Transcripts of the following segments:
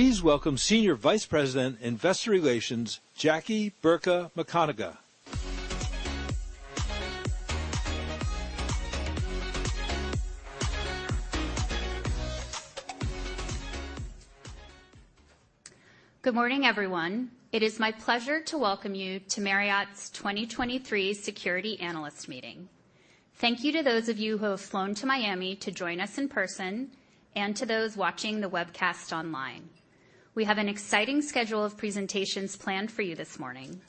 Please welcome Senior Vice President, Investor Relations, Jackie Burka McConagha. Good morning, everyone. It is my pleasure to welcome you to Marriott's 2023 Security Analyst Meeting. Thank you to those of you who have flown to Miami to join us in person and to those watching the webcast online. We have an exciting schedule of presentations planned for you this morning.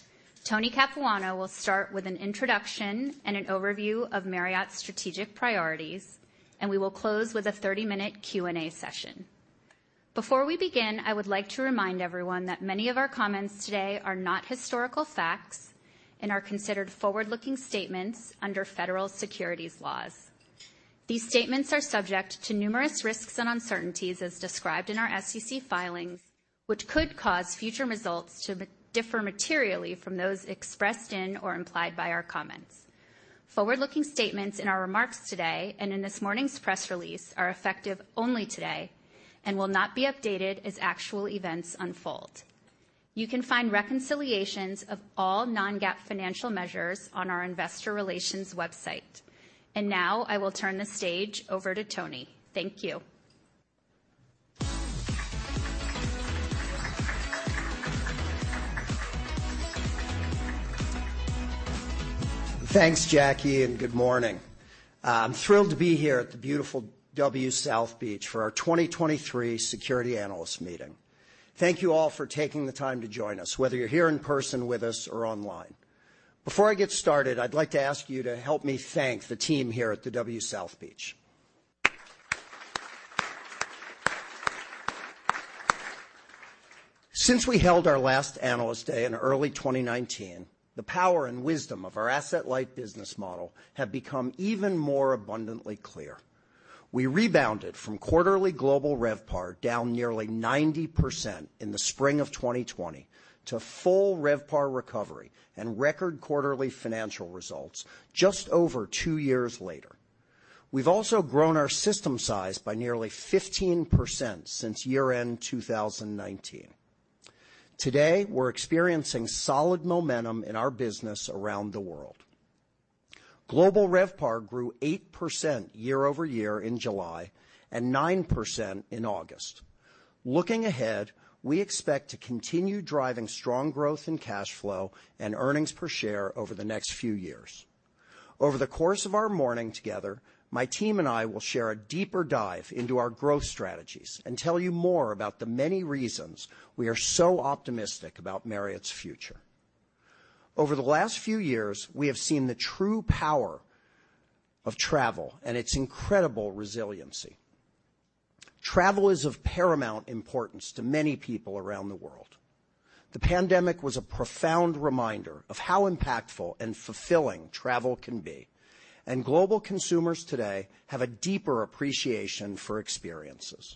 Tony Capuano will start with an introduction and an overview of Marriott's strategic priorities, and we will clo se with a 30-minute Q&A session. Before we begin, I would like to remind everyone that many of our comments today are not historical facts and are considered forward-looking statements under federal securities laws. These statements are subject to numerous risks and uncertainties, as described in our SEC filings, which could cause future results to differ materially from those expressed in or implied by our comments. Forward-looking statements in our remarks today and in this morning's press release are effective only today and will not be updated as actual events unfold. You can find reconciliations of all non-GAAP financial measures on our investor relations website. And now, I will turn the stage over to Tony. Thank you. Thanks, Jackie, and good morning. I'm thrilled to be here at the beautiful W South Beach for our 2023 Security Analyst Meeting. Thank you all for taking the time to join us, whether you're here in person with us or online. Before I get started, I'd like to ask you to help me thank the team here at the W South Beach. Since we held our last Analyst Day in early 2019, the power and wisdom of our asset-light business model have become even more abundantly clear. We rebounded from quarterly global RevPAR, down nearly 90% in the spring of 2020, to full RevPAR recovery and record quarterly financial results just over two years later. We've also grown our system size by nearly 15% since year-end 2019. Today, we're experiencing solid momentum in our business around the world. Global RevPAR grew 8% year-over-year in July and 9% in August. Looking ahead, we expect to continue driving strong growth in cash flow and earnings per share over the next few years. Over the course of our morning together, my team and I will share a deeper dive into our growth strategies and tell you more about the many reasons we are so optimistic about Marriott's future. Over the last few years, we have seen the true power of travel and its incredible resiliency. Travel is of paramount importance to many people around the world. The pandemic was a profound reminder of how impactful and fulfilling travel can be, and global consumers today have a deeper appreciation for experiences.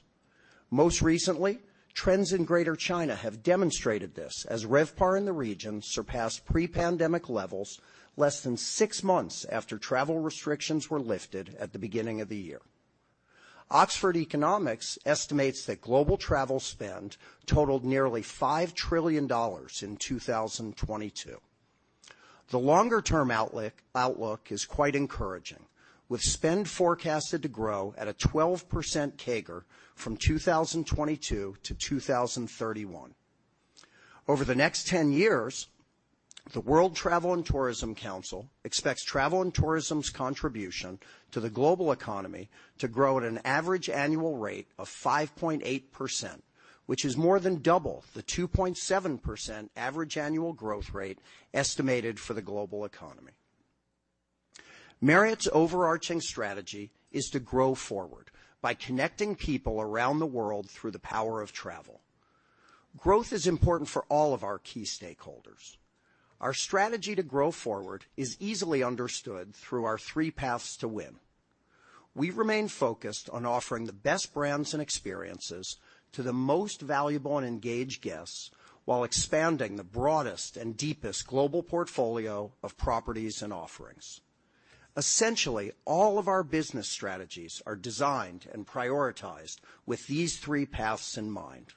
Most recently, trends in Greater China have demonstrated this as RevPAR in the region surpassed pre-pandemic levels less than six months after travel restrictions were lifted at the beginning of the year. Oxford Economics estimates that global travel spend totaled nearly $5 trillion in 2022. The longer-term outlook is quite encouraging, with spend forecasted to grow at a 12% CAGR from 2022 to 2031. Over the next ten years, the World Travel and Tourism Council expects travel and tourism's contribution to the global economy to grow at an average annual rate of 5.8%, which is more than double the 2.7% average annual growth rate estimated for the global economy. Marriott's overarching strategy is to grow forward by connecting people around the world through the power of travel. Growth is important for all of our key stakeholders. Our strategy to grow forward is easily understood through our three paths to win. We remain focused on offering the best brands and experiences to the most valuable and engaged guests while expanding the broadest and deepest global portfolio of properties and offerings. Essentially, all of our business strategies are designed and prioritized with these three paths in mind.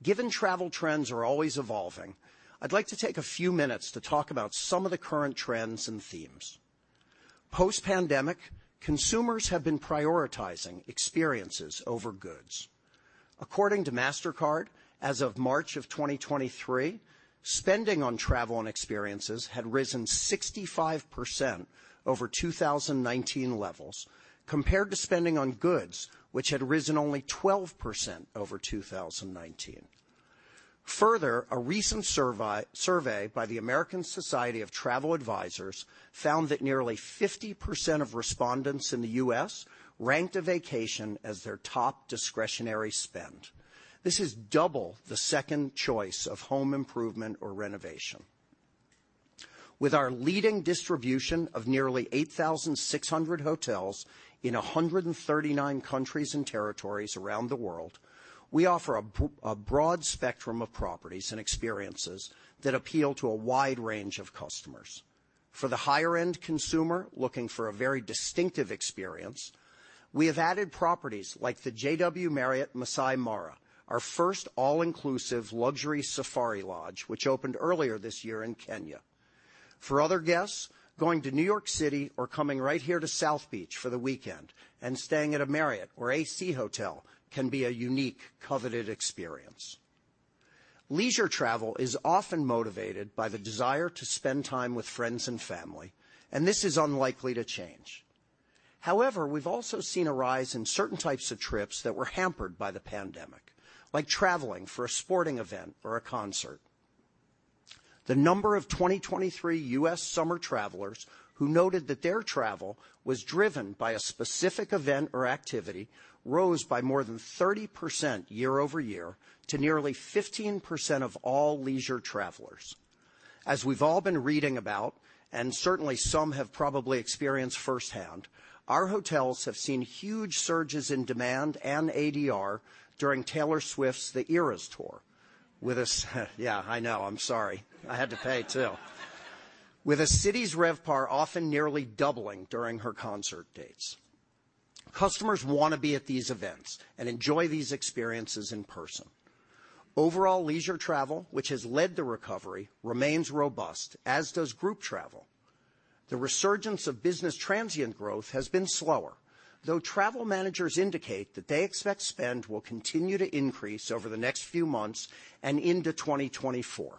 Given travel trends are always evolving, I'd like to take a few minutes to talk about some of the current trends and themes. Post-pandemic, consumers have been prioritizing experiences over goods. According to MasterCard, as of March 2023, spending on travel and experiences had risen 65% over 2019 levels, compared to spending on goods, which had risen only 12% over 2019. Further, a recent survey by the American Society of Travel Advisors found that nearly 50% of respondents in the U.S. ranked a vacation as their top discretionary spend. This is double the second choice of home improvement or renovation. With our leading distribution of nearly 8,600 hotels in 139 countries and territories around the world, we offer a broad spectrum of properties and experiences that appeal to a wide range of customers. For the higher-end consumer looking for a very distinctive experience, we have added properties like the JW Marriott Masai Mara, our first all-inclusive luxury safari lodge, which opened earlier this year in Kenya. For other guests, going to New York City or coming right here to South Beach for the weekend and staying at a Marriott or AC Hotel can be a unique, coveted experience. Leisure travel is often motivated by the desire to spend time with friends and family, and this is unlikely to change. However, we've also seen a rise in certain types of trips that were hampered by the pandemic, like traveling for a sporting event or a concert. The number of 2023 US summer travelers who noted that their travel was driven by a specific event or activity rose by more than 30% year-over-year to nearly 15% of all leisure travelers. As we've all been reading about, and certainly some have probably experienced firsthand, our hotels have seen huge surges in demand and ADR during Taylor Swift's The Eras Tour. Yeah, I know. I'm sorry. I had to pay, too. With a city's RevPAR often nearly doubling during her concert dates. Customers want to be at these events and enjoy these experiences in person. Overall, leisure travel, which has led the recovery, remains robust, as does group travel. The resurgence of business transient growth has been slower, though travel managers indicate that they expect spend will continue to increase over the next few months and into 2024.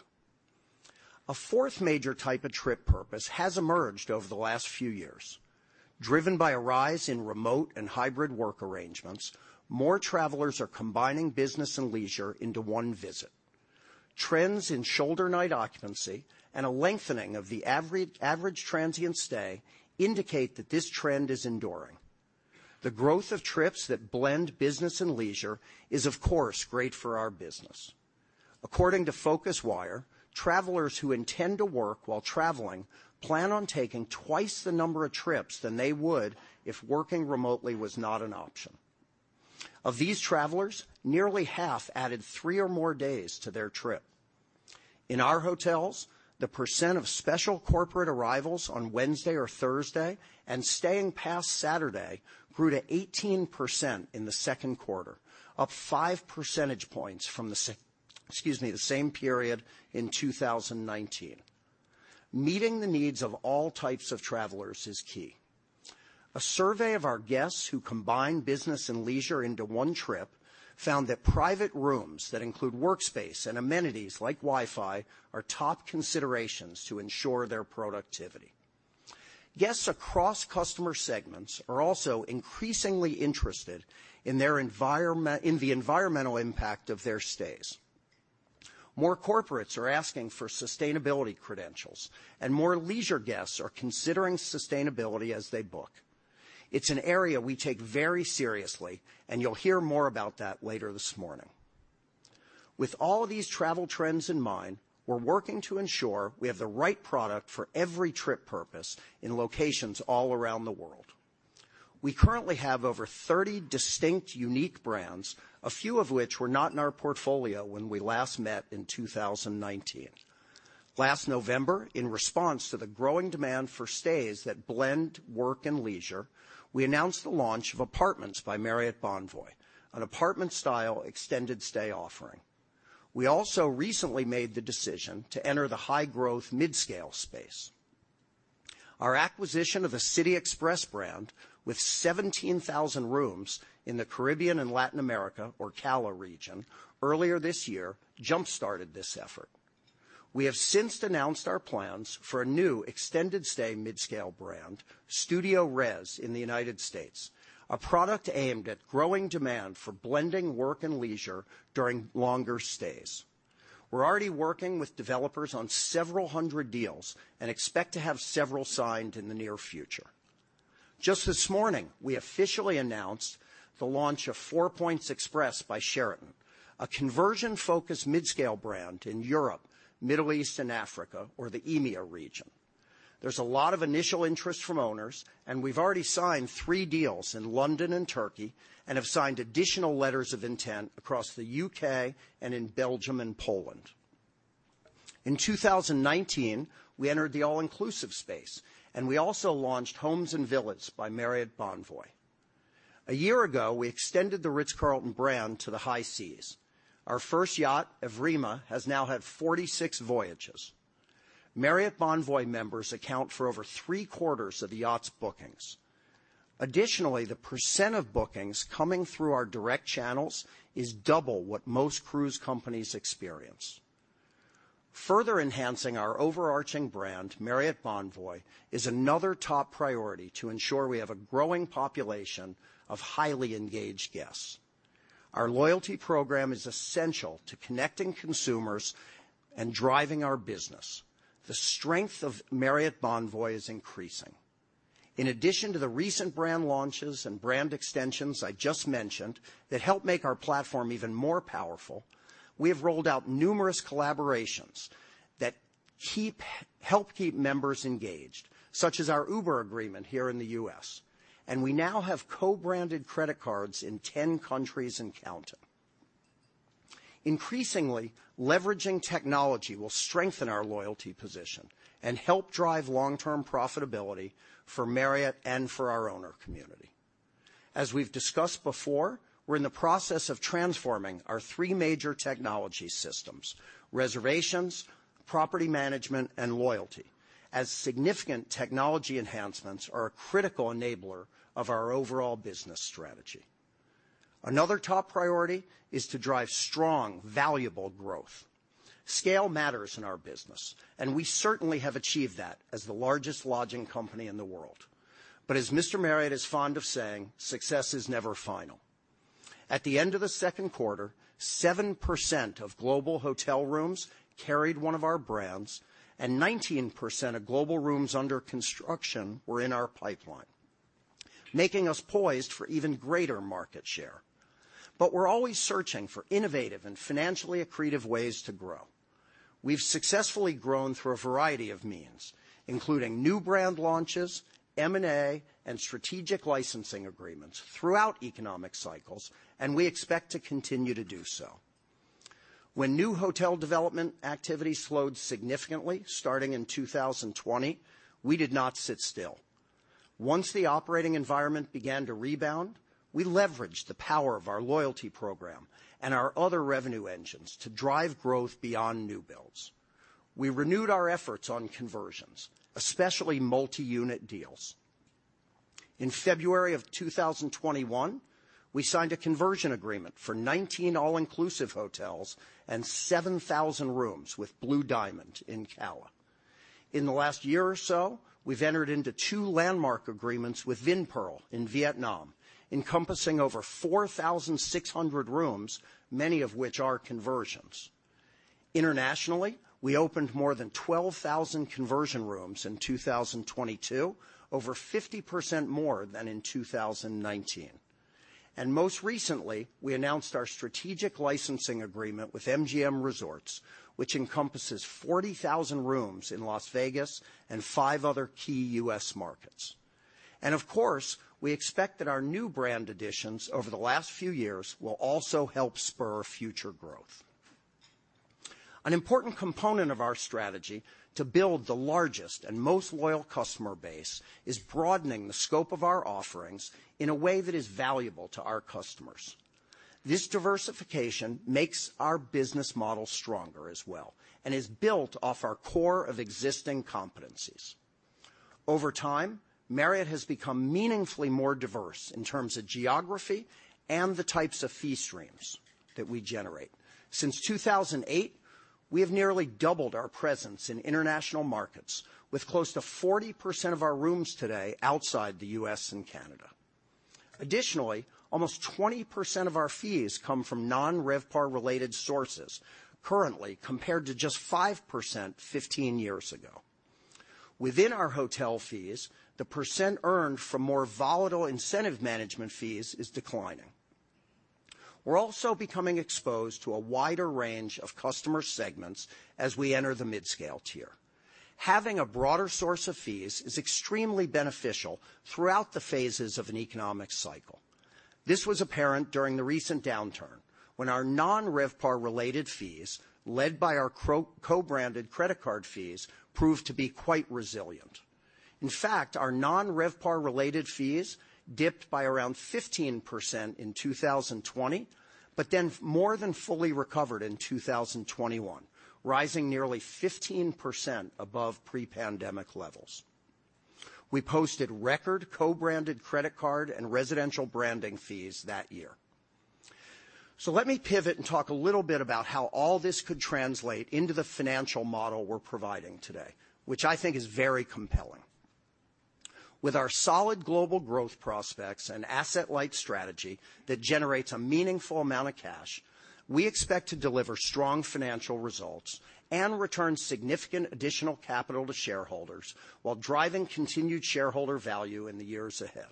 A fourth major type of trip purpose has emerged over the last few years. Driven by a rise in remote and hybrid work arrangements, more travelers are combining business and leisure into one visit. Trends in shoulder night occupancy and a lengthening of the average transient stay indicate that this trend is enduring. The growth of trips that blend business and leisure is, of course, great for our business. According to PhocusWire, travelers who intend to work while traveling plan on taking twice the number of trips than they would if working remotely was not an option. Of these travelers, nearly half added three or more days to their trip. In our hotels, the percent of special corporate arrivals on Wednesday or Thursday and staying past Saturday grew to 18% in the second quarter, up five percentage points from the sa—excuse me, the same period in 2019. Meeting the needs of all types of travelers is key. A survey of our guests who combine business and leisure into one trip found that private rooms that include workspace and amenities like Wi-Fi are top considerations to ensure their productivity. Guests across customer segments are also increasingly interested in their environment—in the environmental impact of their stays. More corporates are asking for sustainability credentials, and more leisure guests are considering sustainability as they book. It's an area we take very seriously, and you'll hear more about that later this morning. With all of these travel trends in mind, we're working to ensure we have the right product for every trip purpose in locations all around the world. We currently have over 30 distinct, unique brands, a few of which were not in our portfolio when we last met in 2019. Last November, in response to the growing demand for stays that blend work and leisure, we announced the launch of Apartments by Marriott Bonvoy, an apartment-style extended stay offering. We also recently made the decision to enter the high-growth midscale space. Our acquisition of the City Express brand, with 17,000 rooms in the Caribbean and Latin America, or CALA region, earlier this year, jump-started this effort. We have since announced our plans for a new extended stay midscale brand, StudioRes, in the United States, a product aimed at growing demand for blending work and leisure during longer stays. We're already working with developers on several hundred deals and expect to have several signed in the near future. Just this morning, we officially announced the launch of Four Points Express by Sheraton, a conversion-focused midscale brand in Europe, Middle East, and Africa, or the EMEA region. There's a lot of initial interest from owners, and we've already signed three deals in London and Turkey and have signed additional letters of intent across the U.K. and in Belgium and Poland. In 2019, we entered the all-inclusive space, and we also launched Homes & Villas by Marriott Bonvoy. A year ago, we extended the Ritz-Carlton brand to the high seas. Our first yacht, Evrima, has now had 46 voyages. Marriott Bonvoy members account for over three-quarters of the yacht's bookings. Additionally, the % of bookings coming through our direct channels is double what most cruise companies experience. Further enhancing our overarching brand, Marriott Bonvoy, is another top priority to ensure we have a growing population of highly engaged guests. Our loyalty program is essential to connecting consumers and driving our business. The strength of Marriott Bonvoy is increasing. In addition to the recent brand launches and brand extensions I just mentioned, that help make our platform even more powerful, we have rolled out numerous collaborations that help keep members engaged, such as our Uber agreement here in the U.S., and we now have co-branded credit cards in 10 countries and counting. Increasingly, leveraging technology will strengthen our loyalty position and help drive long-term profitability for Marriott and for our owner community. As we've discussed before, we're in the process of transforming our three major technology systems: reservations, property management, and loyalty, as significant technology enhancements are a critical enabler of our overall business strategy. Another top priority is to drive strong, valuable growth. Scale matters in our business, and we certainly have achieved that as the largest lodging company in the world. But as Mr. Marriott is fond of saying, "Success is never final." At the end of the second quarter, 7% of global hotel rooms carried one of our brands, and 19% of global rooms under construction were in our pipeline, making us poised for even greater market share. But we're always searching for innovative and financially accretive ways to grow. We've successfully grown through a variety of means, including new brand launches, M&A, and strategic licensing agreements throughout economic cycles, and we expect to continue to do so. When new hotel development activity slowed significantly starting in 2020, we did not sit still. Once the operating environment began to rebound, we leveraged the power of our loyalty program and our other revenue engines to drive growth beyond new builds. We renewed our efforts on conversions, especially multi-unit deals. In February of 2021, we signed a conversion agreement for 19 all-inclusive hotels and 7,000 rooms with Blue Diamond in CALA. In the last year or so, we've entered into two landmark agreements with Vinpearl in Vietnam, encompassing over 4,600 rooms, many of which are conversions. Internationally, we opened more than 12,000 conversion rooms in 2022, over 50% more than in 2019. And most recently, we announced our strategic licensing agreement with MGM Resorts, which encompasses 40,000 rooms in Las Vegas and five other key U.S. markets. And of course, we expect that our new brand additions over the last few years will also help spur future growth. An important component of our strategy to build the largest and most loyal customer base is broadening the scope of our offerings in a way that is valuable to our customers. This diversification makes our business model stronger as well, and is built off our core of existing competencies. Over time, Marriott has become meaningfully more diverse in terms of geography and the types of fee streams that we generate. Since 2008, we have nearly doubled our presence in international markets, with close to 40% of our rooms today outside the US and Canada. Additionally, almost 20% of our fees come from non-RevPAR-related sources, currently, compared to just 5% fifteen years ago. Within our hotel fees, the percent earned from more volatile incentive management fees is declining. We're also becoming exposed to a wider range of customer segments as we enter the midscale tier. Having a broader source of fees is extremely beneficial throughout the phases of an economic cycle. This was apparent during the recent downturn, when our non-RevPAR-related fees, led by our co-branded credit card fees, proved to be quite resilient. In fact, our non-RevPAR-related fees dipped by around 15% in 2020, but then more than fully recovered in 2021, rising nearly 15% above pre-pandemic levels. We posted record co-branded credit card and residential branding fees that year. So let me pivot and talk a little bit about how all this could translate into the financial model we're providing today, which I think is very compelling. With our solid global growth prospects and asset-light strategy that generates a meaningful amount of cash, we expect to deliver strong financial results and return significant additional capital to shareholders while driving continued shareholder value in the years ahead.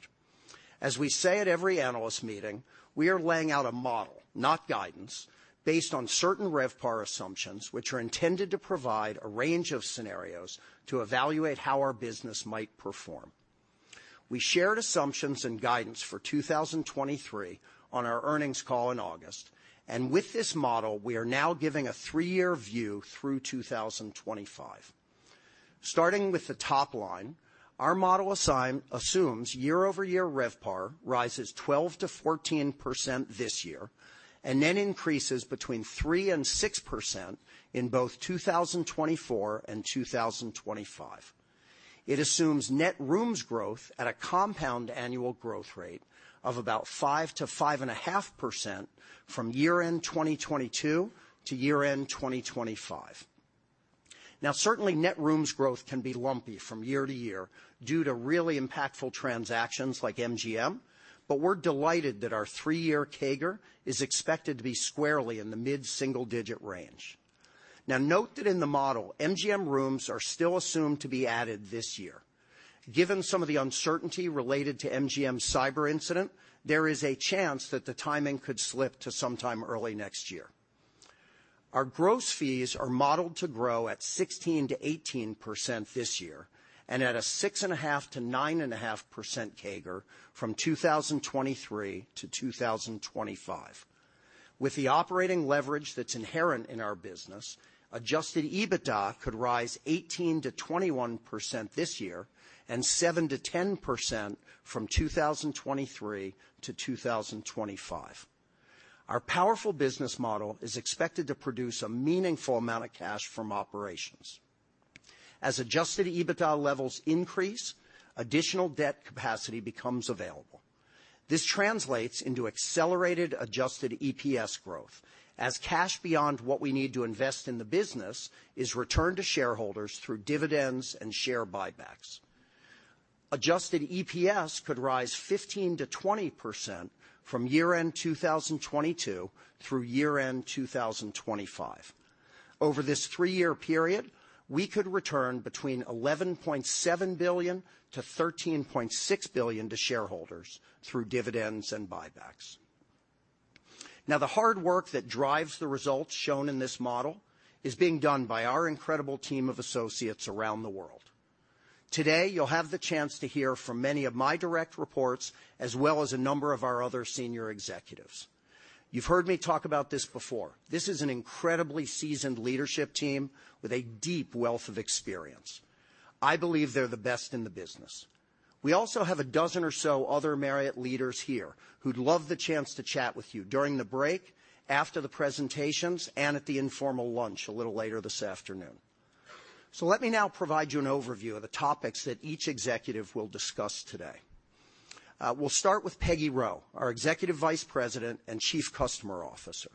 As we say at every analyst meeting, we are laying out a model, not guidance, based on certain RevPAR assumptions, which are intended to provide a range of scenarios to evaluate how our business might perform. We shared assumptions and guidance for 2023 on our earnings call in August, and with this model, we are now giving a three-year view through 2025. Starting with the top line, our model assumes year-over-year RevPAR rises 12%-14% this year, and then increases between 3% and 6% in both 2024 and 2025. It assumes net rooms growth at a compound annual growth rate of about 5-5.5% from year-end 2022 to year-end 2025. Now, certainly, net rooms growth can be lumpy from year to year due to really impactful transactions like MGM, but we're delighted that our three-year CAGR is expected to be squarely in the mid-single-digit range. Now, note that in the model, MGM rooms are still assumed to be added this year. Given some of the uncertainty related to MGM's cyber incident, there is a chance that the timing could slip to sometime early next year. Our gross fees are modeled to grow at 16%-18% this year, and at a 6.5%-9.5% CAGR from 2023 to 2025. With the operating leverage that's inherent in our business, adjusted EBITDA could rise 18%-21% this year and 7%-10% from 2023 to 2025. Our powerful business model is expected to produce a meaningful amount of cash from operations. As adjusted EBITDA levels increase, additional debt capacity becomes available. This translates into accelerated adjusted EPS growth, as cash beyond what we need to invest in the business is returned to shareholders through dividends and share buybacks. Adjusted EPS could rise 15%-20% from year-end 2022 through year-end 2025. Over this three-year period, we could return between $11.7 billion-$13.6 billion to shareholders through dividends and buybacks. Now, the hard work that drives the results shown in this model is being done by our incredible team of associates around the world. Today, you'll have the chance to hear from many of my direct reports, as well as a number of our other senior executives. You've heard me talk about this before. This is an incredibly seasoned leadership team with a deep wealth of experience. I believe they're the best in the business. We also have a dozen or so other Marriott leaders here who'd love the chance to chat with you during the break, after the presentations, and at the informal lunch a little later this afternoon. So let me now provide you an overview of the topics that each executive will discuss today. We'll start with Peggy Roe, our Executive Vice President and Chief Customer Officer.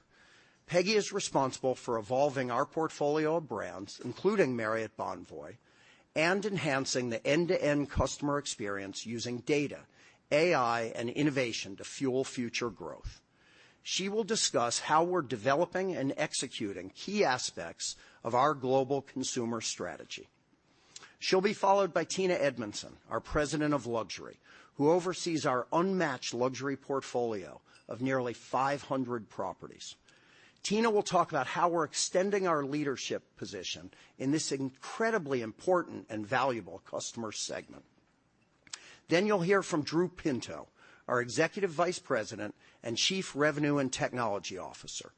Peggy is responsible for evolving our portfolio of brands, including Marriott Bonvoy, and enhancing the end-to-end customer experience using data, AI, and innovation to fuel future growth. She will discuss how we're developing and executing key aspects of our global consumer strategy. She'll be followed by Tina Edmundson, our President of Luxury, who oversees our unmatched luxury portfolio of nearly 500 properties. Tina will talk about how we're extending our leadership position in this incredibly important and valuable customer segment. Then you'll hear from Drew Pinto, our Executive Vice President and Chief Revenue and Technology Officer.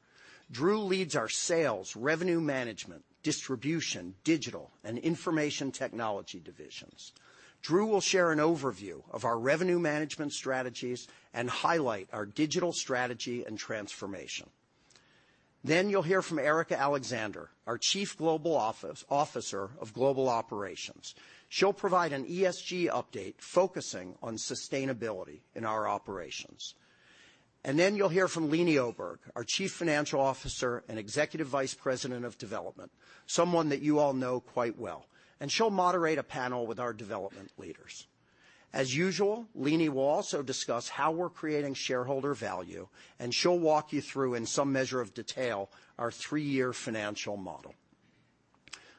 Drew leads our sales, revenue management, distribution, digital, and information technology divisions. Drew will share an overview of our revenue management strategies and highlight our digital strategy and transformation. Then you'll hear from Erika Alexander, our Chief Global Officer of Global Operations. She'll provide an ESG update focusing on sustainability in our operations. Then you'll hear from Leeny Oberg, our Chief Financial Officer and Executive Vice President, Development, someone that you all know quite well, and she'll moderate a panel with our development leaders. As usual, Leeny will also discuss how we're creating shareholder value, and she'll walk you through, in some measure of detail, our three-year financial model.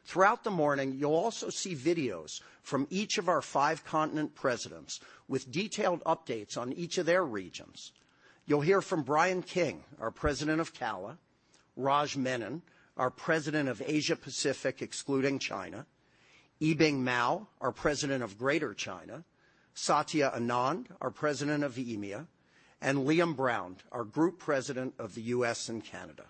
Throughout the morning, you'll also see videos from each of our five continent presidents with detailed updates on each of their regions. You'll hear from Brian King, our President, CALA; Rajeev Menon, our President, Asia Pacific excluding China; Yibing Mao, our President, Greater China; Satya Anand, our President, EMEA; and Liam Brown, our Group President, US and Canada.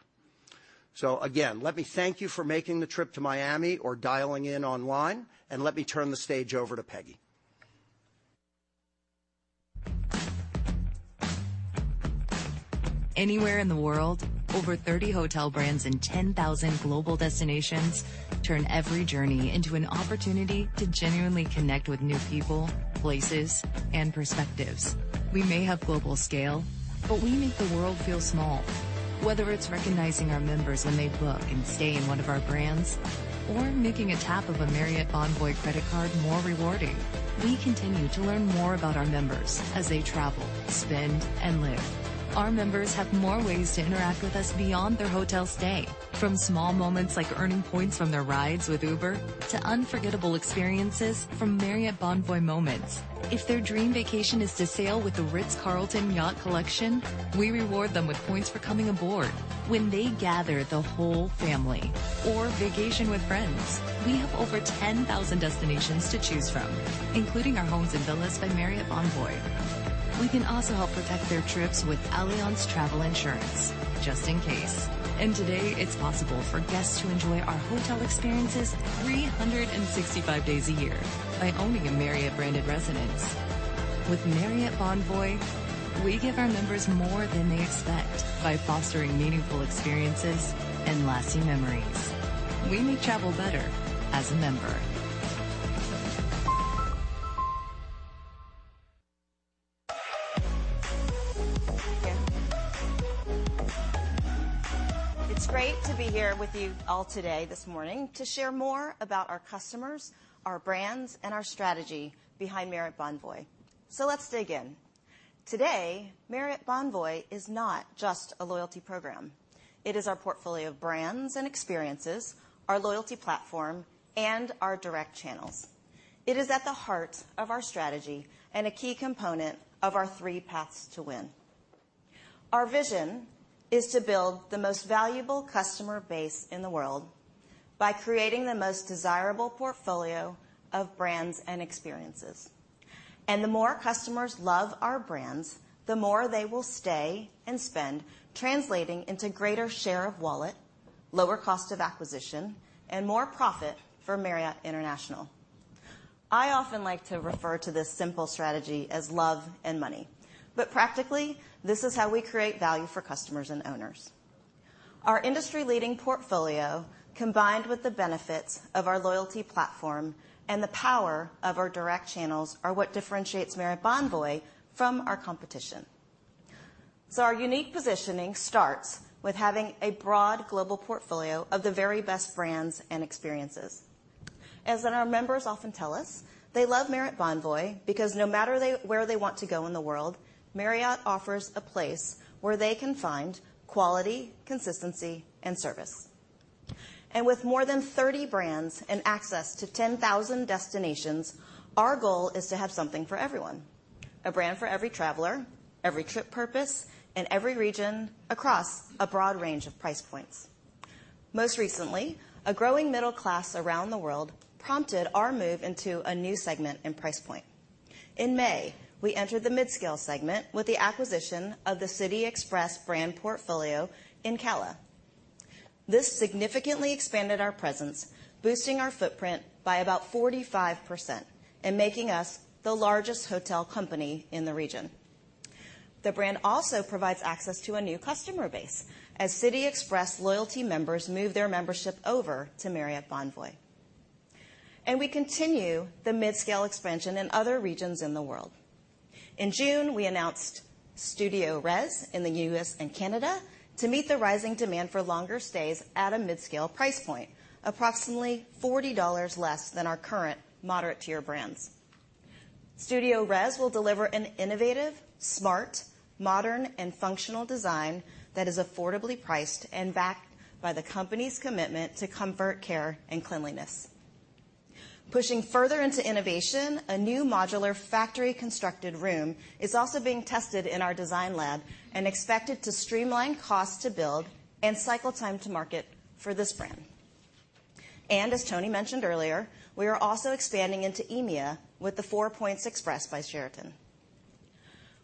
So again, let me thank you for making the trip to Miami or dialing in online, and let me turn the stage over to Peggy. Anywhere in the world, over 30 hotel brands and 10,000 global destinations turn every journey into an opportunity to genuinely connect with new people, places, and perspectives. We may have global scale, but we make the world feel small. Whether it's recognizing our members when they book and stay in one of our brands or making a tap of a Marriott Bonvoy credit card more rewarding, we continue to learn more about our members as they travel, spend, and live. Our members have more ways to interact with us beyond their hotel stay, from small moments, like earning points on their rides with Uber, to unforgettable experiences from Marriott Bonvoy Moments. If their dream vacation is to sail with the Ritz-Carlton Yacht Collection, we reward them with points for coming aboard. When they gather the whole family or vacation with friends, we have over 10,000 destinations to choose from, including our Homes & Villas by Marriott Bonvoy... We can also help protect their trips with Allianz Travel Insurance, just in case. And today, it's possible for guests to enjoy our hotel experiences 365 days a year by owning a Marriott-branded residence. With Marriott Bonvoy, we give our members more than they expect by fostering meaningful experiences and lasting memories. We make travel better as a member. It's great to be here with you all today, this morning, to share more about our customers, our brands, and our strategy behind Marriott Bonvoy. So let's dig in. Today, Marriott Bonvoy is not just a loyalty program. It is our portfolio of brands and experiences, our loyalty platform, and our direct channels. It is at the heart of our strategy and a key component of our three paths to win. Our vision is to build the most valuable customer base in the world by creating the most desirable portfolio of brands and experiences. And the more customers love our brands, the more they will stay and spend, translating into greater share of wallet, lower cost of acquisition, and more profit for Marriott International. I often like to refer to this simple strategy as love and money, but practically, this is how we create value for customers and owners. Our industry-leading portfolio, combined with the benefits of our loyalty platform and the power of our direct channels, are what differentiates Marriott Bonvoy from our competition. Our unique positioning starts with having a broad global portfolio of the very best brands and experiences. As our members often tell us, they love Marriott Bonvoy because no matter where they want to go in the world, Marriott offers a place where they can find quality, consistency, and service. With more than 30 brands and access to 10,000 destinations, our goal is to have something for everyone, a brand for every traveler, every trip purpose, and every region across a broad range of price points. Most recently, a growing middle class around the world prompted our move into a new segment and price point. In May, we entered the midscale segment with the acquisition of the City Express brand portfolio in CALA. This significantly expanded our presence, boosting our footprint by about 45% and making us the largest hotel company in the region. The brand also provides access to a new customer base as City Express loyalty members move their membership over to Marriott Bonvoy. We continue the midscale expansion in other regions in the world. In June, we announced StudioRes in the U.S. and Canada to meet the rising demand for longer stays at a midscale price point, approximately $40 less than our current moderate-tier brands. StudioRes will deliver an innovative, smart, modern, and functional design that is affordably priced and backed by the company's commitment to comfort, care, and cleanliness. Pushing further into innovation, a new modular factory-constructed room is also being tested in our design lab and expected to streamline cost to build and cycle time to market for this brand. As Tony mentioned earlier, we are also expanding into EMEA with the Four Points Express by Sheraton.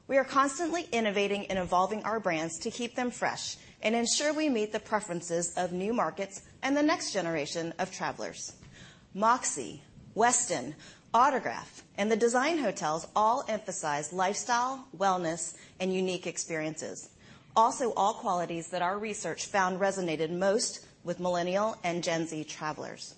We are constantly innovating and evolving our brands to keep them fresh and ensure we meet the preferences of new markets and the next generation of travelers. Moxy, Westin, Autograph, and the Design Hotels all emphasize lifestyle, wellness, and unique experiences. Also, all qualities that our research found resonated most with Millennial and Gen Z travelers.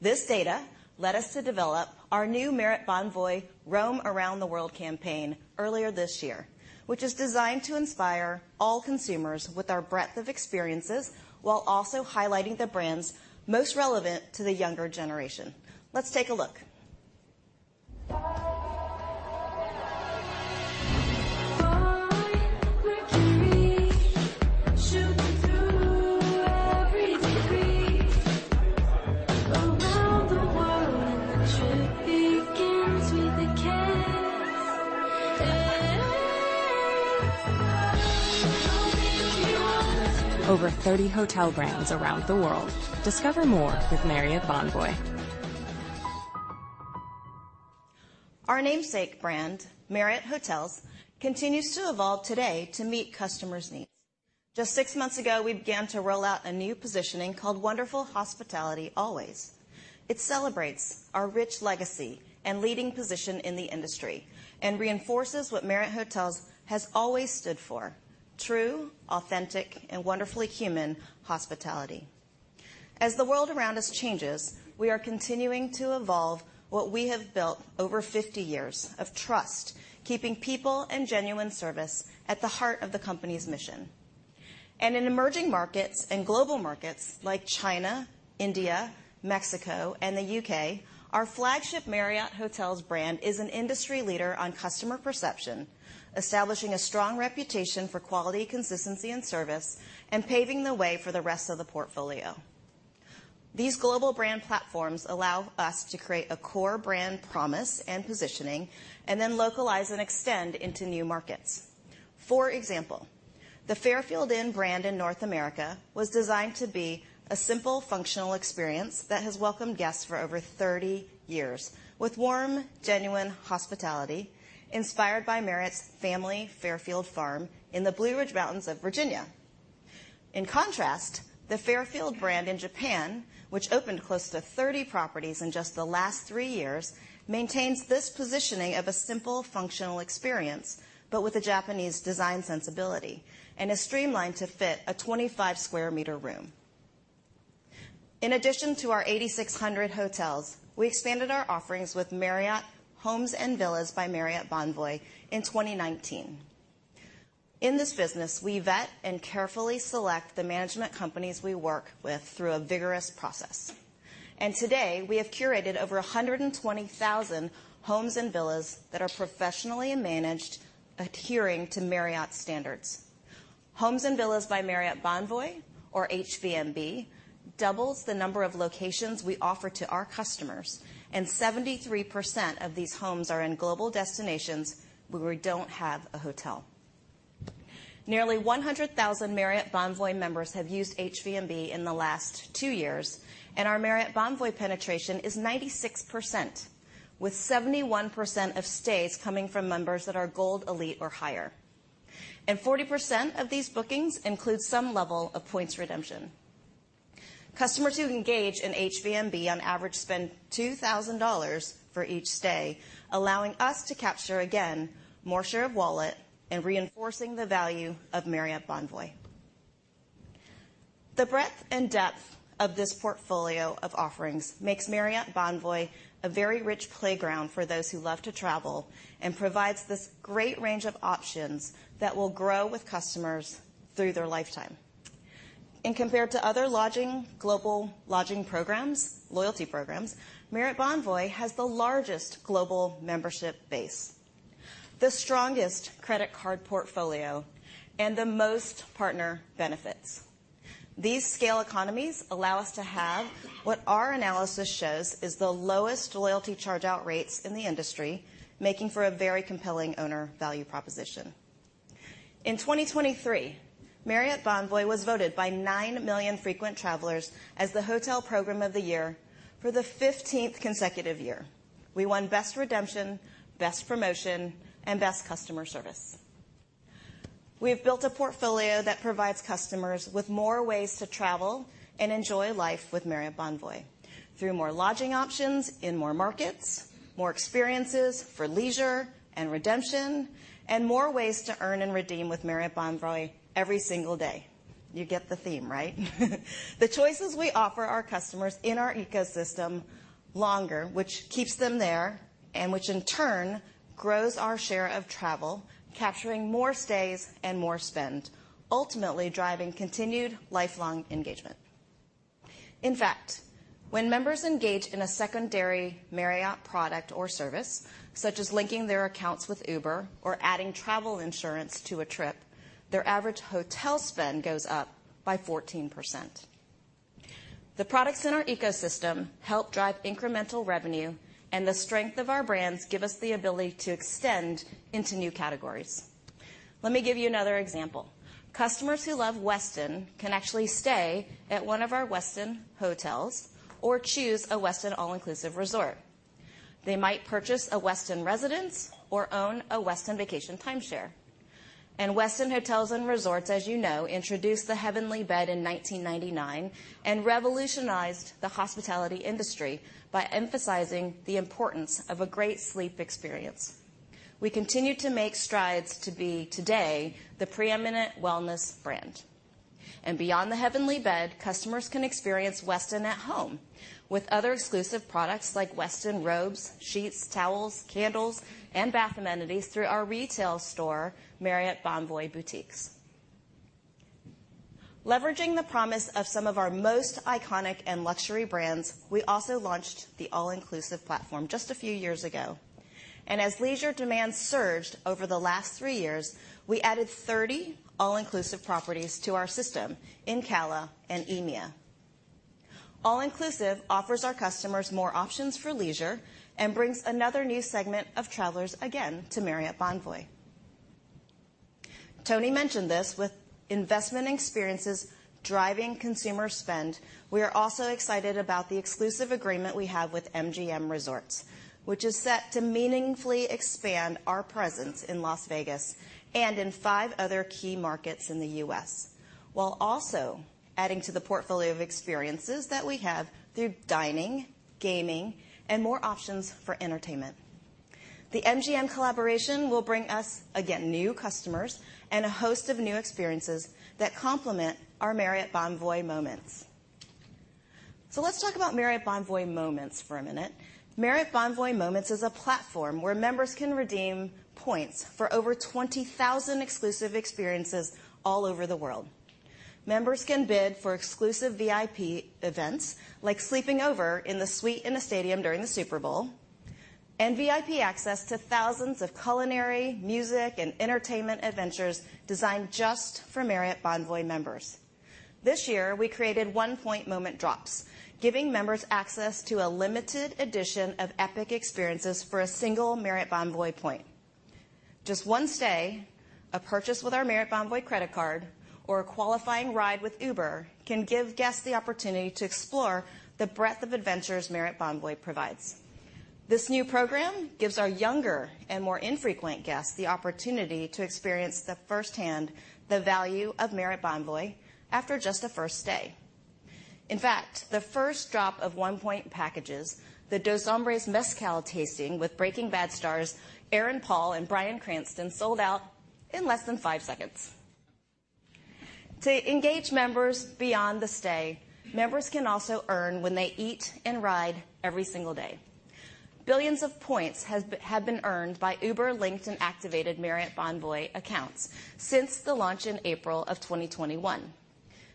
This data led us to develop our new Marriott Bonvoy Roam Around the World campaign earlier this year, which is designed to inspire all consumers with our breadth of experiences while also highlighting the brands most relevant to the younger generation. Let's take a look. Over 30 hotel brands around the world. Discover more with Marriott Bonvoy. Our namesake brand, Marriott Hotels, continues to evolve today to meet customers' needs. Just six months ago, we began to roll out a new positioning called Wonderful Hospitality Always. It celebrates our rich legacy and leading position in the industry, and reinforces what Marriott Hotels has always stood for: true, authentic, and wonderfully human hospitality. As the world around us changes, we are continuing to evolve what we have built over 50 years of trust, keeping people and genuine service at the heart of the company's mission. In emerging markets and global markets like China, India, Mexico, and the U.K., our flagship Marriott Hotels brand is an industry leader on customer perception, establishing a strong reputation for quality, consistency, and service, and paving the way for the rest of the portfolio. These global brand platforms allow us to create a core brand promise and positioning, and then localize and extend into new markets.... For example, the Fairfield Inn brand in North America was designed to be a simple, functional experience that has welcomed guests for over 30 years, with warm, genuine hospitality, inspired by Marriott's family, Fairfield Farm, in the Blue Ridge Mountains of Virginia. In contrast, the Fairfield brand in Japan, which opened close to 30 properties in just the last 3 years, maintains this positioning of a simple, functional experience, but with a Japanese design sensibility, and is streamlined to fit a 25 sq m room. In addition to our 8,600 hotels, we expanded our offerings with Homes & Villas by Marriott Bonvoy in 2019. In this business, we vet and carefully select the management companies we work with through a vigorous process. Today, we have curated over 120,000 homes and villas that are professionally managed, adhering to Marriott standards. Homes and Villas by Marriott Bonvoy or HVMB doubles the number of locations we offer to our customers, and 73% of these homes are in global destinations where we don't have a hotel. Nearly 100,000 Marriott Bonvoy members have used HVMB in the last 2 years, and our Marriott Bonvoy penetration is 96%, with 71% of stays coming from members that are Gold Elite or higher. Forty percent of these bookings include some level of points redemption. Customers who engage in HVMB, on average, spend $2,000 for each stay, allowing us to capture, again, more share of wallet and reinforcing the value of Marriott Bonvoy. The breadth and depth of this portfolio of offerings makes Marriott Bonvoy a very rich playground for those who love to travel, and provides this great range of options that will grow with customers through their lifetime. Compared to other lodging, global lodging programs, loyalty programs, Marriott Bonvoy has the largest global membership base, the strongest credit card portfolio, and the most partner benefits. These scale economies allow us to have what our analysis shows is the lowest loyalty charge-out rates in the industry, making for a very compelling owner value proposition. In 2023, Marriott Bonvoy was voted by 9 million frequent travelers as the Hotel Program of the Year for the fifteenth consecutive year. We won Best Redemption, Best Promotion, and Best Customer Service. We have built a portfolio that provides customers with more ways to travel and enjoy life with Marriott Bonvoy through more lodging options in more markets, more experiences for leisure and redemption, and more ways to earn and redeem with Marriott Bonvoy every single day. You get the theme, right? The choices we offer our customers in our ecosystem longer, which keeps them there, and which in turn grows our share of travel, capturing more stays and more spend, ultimately driving continued lifelong engagement. In fact, when members engage in a secondary Marriott product or service, such as linking their accounts with Uber or adding travel insurance to a trip, their average hotel spend goes up by 14%. The products in our ecosystem help drive incremental revenue, and the strength of our brands give us the ability to extend into new categories. Let me give you another example: customers who love Westin can actually stay at one of our Westin hotels or choose a Westin all-inclusive resort. They might purchase a Westin residence or own a Westin vacation timeshare. And Westin Hotels & Resorts, as you know, introduced the Heavenly Bed in 1999, and revolutionized the hospitality industry by emphasizing the importance of a great sleep experience. We continue to make strides to be, today, the preeminent wellness brand. And beyond the Heavenly Bed, customers can experience Westin at home with other exclusive products like Westin robes, sheets, towels, candles, and bath amenities through our retail store, Marriott Bonvoy Boutiques. Leveraging the promise of some of our most iconic and luxury brands, we also launched the All-Inclusive platform just a few years ago. As leisure demand surged over the last three years, we added 30 All-Inclusive properties to our system in CALA and EMEA. All-Inclusive offers our customers more options for leisure and brings another new segment of travelers, again, to Marriott Bonvoy. Tony mentioned this, with event experiences driving consumer spend, we are also excited about the exclusive agreement we have with MGM Resorts, which is set to meaningfully expand our presence in Las Vegas and in five other key markets in the U.S., while also adding to the portfolio of experiences that we have through dining, gaming, and more options for entertainment. The MGM collaboration will bring us, again, new customers and a host of new experiences that complement our Marriott Bonvoy Moments. So let's talk about Marriott Bonvoy Moments for a minute. Marriott Bonvoy Moments is a platform where members can redeem points for over 20,000 exclusive experiences all over the world. Members can bid for exclusive VIP events, like sleeping over in the suite in the stadium during the Super Bowl, and VIP access to thousands of culinary, music, and entertainment adventures designed just for Marriott Bonvoy members. This year, we created One Point Moment Drops, giving members access to a limited edition of epic experiences for a single Marriott Bonvoy point.... Just one stay, a purchase with our Marriott Bonvoy credit card, or a qualifying ride with Uber can give guests the opportunity to explore the breadth of adventures Marriott Bonvoy provides. This new program gives our younger and more infrequent guests the opportunity to experience the firsthand, the value of Marriott Bonvoy after just a first stay. In fact, the first drop of 1-point packages, the Dos Hombres Mezcal tasting with Breaking Bad stars Aaron Paul and Bryan Cranston, sold out in less than 5 seconds. To engage members beyond the stay, members can also earn when they eat and ride every single day. Billions of points have been earned by Uber-linked and activated Marriott Bonvoy accounts since the launch in April of 2021.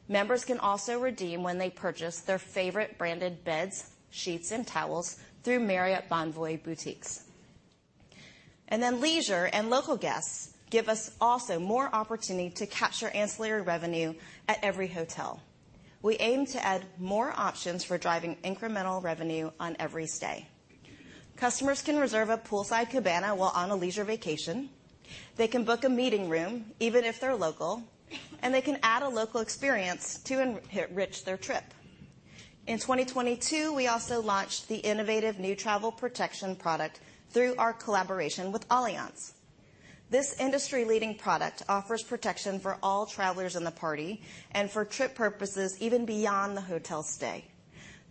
Members can also redeem when they purchase their favorite branded beds, sheets, and towels through Marriott Bonvoy Boutiques. And then leisure and local guests give us also more opportunity to capture ancillary revenue at every hotel. We aim to add more options for driving incremental revenue on every stay. Customers can reserve a poolside cabana while on a leisure vacation, they can book a meeting room, even if they're local, and they can add a local experience to enrich their trip. In 2022, we also launched the innovative new travel protection product through our collaboration with Allianz. This industry-leading product offers protection for all travelers in the party and for trip purposes, even beyond the hotel stay.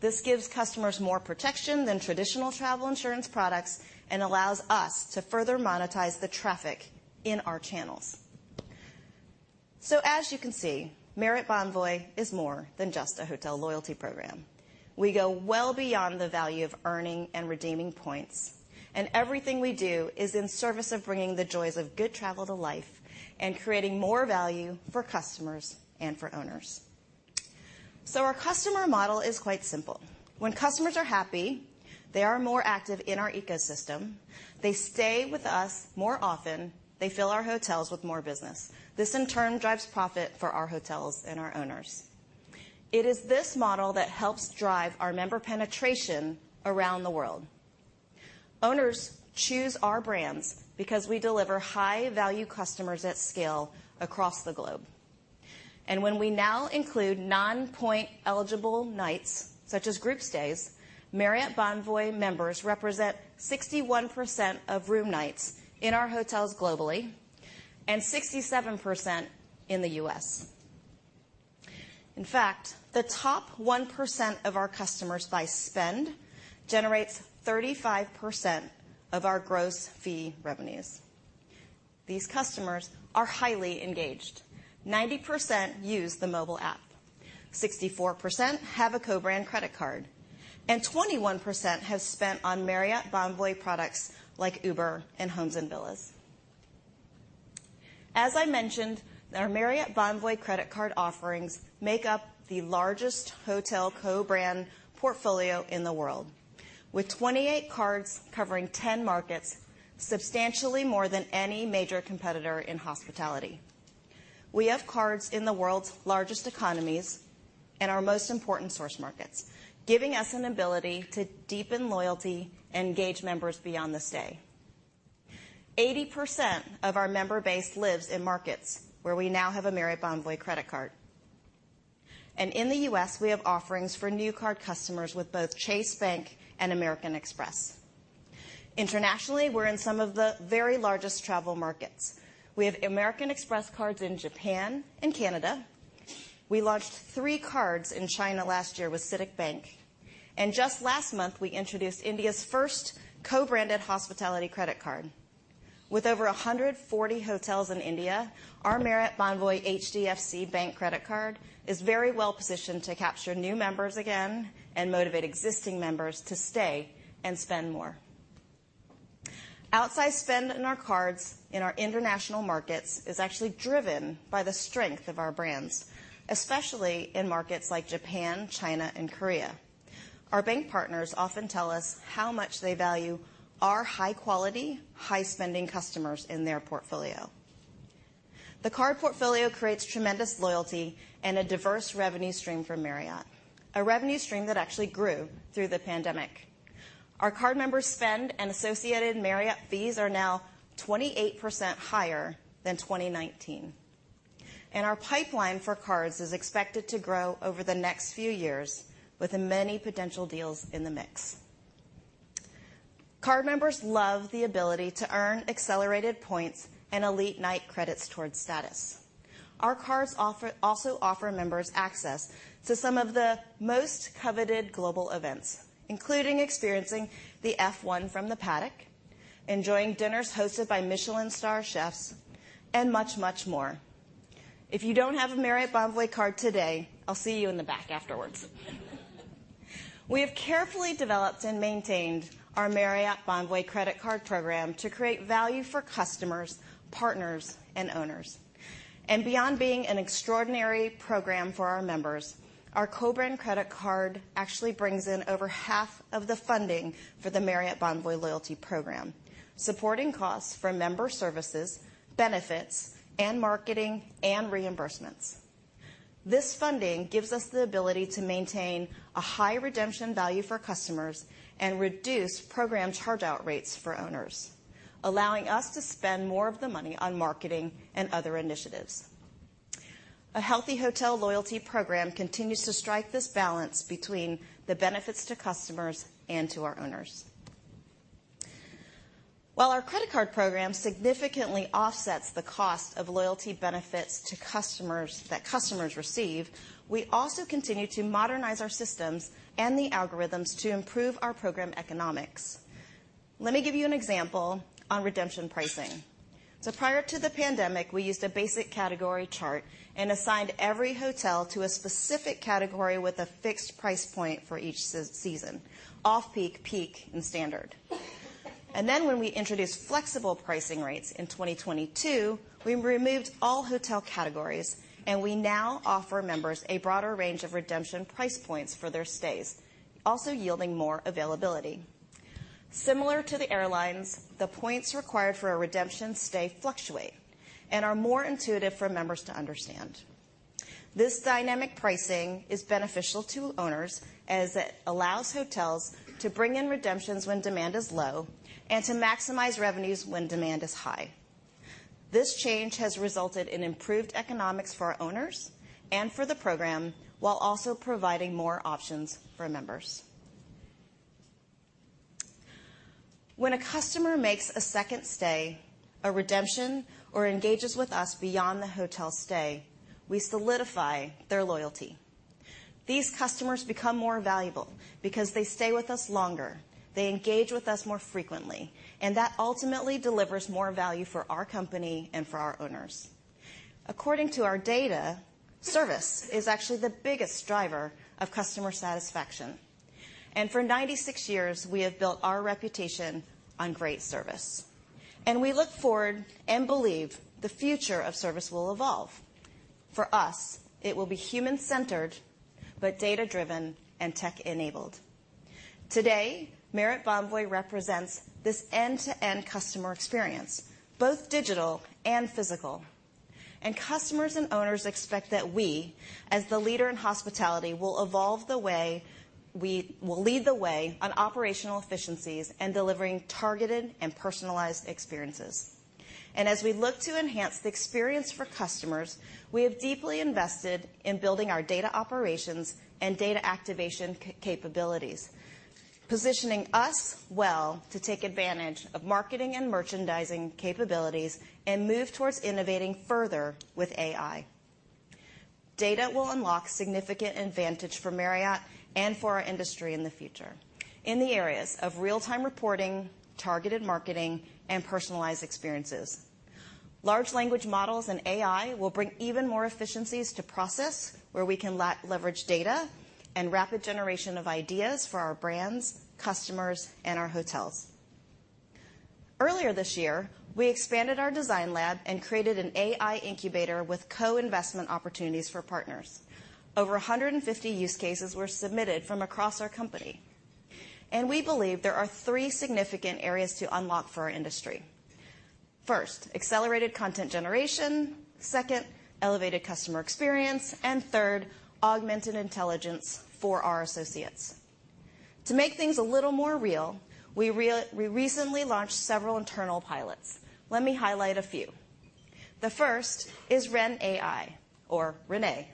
This gives customers more protection than traditional travel insurance products and allows us to further monetize the traffic in our channels. So as you can see, Marriott Bonvoy is more than just a hotel loyalty program. We go well beyond the value of earning and redeeming points, and everything we do is in service of bringing the joys of good travel to life and creating more value for customers and for owners. So our customer model is quite simple. When customers are happy, they are more active in our ecosystem, they stay with us more often, they fill our hotels with more business. This, in turn, drives profit for our hotels and our owners. It is this model that helps drive our member penetration around the world. Owners choose our brands because we deliver high-value customers at scale across the globe. And when we now include non-point-eligible nights, such as group stays, Marriott Bonvoy members represent 61% of room nights in our hotels globally and 67% in the US. In fact, the top 1% of our customers by spend generates 35% of our gross fee revenues. These customers are highly engaged. 90% use the mobile app, 64% have a co-brand credit card, and 21% have spent on Marriott Bonvoy products like Uber and Homes and Villas. As I mentioned, our Marriott Bonvoy credit card offerings make up the largest hotel co-brand portfolio in the world, with 28 cards covering 10 markets, substantially more than any major competitor in hospitality. We have cards in the world's largest economies and our most important source markets, giving us an ability to deepen loyalty and engage members beyond the stay. 80% of our member base lives in markets where we now have a Marriott Bonvoy credit card. In the U.S., we have offerings for new card customers with both Chase Bank and American Express. Internationally, we're in some of the very largest travel markets. We have American Express cards in Japan and Canada. We launched three cards in China last year with CITIC Bank, and just last month, we introduced India's first co-branded hospitality credit card. With over 140 hotels in India, our Marriott Bonvoy HDFC Bank credit card is very well positioned to capture new members again and motivate existing members to stay and spend more. Outside spend in our cards in our international markets is actually driven by the strength of our brands, especially in markets like Japan, China, and Korea. Our bank partners often tell us how much they value our high-quality, high-spending customers in their portfolio. The card portfolio creates tremendous loyalty and a diverse revenue stream for Marriott, a revenue stream that actually grew through the pandemic. Our card members' spend and associated Marriott fees are now 28% higher than 2019, and our pipeline for cards is expected to grow over the next few years with many potential deals in the mix. card members love the ability to earn accelerated points and elite night credits towards status. Our cards also offer members access to some of the most coveted global events, including experiencing the F1 from the paddock, enjoying dinners hosted by Michelin star chefs, and much, much more. If you don't have a Marriott Bonvoy card today, I'll see you in the back afterwards. We have carefully developed and maintained our Marriott Bonvoy credit card program to create value for customers, partners, and owners. Beyond being an extraordinary program for our members, our co-brand credit card actually brings in over half of the funding for the Marriott Bonvoy loyalty program, supporting costs for member services, benefits, and marketing, and reimbursements.... This funding gives us the ability to maintain a high redemption value for customers and reduce program charge-out rates for owners, allowing us to spend more of the money on marketing and other initiatives. A healthy hotel loyalty program continues to strike this balance between the benefits to customers and to our owners. While our credit card program significantly offsets the cost of loyalty benefits to customers that customers receive, we also continue to modernize our systems and the algorithms to improve our program economics. Let me give you an example on redemption pricing. So prior to the pandemic, we used a basic category chart and assigned every hotel to a specific category with a fixed price point for each season: off-peak, peak, and standard. And then, when we introduced flexible pricing rates in 2022, we removed all hotel categories, and we now offer members a broader range of redemption price points for their stays, also yielding more availability. Similar to the airlines, the points required for a redemption stay fluctuate and are more intuitive for members to understand. This dynamic pricing is beneficial to owners, as it allows hotels to bring in redemptions when demand is low and to maximize revenues when demand is high. This change has resulted in improved economics for our owners and for the program, while also providing more options for members. When a customer makes a second stay, a redemption, or engages with us beyond the hotel stay, we solidify their loyalty. These customers become more valuable because they stay with us longer, they engage with us more frequently, and that ultimately delivers more value for our company and for our owners. According to our data, service is actually the biggest driver of customer satisfaction, and for 96 years, we have built our reputation on great service, and we look forward and believe the future of service will evolve. For us, it will be human-centered, but data-driven and tech-enabled. Today, Marriott Bonvoy represents this end-to-end customer experience, both digital and physical. Customers and owners expect that we, as the leader in hospitality, will evolve the way we will lead the way on operational efficiencies and delivering targeted and personalized experiences. As we look to enhance the experience for customers, we have deeply invested in building our data operations and data activation capabilities, positioning us well to take advantage of marketing and merchandising capabilities and move towards innovating further with AI. Data will unlock significant advantage for Marriott and for our industry in the future in the areas of real-time reporting, targeted marketing, and personalized experiences. Large language models and AI will bring even more efficiencies to process, where we can leverage data and rapid generation of ideas for our brands, customers, and our hotels. Earlier this year, we expanded our design lab and created an AI incubator with co-investment opportunities for partners. Over 150 use cases were submitted from across our company, and we believe there are three significant areas to unlock for our industry. First, accelerated content generation; second, elevated customer experience; and third, augmented intelligence for our associates. To make things a little more real, we recently launched several internal pilots. Let me highlight a few. The first is RenAI.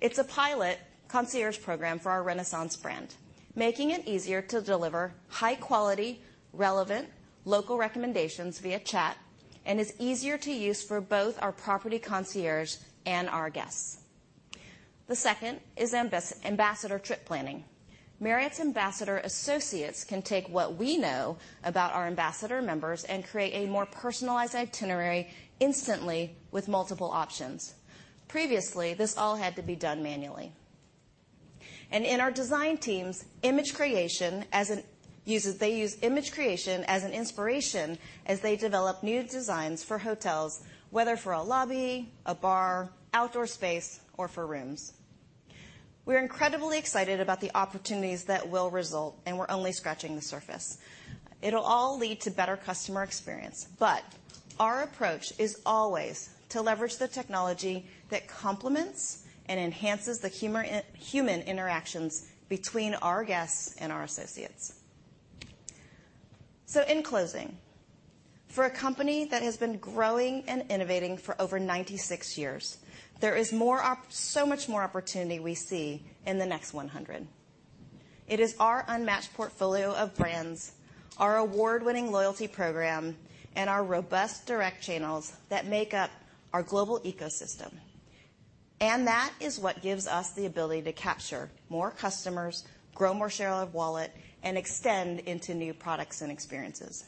It's a pilot concierge program for our Renaissance brand, making it easier to deliver high-quality, relevant local recommendations via chat, and is easier to use for both our property concierges and our guests. The second is Ambassador Trip Planning. Marriott's Ambassador associates can take what we know about our Ambassador members and create a more personalized itinerary instantly with multiple options. Previously, this all had to be done manually. In our design teams, they use image creation as an inspiration as they develop new designs for hotels, whether for a lobby, a bar, outdoor space, or for rooms. We're incredibly excited about the opportunities that will result, and we're only scratching the surface. It'll all lead to better customer experience, but our approach is always to leverage the technology that complements and enhances the human interactions between our guests and our associates. So in closing, for a company that has been growing and innovating for over 96 years, there is so much more opportunity we see in the next 100. It is our unmatched portfolio of brands, our award-winning loyalty program, and our robust direct channels that make up our global ecosystem, and that is what gives us the ability to capture more customers, grow more share of wallet, and extend into new products and experiences.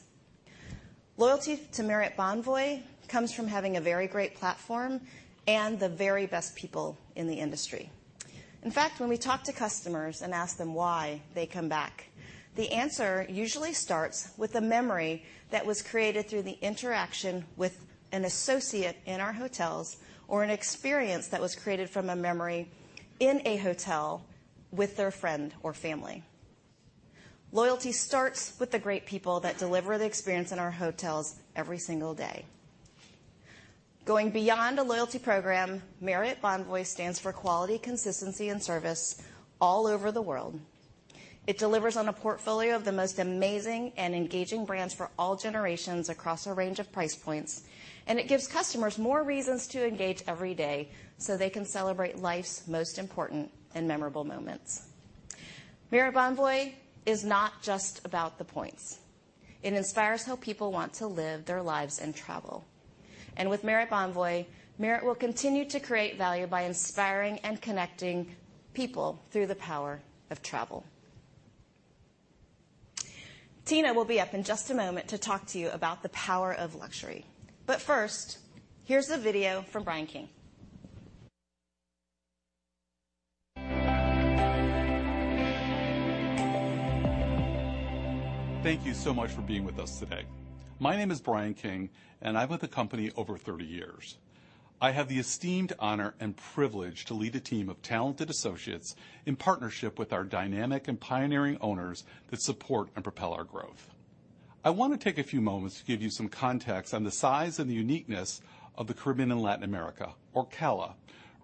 Loyalty to Marriott Bonvoy comes from having a very great platform and the very best people in the industry. In fact, when we talk to customers and ask them why they come back, the answer usually starts with a memory that was created through the interaction with an associate in our hotels, or an experience that was created from a memory in a hotel with their friend or family. Loyalty starts with the great people that deliver the experience in our hotels every single day. Going beyond a loyalty program, Marriott Bonvoy stands for quality, consistency, and service all over the world. It delivers on a portfolio of the most amazing and engaging brands for all generations across a range of price points, and it gives customers more reasons to engage every day so they can celebrate life's most important and memorable moments. Marriott Bonvoy is not just about the points. It inspires how people want to live their lives and travel. With Marriott Bonvoy, Marriott will continue to create value by inspiring and connecting people through the power of travel. Tina will be up in just a moment to talk to you about the power of luxury. First, here's a video from Brian King. Thank you so much for being with us today. My name is Brian King, and I've been with the company over 30 years. I have the esteemed honor and privilege to lead a team of talented associates in partnership with our dynamic and pioneering owners that support and propel our growth. I want to take a few moments to give you some context on the size and the uniqueness of the Caribbean and Latin America, or CALA,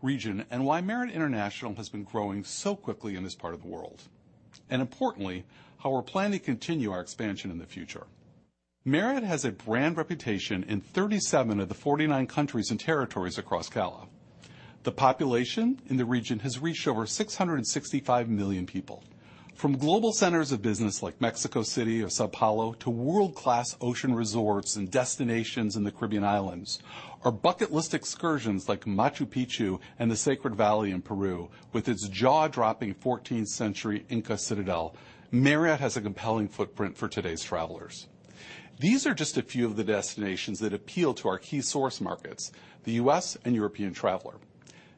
region, and why Marriott International has been growing so quickly in this part of the world, and importantly, how we're planning to continue our expansion in the future. Marriott has a brand reputation in 37 of the 49 countries and territories across CALA. The population in the region has reached over 665 million people. From global centers of business like Mexico City or São Paulo, to world-class ocean resorts and destinations in the Caribbean Islands, or bucket list excursions like Machu Picchu and the Sacred Valley in Peru, with its jaw-dropping fourteenth-century Inca citadel, Marriott has a compelling footprint for today's travelers. These are just a few of the destinations that appeal to our key source markets, the U.S. and European traveler.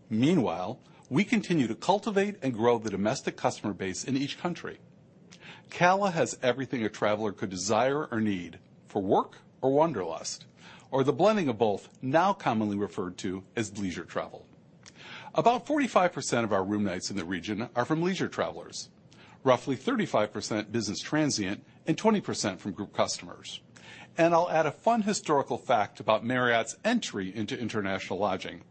Meanwhile, we continue to cultivate and grow the domestic customer base in each country. CALA has everything a traveler could desire or need for work or wanderlust, or the blending of both, now commonly referred to as leisure travel. About 45% of our room nights in the region are from leisure travelers, roughly 35% business transient, and 20% from group customers. I'll add a fun historical fact about Marriott's entry into international lodging.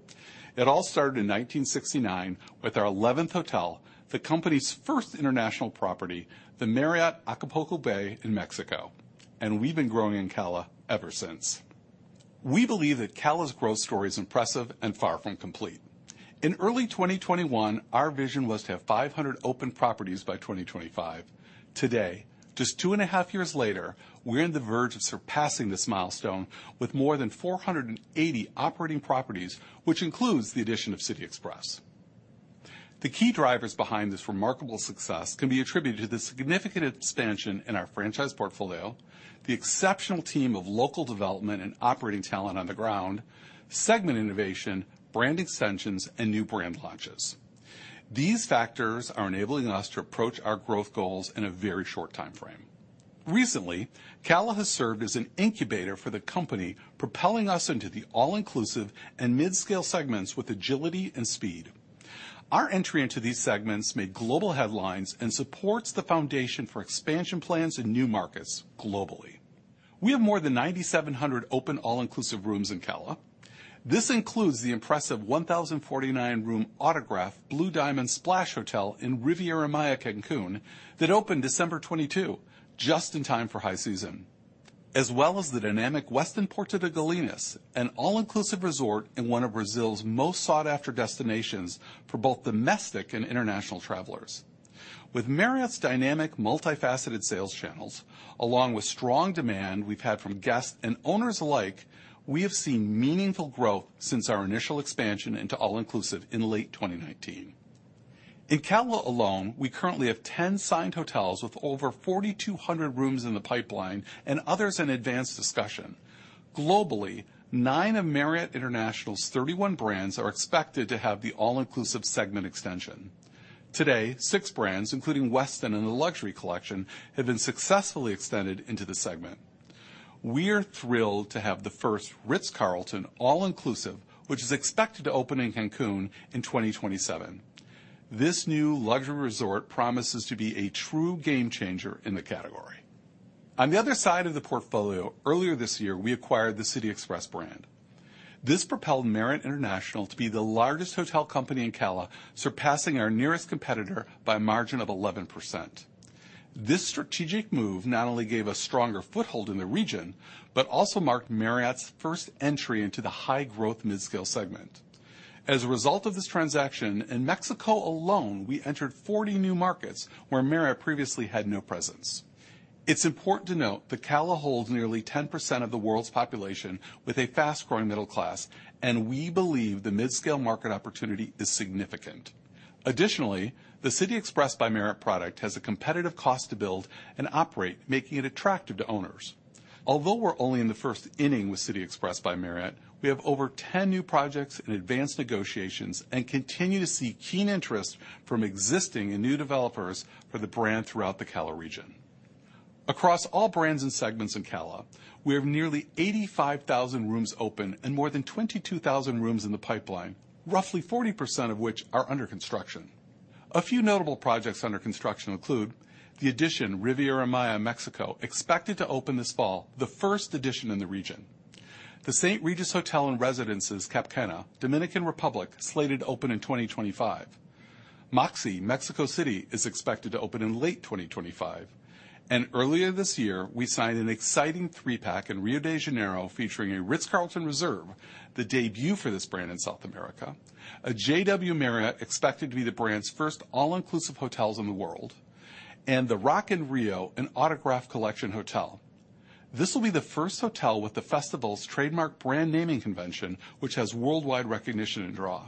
It all started in 1969 with our 11th hotel, the company's first international property, the Marriott Acapulco Bay in Mexico, and we've been growing in CALA ever since. We believe that CALA's growth story is impressive and far from complete. In early 2021, our vision was to have 500 open properties by 2025. Today, just 2.5 years later, we're on the verge of surpassing this milestone with more than 480 operating properties, which includes the addition of City Express. The key drivers behind this remarkable success can be attributed to the significant expansion in our franchise portfolio, the exceptional team of local development and operating talent on the ground, segment innovation, brand extensions, and new brand launches. These factors are enabling us to approach our growth goals in a very short time frame. Recently, CALA has served as an incubator for the company, propelling us into the all-inclusive and midscale segments with agility and speed. Our entry into these segments made global headlines and supports the foundation for expansion plans in new markets globally. We have more than 9,700 open all-inclusive rooms in CALA. This includes the impressive 1,049-room Autograph Blue Diamond Splash hotel in Riviera Maya, Cancún, that opened December 2022, just in time for high season, as well as the dynamic Westin Porto de Galinhas, an all-inclusive resort in one of Brazil's most sought-after destinations for both domestic and international travelers. With Marriott's dynamic, multifaceted sales channels, along with strong demand we've had from guests and owners alike, we have seen meaningful growth since our initial expansion into all-inclusive in late 2019. In CALA alone, we currently have 10 signed hotels with over 4,200 rooms in the pipeline and others in advanced discussion. Globally, 9 of Marriott International's 31 brands are expected to have the all-inclusive segment extension. Today, 6 brands, including Westin and The Luxury Collection, have been successfully extended into the segment. We are thrilled to have the first Ritz-Carlton all-inclusive, which is expected to open in Cancún in 2027. This new luxury resort promises to be a true game changer in the category. On the other side of the portfolio, earlier this year, we acquired the City Express brand. This propelled Marriott International to be the largest hotel company in CALA, surpassing our nearest competitor by a margin of 11%. This strategic move not only gave us stronger foothold in the region, but also marked Marriott's first entry into the high-growth midscale segment. As a result of this transaction, in Mexico alone, we entered 40 new markets where Marriott previously had no presence. It's important to note that CALA holds nearly 10% of the world's population with a fast-growing middle class, and we believe the midscale market opportunity is significant. Additionally, the City Express by Marriott product has a competitive cost to build and operate, making it attractive to owners. Although we're only in the first inning with City Express by Marriott, we have over 10 new projects in advanced negotiations and continue to see keen interest from existing and new developers for the brand throughout the CALA region. Across all brands and segments in CALA, we have nearly 85,000 rooms open and more than 22,000 rooms in the pipeline, roughly 40% of which are under construction. A few notable projects under construction include: the EDITION Riviera Maya, Mexico, expected to open this fall, the first EDITION in the region. The St. Regis Hotel and Residences Cap Cana, Dominican Republic, slated to open in 2025. Moxy Mexico City is expected to open in late 2025. Earlier this year, we signed an exciting three-pack in Rio de Janeiro, featuring a Ritz-Carlton Reserve, the debut for this brand in South America, a JW Marriott, expected to be the brand's first all-inclusive hotels in the world, and the Rock in Rio, an Autograph Collection Hotel. This will be the first hotel with the festival's trademark brand naming convention, which has worldwide recognition and draw.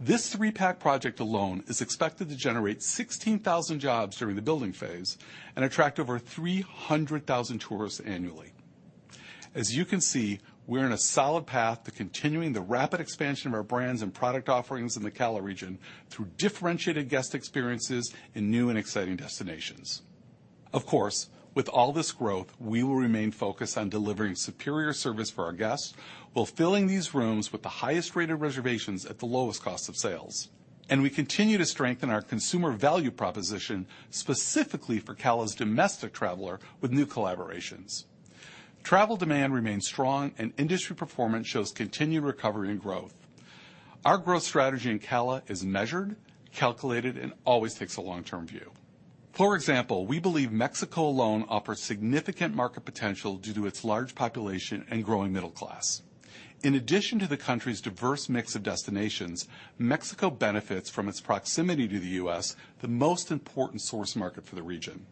This three-pack project alone is expected to generate 16,000 jobs during the building phase and attract over 300,000 tourists annually. As you can see, we're in a solid path to continuing the rapid expansion of our brands and product offerings in the CALA region through differentiated guest experiences in new and exciting destinations. Of course, with all this growth, we will remain focused on delivering superior service for our guests, while filling these rooms with the highest rate of reservations at the lowest cost of sales. And we continue to strengthen our consumer value proposition, specifically for CALA's domestic traveler, with new collaborations. Travel demand remains strong, and industry performance shows continued recovery and growth. Our growth strategy in CALA is measured, calculated, and always takes a long-term view. For example, we believe Mexico alone offers significant market potential due to its large population and growing middle class. In addition to the country's diverse mix of destinations, Mexico benefits from its proximity to the U.S., the most important source market for the region.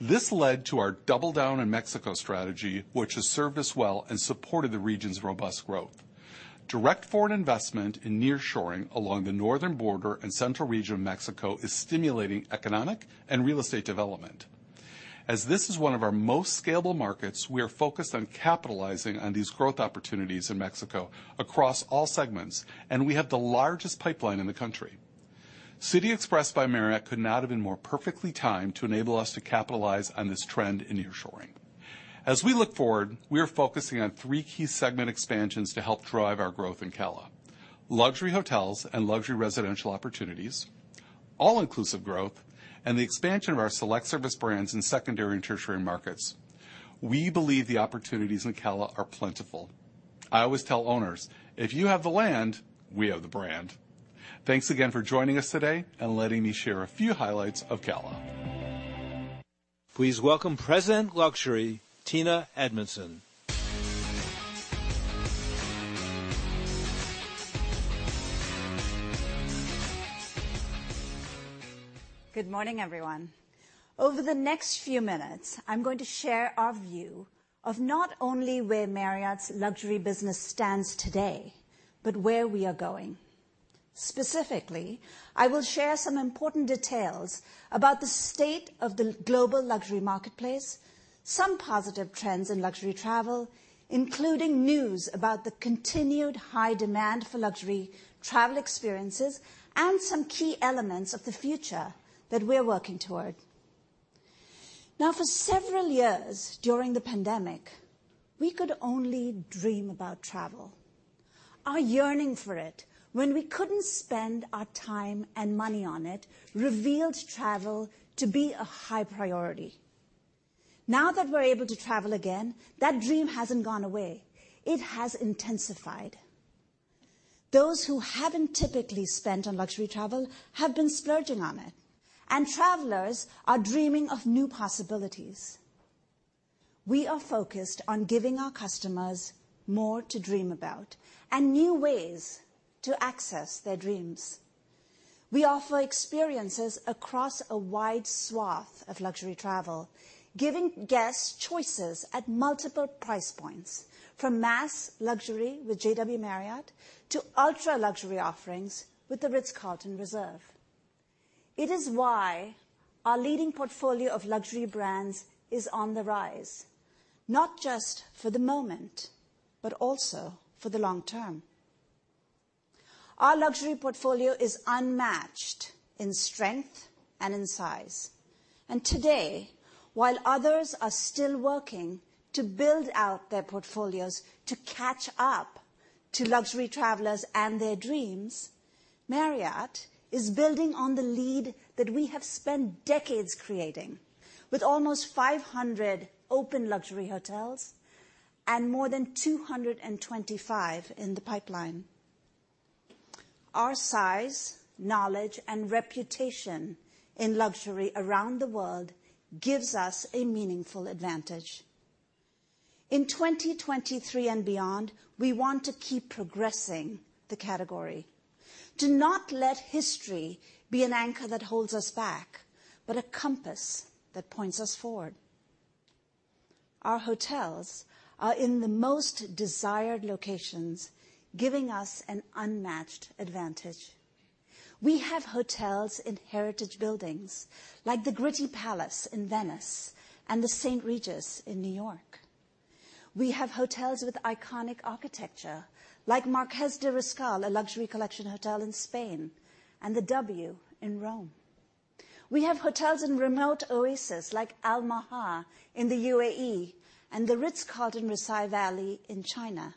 This led to our Double Down in Mexico strategy, which has served us well and supported the region's robust growth. Direct foreign investment in nearshoring along the northern border and central region of Mexico is stimulating economic and real estate development. As this is one of our most scalable markets, we are focused on capitalizing on these growth opportunities in Mexico across all segments, and we have the largest pipeline in the country. City Express by Marriott could not have been more perfectly timed to enable us to capitalize on this trend in nearshoring. As we look forward, we are focusing on three key segment expansions to help drive our growth in CALA: luxury hotels and luxury residential opportunities, all-inclusive growth, and the expansion of our select service brands in secondary and tertiary markets. We believe the opportunities in CALA are plentiful. I always tell owners, "If you have the land, we have the brand." Thanks again for joining us today and letting me share a few highlights of CALA. Please welcome President, Luxury, Tina Edmundson. Good morning, everyone. Over the next few minutes, I'm going to share our view of not only where Marriott's luxury business stands today, but where we are going. Specifically, I will share some important details about the state of the global luxury marketplace, some positive trends in luxury travel, including news about the continued high demand for luxury travel experiences, and some key elements of the future that we're working toward. Now, for several years during the pandemic, we could only dream about travel. Our yearning for it when we couldn't spend our time and money on it, revealed travel to be a high priority. Now that we're able to travel again, that dream hasn't gone away. It has intensified. Those who haven't typically spent on luxury travel have been splurging on it, and travelers are dreaming of new possibilities. We are focused on giving our customers more to dream about and new ways to access their dreams. We offer experiences across a wide swath of luxury travel, giving guests choices at multiple price points, from mass luxury with JW Marriott to ultra-luxury offerings with The Ritz-Carlton Reserve. It is why our leading portfolio of luxury brands is on the rise, not just for the moment, but also for the long term. Our luxury portfolio is unmatched in strength and in size, and today, while others are still working to build out their portfolios to catch up to luxury travelers and their dreams, Marriott is building on the lead that we have spent decades creating, with almost 500 open luxury hotels and more than 225 in the pipeline. Our size, knowledge, and reputation in luxury around the world gives us a meaningful advantage. In 2023 and beyond, we want to keep progressing the category, to not let history be an anchor that holds us back, but a compass that points us forward. Our hotels are in the most desired locations, giving us an unmatched advantage. We have hotels in heritage buildings like the Gritti Palace in Venice and The St. Regis in New York... We have hotels with iconic architecture, like Marqués de Riscal, a Luxury Collection hotel in Spain, and the W in Rome. We have hotels in remote oasis, like Al Maha in the UAE, and The Ritz-Carlton, Jiuzhaigou in China,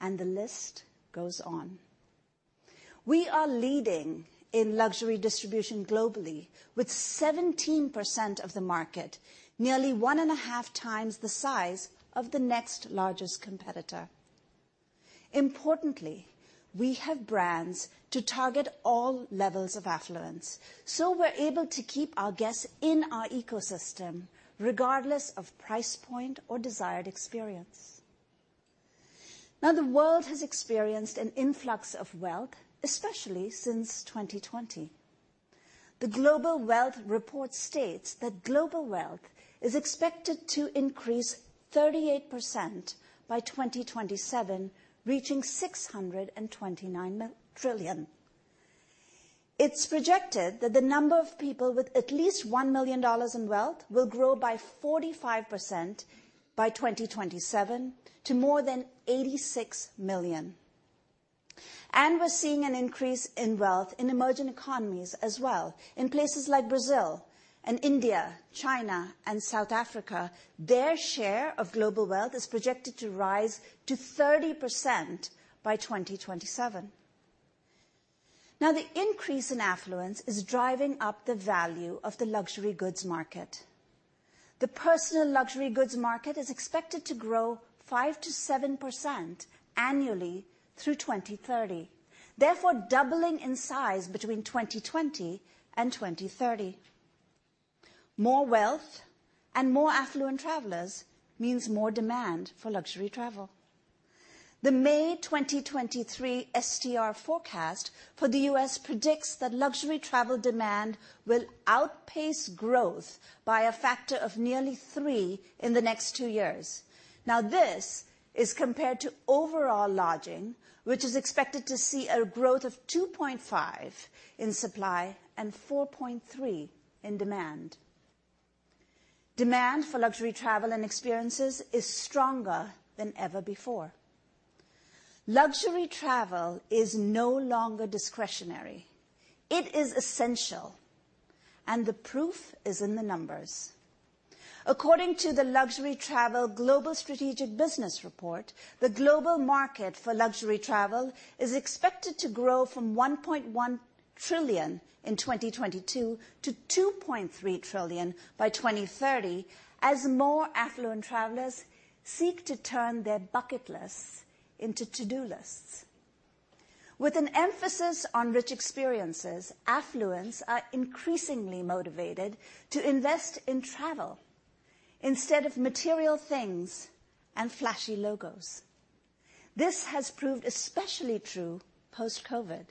and the list goes on. We are leading in luxury distribution globally with 17% of the market, nearly 1.5 times the size of the next largest competitor. Importantly, we have brands to target all levels of affluence, so we're able to keep our guests in our ecosystem, regardless of price point or desired experience. Now, the world has experienced an influx of wealth, especially since 2020. The Global Wealth Report states that global wealth is expected to increase 38% by 2027, reaching $629 trillion. It's projected that the number of people with at least $1 million in wealth will grow by 45% by 2027 to more than 86 million. And we're seeing an increase in wealth in emerging economies as well. In places like Brazil and India, China, and South Africa, their share of global wealth is projected to rise to 30% by 2027. Now, the increase in affluence is driving up the value of the luxury goods market. The personal luxury goods market is expected to grow 5%-7% annually through 2030, therefore, doubling in size between 2020 and 2030. More wealth and more affluent travelers means more demand for luxury travel. The May 2023 STR forecast for the U.S. predicts that luxury travel demand will outpace growth by a factor of nearly 3 in the next two years. Now, this is compared to overall lodging, which is expected to see a growth of 2.5 in supply and 4.3 in demand. Demand for luxury travel and experiences is stronger than ever before. Luxury travel is no longer discretionary. It is essential, and the proof is in the numbers. According to the Luxury Travel Global Strategic Business Report, the global market for luxury travel is expected to grow from $1.1 trillion in 2022 to $2.3 trillion by 2030, as more affluent travelers seek to turn their bucket lists into to-do lists. With an emphasis on rich experiences, affluents are increasingly motivated to invest in travel instead of material things and flashy logos. This has proved especially true post-COVID,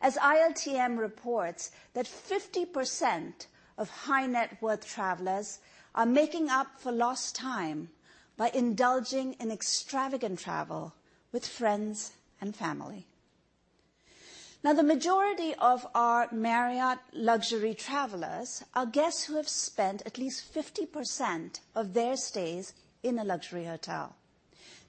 as ILTM reports that 50% of high-net-worth travelers are making up for lost time by indulging in extravagant travel with friends and family. Now, the majority of our Marriott luxury travelers are guests who have spent at least 50% of their stays in a luxury hotel.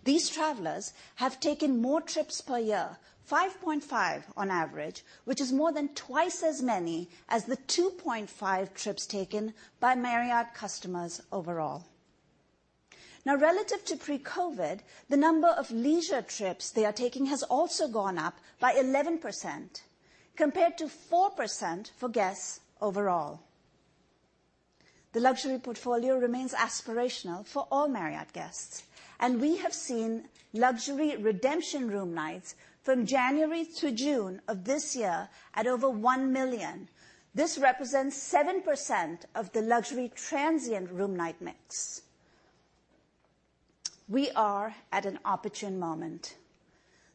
These travelers have taken more trips per year, 5.5 on average, which is more than twice as many as the 2.5 trips taken by Marriott customers overall. Now, relative to pre-COVID, the number of leisure trips they are taking has also gone up by 11%, compared to 4% for guests overall. The luxury portfolio remains aspirational for all Marriott guests, and we have seen luxury redemption room nights from January to June of this year at over 1 million. This represents 7% of the luxury transient room night mix. We are at an opportune moment.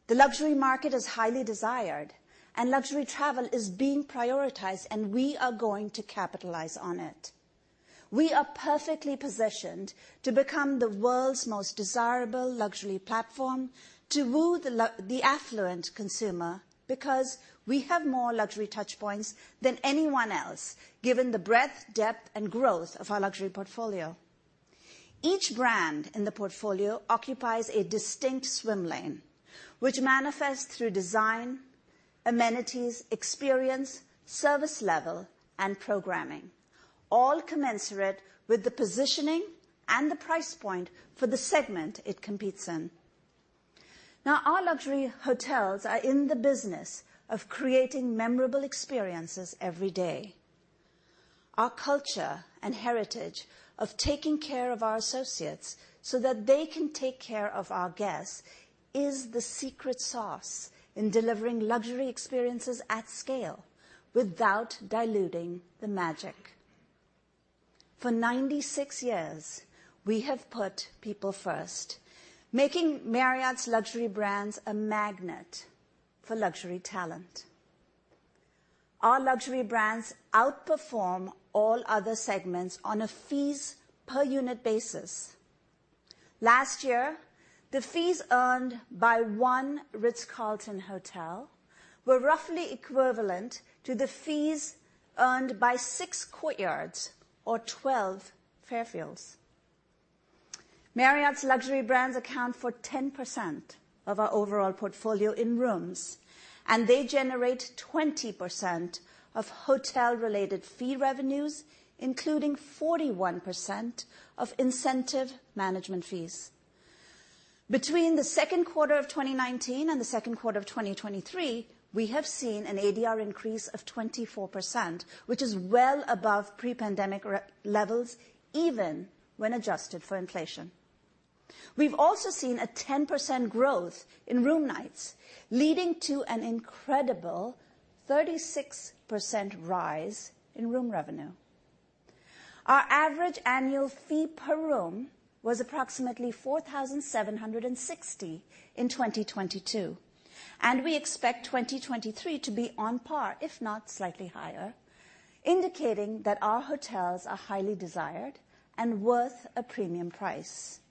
The luxury market is highly desired, and luxury travel is being prioritized, and we are going to capitalize on it. We are perfectly positioned to become the world's most desirable luxury platform to woo the affluent consumer, because we have more luxury touchpoints than anyone else, given the breadth, depth, and growth of our luxury portfolio. Each brand in the portfolio occupies a distinct swim lane, which manifests through design, amenities, experience, service level, and programming, all commensurate with the positioning and the price point for the segment it competes in. Now, our luxury hotels are in the business of creating memorable experiences every day. Our culture and heritage of taking care of our associates so that they can take care of our guests is the secret sauce in delivering luxury experiences at scale without diluting the magic. For 96 years, we have put people first, making Marriott's luxury brands a magnet for luxury talent. Our luxury brands outperform all other segments on a fees per unit basis. Last year, the fees earned by one Ritz-Carlton hotel were roughly equivalent to the fees earned by six Courtyards or twelve Fairfields. Marriott's luxury brands account for 10% of our overall portfolio in rooms, and they generate 20% of hotel-related fee revenues, including 41% of incentive management fees. Between the second quarter of 2019 and the second quarter of 2023, we have seen an ADR increase of 24%, which is well above pre-pandemic levels, even when adjusted for inflation. We've also seen a 10% growth in room nights, leading to an incredible 36% rise in room revenue. Our average annual fee per room was approximately $4,760 in 2022, and we expect 2023 to be on par, if not slightly higher, indicating that our hotels are highly desired and worth a premium price.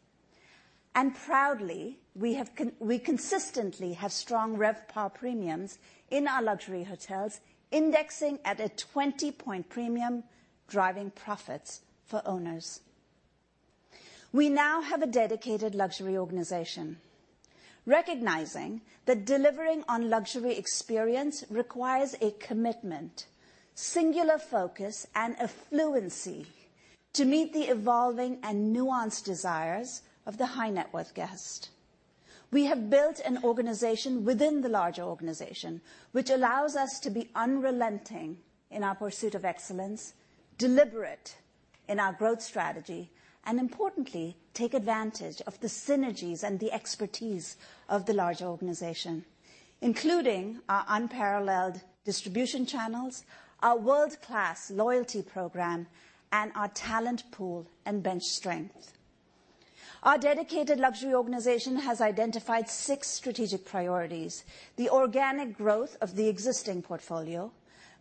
And proudly, we consistently have strong RevPAR premiums in our luxury hotels, indexing at a 20-point premium, driving profits for owners. We now have a dedicated luxury organization, recognizing that delivering on luxury experience requires a commitment, singular focus, and a fluency to meet the evolving and nuanced desires of the high-net-worth guest. We have built an organization within the larger organization, which allows us to be unrelenting in our pursuit of excellence, deliberate in our growth strategy, and importantly, take advantage of the synergies and the expertise of the larger organization, including our unparalleled distribution channels, our world-class loyalty program, and our talent pool and bench strength. Our dedicated luxury organization has identified six strategic priorities: the organic growth of the existing portfolio,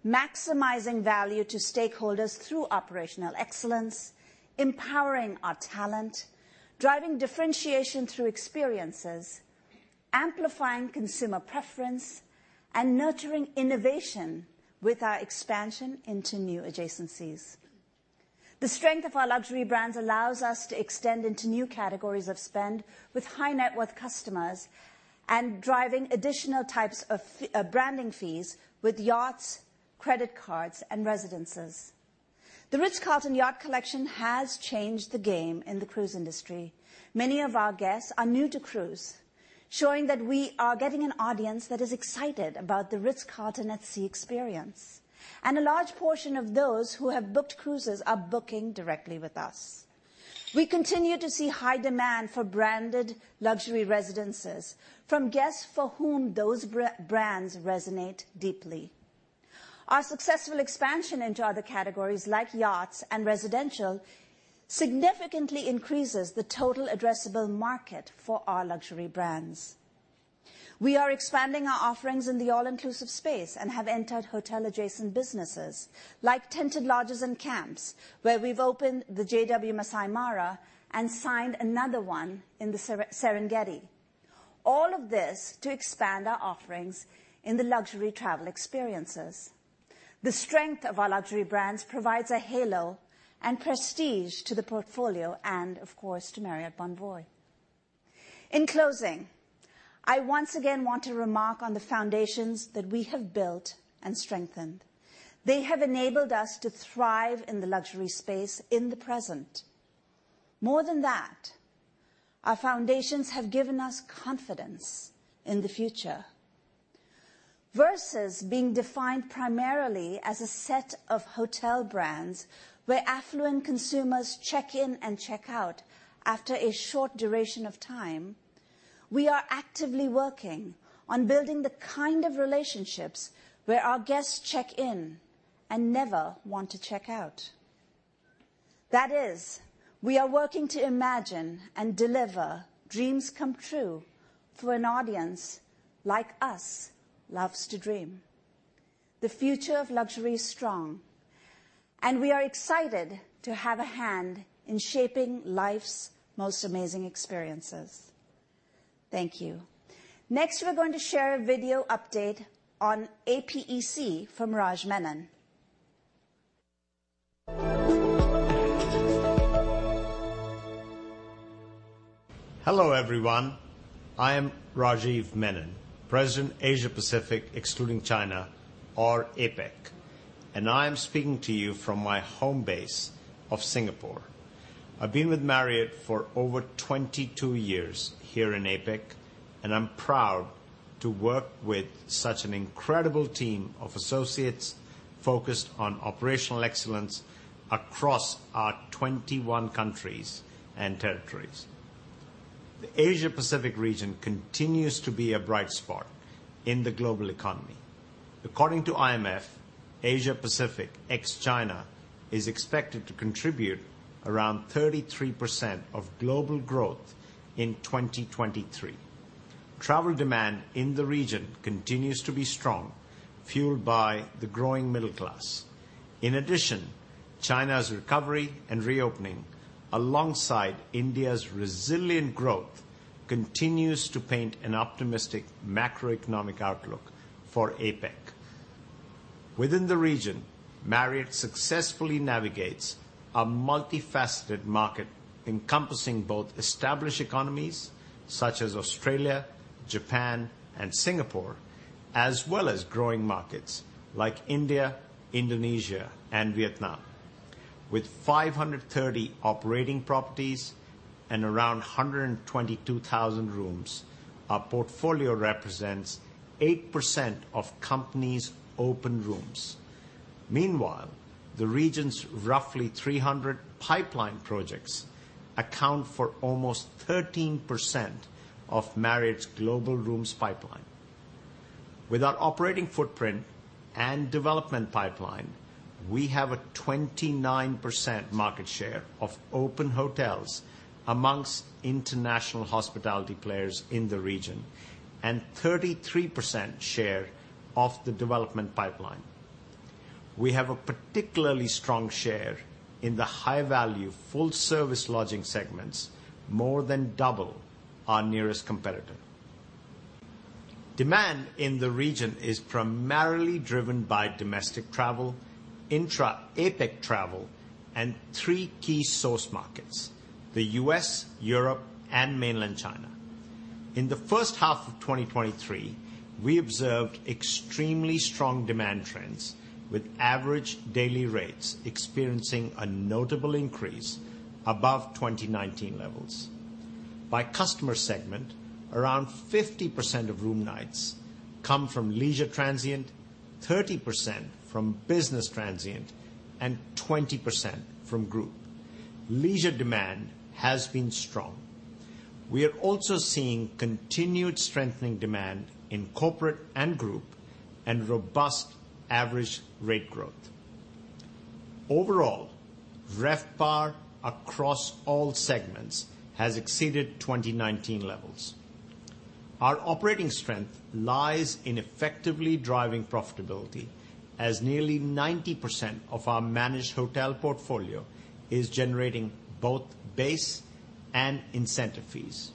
maximizing value to stakeholders through operational excellence, empowering our talent, driving differentiation through experiences, amplifying consumer preference, and nurturing innovation with our expansion into new adjacencies. The strength of our luxury brands allows us to extend into new categories of spend with high-net-worth customers and driving additional types of branding fees with yachts, credit cards, and residences. The Ritz-Carlton Yacht Collection has changed the game in the cruise industry. Many of our guests are new to cruise, showing that we are getting an audience that is excited about the Ritz-Carlton at Sea experience, and a large portion of those who have booked cruises are booking directly with us. We continue to see high demand for branded luxury residences from guests for whom those brands resonate deeply. Our successful expansion into other categories, like yachts and residential, significantly increases the total addressable market for our luxury brands. We are expanding our offerings in the all-inclusive space and have entered hotel-adjacent businesses, like tented lodges and camps, where we've opened the JW Marriott Masai Mara and signed another one in the Serengeti. All of this to expand our offerings in the luxury travel experiences. The strength of our luxury brands provides a halo and prestige to the portfolio and, of course, to Marriott Bonvoy. In closing, I once again want to remark on the foundations that we have built and strengthened. They have enabled us to thrive in the luxury space in the present. More than that, our foundations have given us confidence in the future. Versus being defined primarily as a set of hotel brands, where affluent consumers check in and check out after a short duration of time, we are actively working on building the kind of relationships where our guests check in and never want to check out. That is, we are working to imagine and deliver dreams come true for an audience, like us, loves to dream. The future of luxury is strong, and we are excited to have a hand in shaping life's most amazing experiences. Thank you. Next, we're going to share a video update on APEC from Rajeev Menon. Hello, everyone. I am Rajeev Menon, President, Asia Pacific, excluding China, or APEC, and I am speaking to you from my home base of Singapore. I've been with Marriott for over 22 years here in APEC, and I'm proud to work with such an incredible team of associates focused on operational excellence across our 21 countries and territories. The Asia Pacific region continues to be a bright spot in the global economy. According to IMF, Asia Pacific, ex-China, is expected to contribute around 33% of global growth in 2023. Travel demand in the region continues to be strong, fueled by the growing middle class. In addition, China's recovery and reopening, alongside India's resilient growth, continues to paint an optimistic macroeconomic outlook for APEC. Within the region, Marriott successfully navigates a multifaceted market, encompassing both established economies, such as Australia, Japan, and Singapore, as well as growing markets, like India, Indonesia, and Vietnam. With 530 operating properties and around 122,000 rooms, our portfolio represents 8% of companies' open rooms. Meanwhile, the region's roughly 300 pipeline projects account for almost 13% of Marriott's global rooms pipeline. With our operating footprint and development pipeline, we have a 29% market share of open hotels amongst international hospitality players in the region, and 33% share of the development pipeline. We have a particularly strong share in the high-value, full-service lodging segments, more than double our nearest competitor. Demand in the region is primarily driven by domestic travel, intra-APEC travel, and three key source markets: the U.S., Europe, and Mainland China. In the first half of 2023, we observed extremely strong demand trends, with average daily rates experiencing a notable increase above 2019 levels. By customer segment, around 50% of room nights come from leisure transient, 30% from business transient, and 20% from group. Leisure demand has been strong. We are also seeing continued strengthening demand in corporate and group, and robust average rate growth. Overall, RevPAR across all segments has exceeded 2019 levels. Our operating strength lies in effectively driving profitability, as nearly 90% of our managed hotel portfolio is generating both base and incentive fees.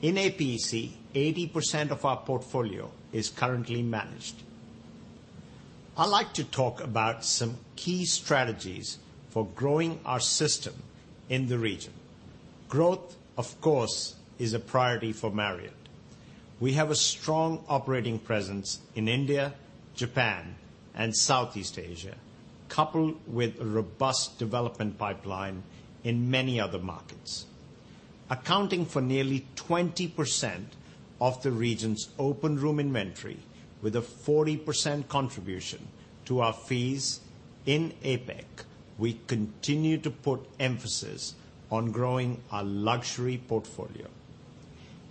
In APEC, 80% of our portfolio is currently managed. I'd like to talk about some key strategies for growing our system in the region. Growth, of course, is a priority for Marriott. We have a strong operating presence in India, Japan, and Southeast Asia, coupled with a robust development pipeline in many other markets. Accounting for nearly 20% of the region's open room inventory with a 40% contribution to our fees in APEC, we continue to put emphasis on growing our luxury portfolio.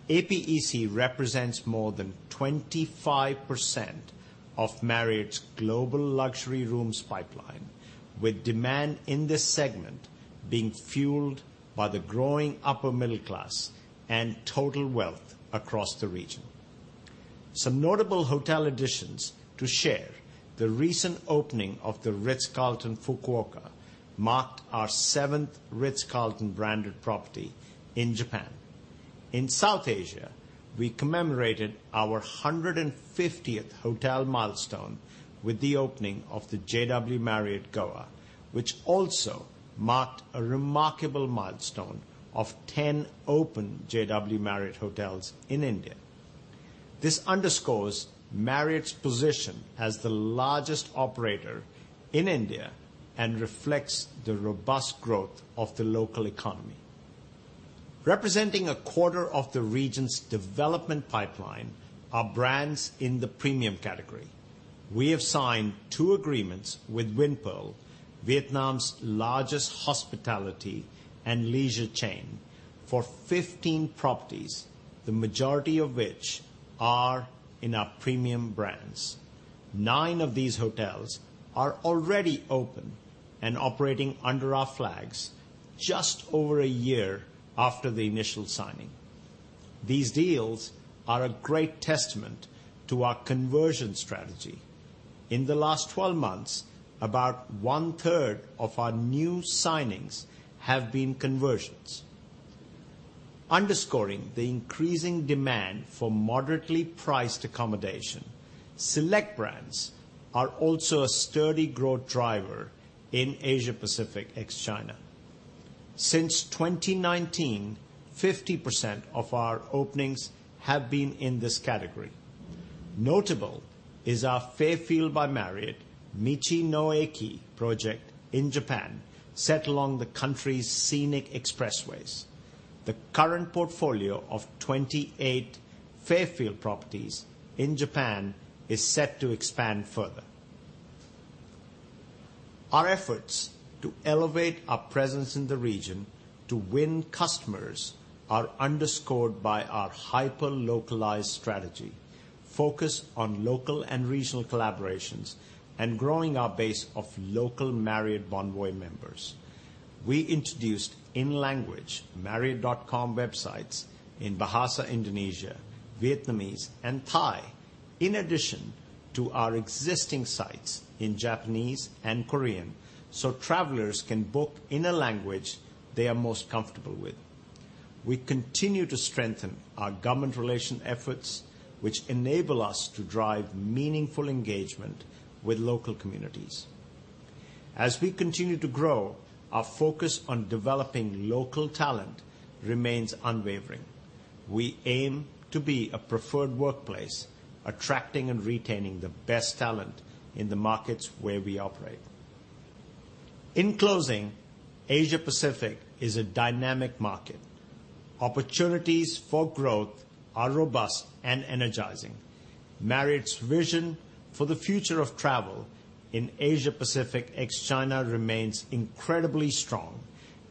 APEC represents more than 25% of Marriott's global luxury rooms pipeline, with demand in this segment being fueled by the growing upper middle class and total wealth across the region. Some notable hotel additions to share: the recent opening of The Ritz-Carlton, Fukuoka, marked our seventh Ritz-Carlton branded property in Japan. In South Asia, we commemorated our 150th hotel milestone with the opening of the JW Marriott Goa, which also marked a remarkable milestone of 10 open JW Marriott hotels in India. This underscores Marriott's position as the largest operator in India and reflects the robust growth of the local economy. Representing a quarter of the region's development pipeline are brands in the premium category. We have signed two agreements with Vinpearl, Vietnam's largest hospitality and leisure chain, for 15 properties, the majority of which are in our premium brands. Nine of these hotels are already open and operating under our flags just over a year after the initial signing. These deals are a great testament to our conversion strategy. In the last 12 months, about one-third of our new signings have been conversions. Underscoring the increasing demand for moderately priced accommodation, select brands are also a sturdy growth driver in Asia Pacific, ex-China. Since 2019, 50% of our openings have been in this category. Notable is our Fairfield by Marriott Michi-no-Eki project in Japan, set along the country's scenic expressways. The current portfolio of 28 Fairfield properties in Japan is set to expand further. Our efforts to elevate our presence in the region to win customers are underscored by our hyper-localized strategy, focused on local and regional collaborations and growing our base of local Marriott Bonvoy members.... We introduced in-language Marriott.com websites in Bahasa Indonesia, Vietnamese, and Thai, in addition to our existing sites in Japanese and Korean, so travelers can book in a language they are most comfortable with. We continue to strengthen our government relation efforts, which enable us to drive meaningful engagement with local communities. As we continue to grow, our focus on developing local talent remains unwavering. We aim to be a preferred workplace, attracting and retaining the best talent in the markets where we operate. In closing, Asia Pacific is a dynamic market. Opportunities for growth are robust and energizing. Marriott's vision for the future of travel in Asia Pacific ex-China remains incredibly strong,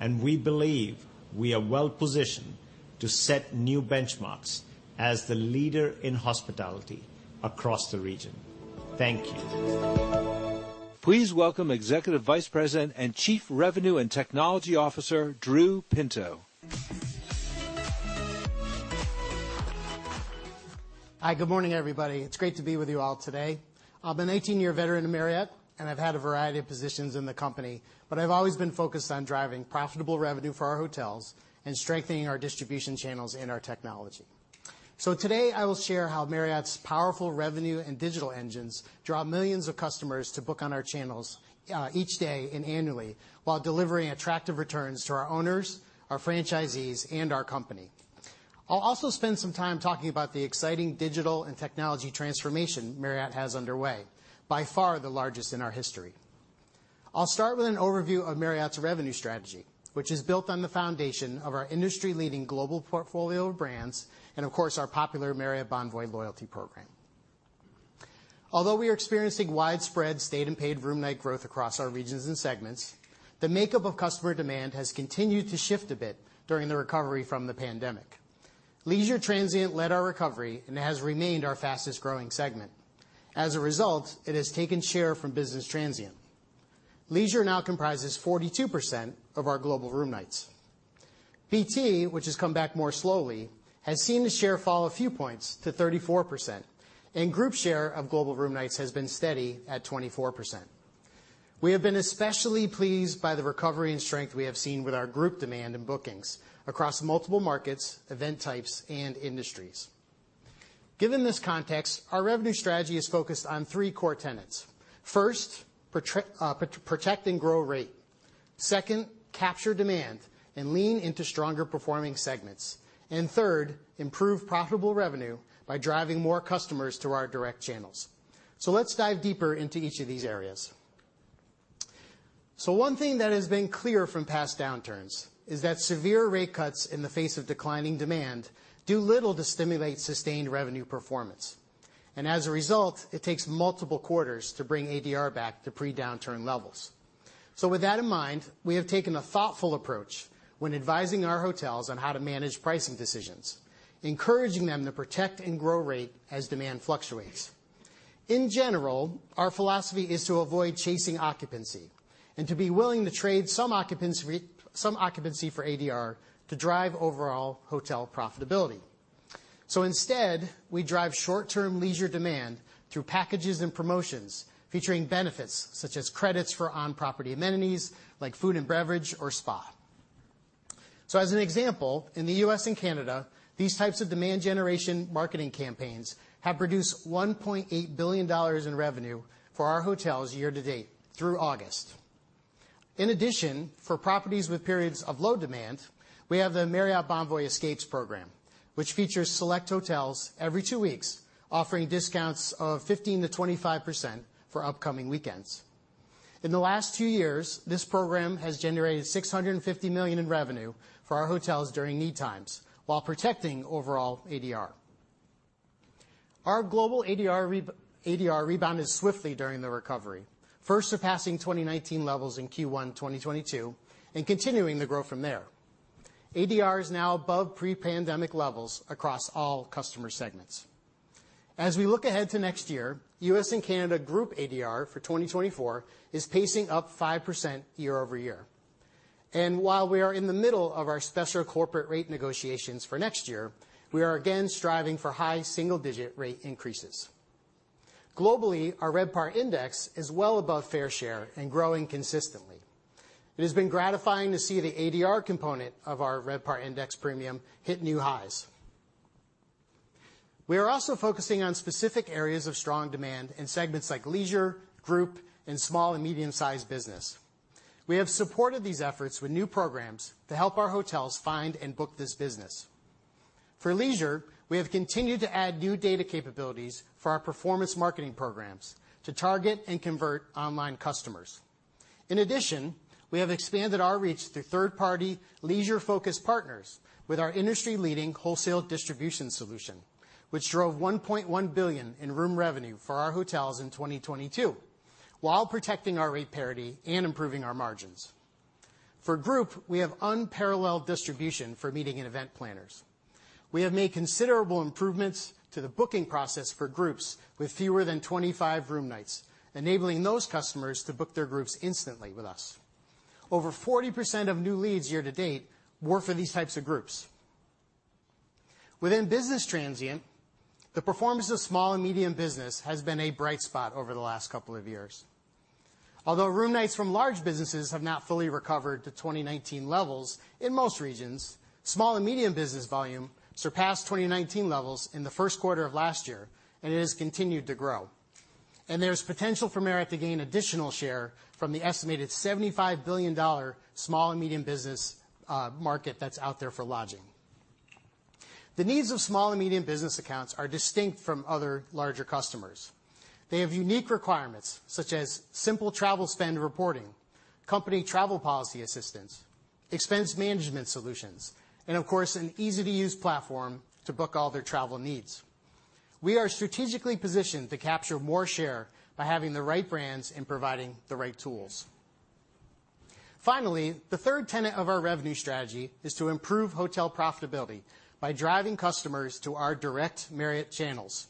and we believe we are well positioned to set new benchmarks as the leader in hospitality across the region. Thank you. Please welcome Executive Vice President and Chief Revenue and Technology Officer, Drew Pinto. Hi, good morning, everybody. It's great to be with you all today. I'm an 18-year veteran of Marriott, and I've had a variety of positions in the company, but I've always been focused on driving profitable revenue for our hotels and strengthening our distribution channels and our technology. So today, I will share how Marriott's powerful revenue and digital engines draw millions of customers to book on our channels each day and annually, while delivering attractive returns to our owners, our franchisees, and our company. I'll also spend some time talking about the exciting digital and technology transformation Marriott has underway, by far the largest in our history. I'll start with an overview of Marriott's revenue strategy, which is built on the foundation of our industry-leading global portfolio of brands and, of course, our popular Marriott Bonvoy loyalty program. Although we are experiencing widespread stayed and paid room night growth across our regions and segments, the makeup of customer demand has continued to shift a bit during the recovery from the pandemic. Leisure transient led our recovery and has remained our fastest-growing segment. As a result, it has taken share from business transient. Leisure now comprises 42% of our global room nights. BT, which has come back more slowly, has seen the share fall a few points to 34%, and group share of global room nights has been steady at 24%. We have been especially pleased by the recovery and strength we have seen with our group demand and bookings across multiple markets, event types, and industries. Given this context, our revenue strategy is focused on three core tenets. First, protect and grow rate. Second, capture demand and lean into stronger performing segments. And third, improve profitable revenue by driving more customers to our direct channels. So let's dive deeper into each of these areas. So one thing that has been clear from past downturns is that severe rate cuts in the face of declining demand do little to stimulate sustained revenue performance, and as a result, it takes multiple quarters to bring ADR back to pre-downturn levels. So with that in mind, we have taken a thoughtful approach when advising our hotels on how to manage pricing decisions, encouraging them to protect and grow rate as demand fluctuates. In general, our philosophy is to avoid chasing occupancy and to be willing to trade some occupancy, some occupancy for ADR to drive overall hotel profitability. So instead, we drive short-term leisure demand through packages and promotions, featuring benefits such as credits for on-property amenities like food and beverage or spa. So as an example, in the U.S. and Canada, these types of demand generation marketing campaigns have produced $1.8 billion in revenue for our hotels year to date through August. In addition, for properties with periods of low demand, we have the Marriott Bonvoy Escapes program, which features select hotels every two weeks, offering discounts of 15%-25% for upcoming weekends. In the last two years, this program has generated $650 million in revenue for our hotels during need times while protecting overall ADR. Our global ADR rebounded swiftly during the recovery, first surpassing 2019 levels in Q1 2022 and continuing the growth from there. ADR is now above pre-pandemic levels across all customer segments. As we look ahead to next year, U.S. and Canada group ADR for 2024 is pacing up 5% year-over-year. While we are in the middle of our special corporate rate negotiations for next year, we are again striving for high single-digit rate increases. Globally, our RevPAR index is well above fair share and growing consistently. It has been gratifying to see the ADR component of our RevPAR index premium hit new highs. We are also focusing on specific areas of strong demand in segments like leisure, group, and small and medium-sized business. We have supported these efforts with new programs to help our hotels find and book this business. For leisure, we have continued to add new data capabilities for our performance marketing programs to target and convert online customers. In addition, we have expanded our reach through third-party, leisure-focused partners with our industry-leading wholesale distribution solution, which drove $1.1 billion in room revenue for our hotels in 2022, while protecting our rate parity and improving our margins. For group, we have unparalleled distribution for meeting and event planners. We have made considerable improvements to the booking process for groups with fewer than 25 room nights, enabling those customers to book their groups instantly with us. Over 40% of new leads year to date were for these types of groups. Within business transient, the performance of small and medium business has been a bright spot over the last couple of years. Although room nights from large businesses have not fully recovered to 2019 levels in most regions, small and medium business volume surpassed 2019 levels in the first quarter of last year, and it has continued to grow. There's potential for Marriott to gain additional share from the estimated $75 billion small and medium business market that's out there for lodging. The needs of small and medium business accounts are distinct from other larger customers. They have unique requirements such as simple travel spend reporting, company travel policy assistance, expense management solutions, and of course, an easy-to-use platform to book all their travel needs. We are strategically positioned to capture more share by having the right brands and providing the right tools. Finally, the third tenet of our revenue strategy is to improve hotel profitability by driving customers to our direct Marriott channels.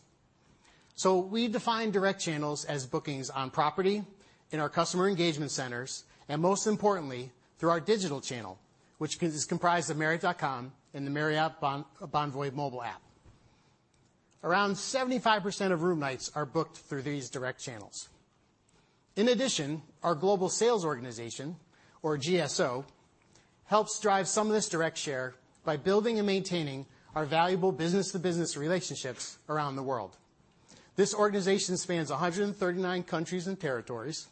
So we define direct channels as bookings on property, in our customer engagement centers, and most importantly, through our digital channel, which is comprised of Marriott.com and the Marriott Bonvoy mobile app. Around 75% of room nights are booked through these direct channels. In addition, our global sales organization, or GSO, helps drive some of this direct share by building and maintaining our valuable business-to-business relationships around the world. This organization spans 139 countries and territories,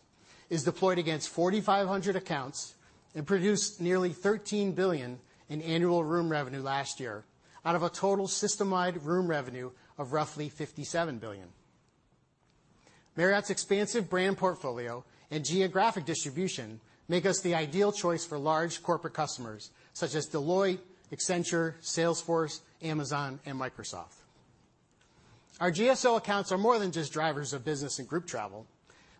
is deployed against 4,500 accounts, and produced nearly $13 billion in annual room revenue last year, out of a total system-wide room revenue of roughly $57 billion. Marriott's expansive brand portfolio and geographic distribution make us the ideal choice for large corporate customers such as Deloitte, Accenture, Salesforce, Amazon, and Microsoft. Our GSO accounts are more than just drivers of business and group travel.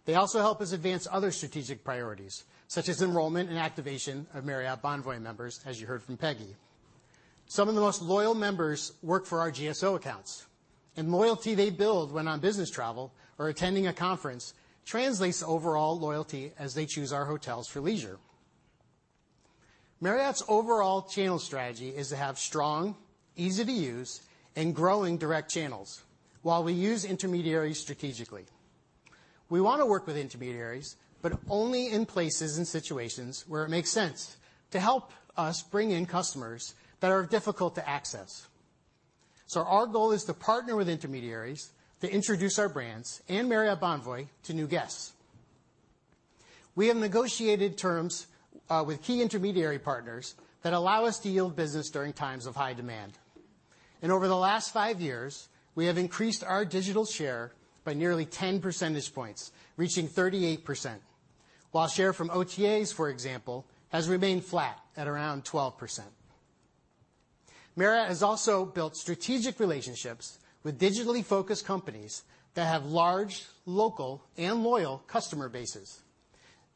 They also help us advance other strategic priorities, such as enrollment and activation of Marriott Bonvoy members, as you heard from Peggy. Some of the most loyal members work for our GSO accounts, and loyalty they build when on business travel or attending a conference translates to overall loyalty as they choose our hotels for leisure. Marriott's overall channel strategy is to have strong, easy-to-use, and growing direct channels while we use intermediaries strategically. We want to work with intermediaries, but only in places and situations where it makes sense to help us bring in customers that are difficult to access. So our goal is to partner with intermediaries to introduce our brands and Marriott Bonvoy to new guests. We have negotiated terms with key intermediary partners that allow us to yield business during times of high demand. Over the last 5 years, we have increased our digital share by nearly 10 percentage points, reaching 38%, while share from OTAs, for example, has remained flat at around 12%. Marriott has also built strategic relationships with digitally focused companies that have large, local, and loyal customer bases.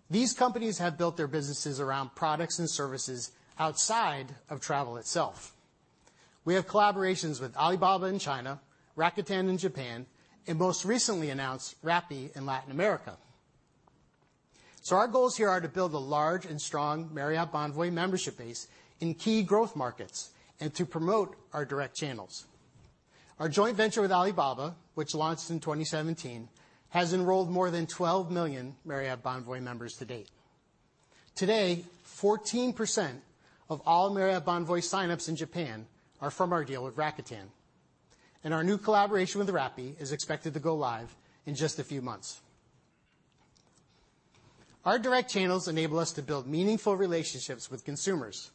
These companies have built their businesses around products and services outside of travel itself. We have collaborations with Alibaba in China, Rakuten in Japan, and most recently announced Rappi in Latin America. So our goals here are to build a large and strong Marriott Bonvoy membership base in key growth markets and to promote our direct channels. Our joint venture with Alibaba, which launched in 2017, has enrolled more than 12 million Marriott Bonvoy members to date. Today, 14% of all Marriott Bonvoy signups in Japan are from our deal with Rakuten, and our new collaboration with Rappi is expected to go live in just a few months. Our direct channels enable us to build meaningful relationships with consumers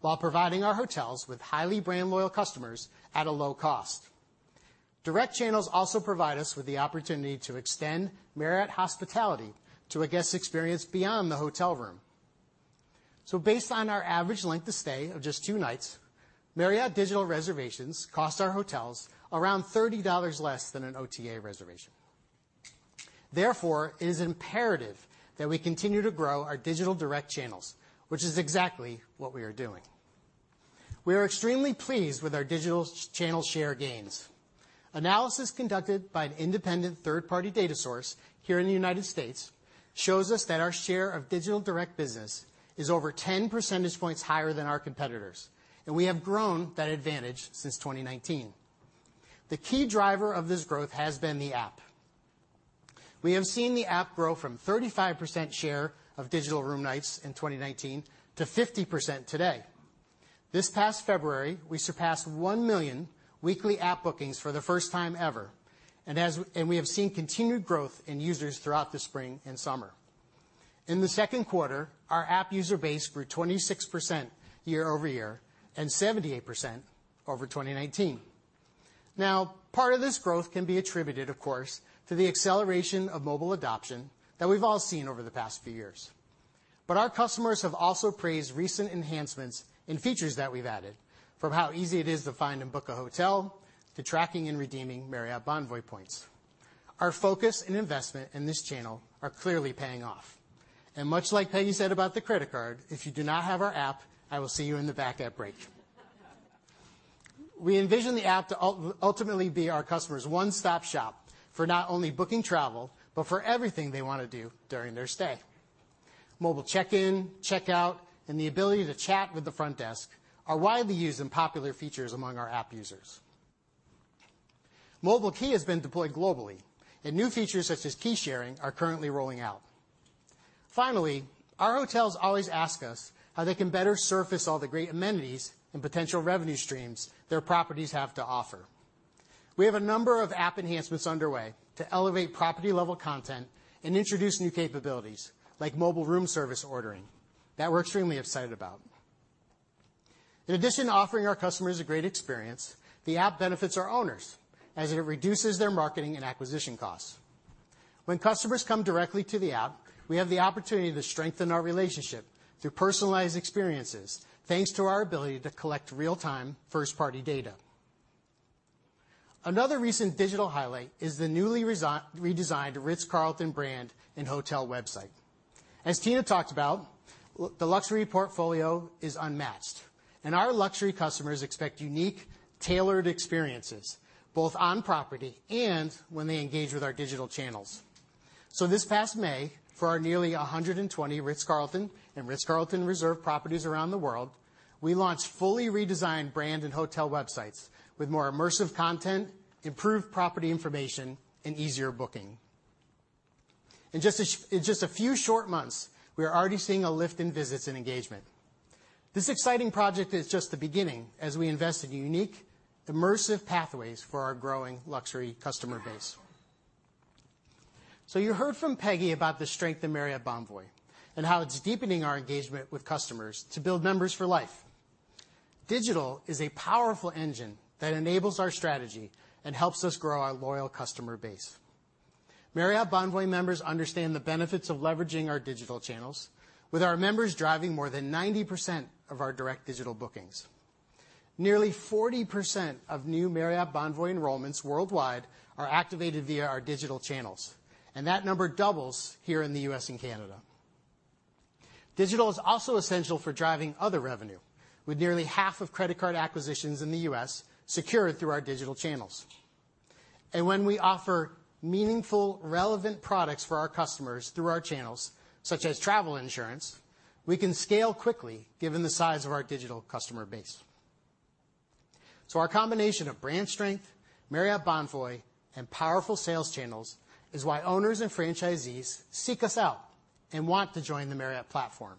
while providing our hotels with highly brand loyal customers at a low cost. Direct channels also provide us with the opportunity to extend Marriott hospitality to a guest experience beyond the hotel room. So based on our average length of stay of just two nights, Marriott digital reservations cost our hotels around $30 less than an OTA reservation. Therefore, it is imperative that we continue to grow our digital direct channels, which is exactly what we are doing. We are extremely pleased with our digital channel share gains. Analysis conducted by an independent third-party data source here in the United States shows us that our share of digital direct business is over 10 percentage points higher than our competitors, and we have grown that advantage since 2019. The key driver of this growth has been the app. We have seen the app grow from 35% share of digital room nights in 2019 to 50% today. This past February, we surpassed 1 million weekly app bookings for the first time ever, and we have seen continued growth in users throughout the spring and summer. In the second quarter, our app user base grew 26% year-over-year and 78% over 2019. Now, part of this growth can be attributed, of course, to the acceleration of mobile adoption that we've all seen over the past few years. But our customers have also praised recent enhancements and features that we've added, from how easy it is to find and book a hotel to tracking and redeeming Marriott Bonvoy points.... Our focus and investment in this channel are clearly paying off. And much like Peggy said about the credit card, if you do not have our app, I will see you in the back at break. We envision the app to ultimately be our customer's one-stop shop for not only booking travel, but for everything they want to do during their stay. Mobile check-in, check-out, and the ability to chat with the front desk are widely used and popular features among our app users. Mobile key has been deployed globally, and new features such as key sharing are currently rolling out. Finally, our hotels always ask us how they can better surface all the great amenities and potential revenue streams their properties have to offer. We have a number of app enhancements underway to elevate property-level content and introduce new capabilities, like mobile room service ordering, that we're extremely excited about. In addition to offering our customers a great experience, the app benefits our owners as it reduces their marketing and acquisition costs. When customers come directly to the app, we have the opportunity to strengthen our relationship through personalized experiences, thanks to our ability to collect real-time, first-party data. Another recent digital highlight is the newly redesigned Ritz-Carlton brand and hotel website. As Tina talked about, the luxury portfolio is unmatched, and our luxury customers expect unique, tailored experiences, both on property and when they engage with our digital channels. So this past May, for our nearly 120 Ritz-Carlton and Ritz-Carlton Reserve properties around the world, we launched fully redesigned brand and hotel websites with more immersive content, improved property information, and easier booking. In just a few short months, we are already seeing a lift in visits and engagement. This exciting project is just the beginning as we invest in unique, immersive pathways for our growing luxury customer base. So you heard from Peggy about the strength of Marriott Bonvoy and how it's deepening our engagement with customers to build members for life. Digital is a powerful engine that enables our strategy and helps us grow our loyal customer base. Marriott Bonvoy members understand the benefits of leveraging our digital channels, with our members driving more than 90% of our direct digital bookings. Nearly 40% of new Marriott Bonvoy enrollments worldwide are activated via our digital channels, and that number doubles here in the U.S. and Canada. Digital is also essential for driving other revenue, with nearly half of credit card acquisitions in the U.S. secured through our digital channels. And when we offer meaningful, relevant products for our customers through our channels, such as travel insurance, we can scale quickly given the size of our digital customer base. So our combination of brand strength, Marriott Bonvoy, and powerful sales channels is why owners and franchisees seek us out and want to join the Marriott platform.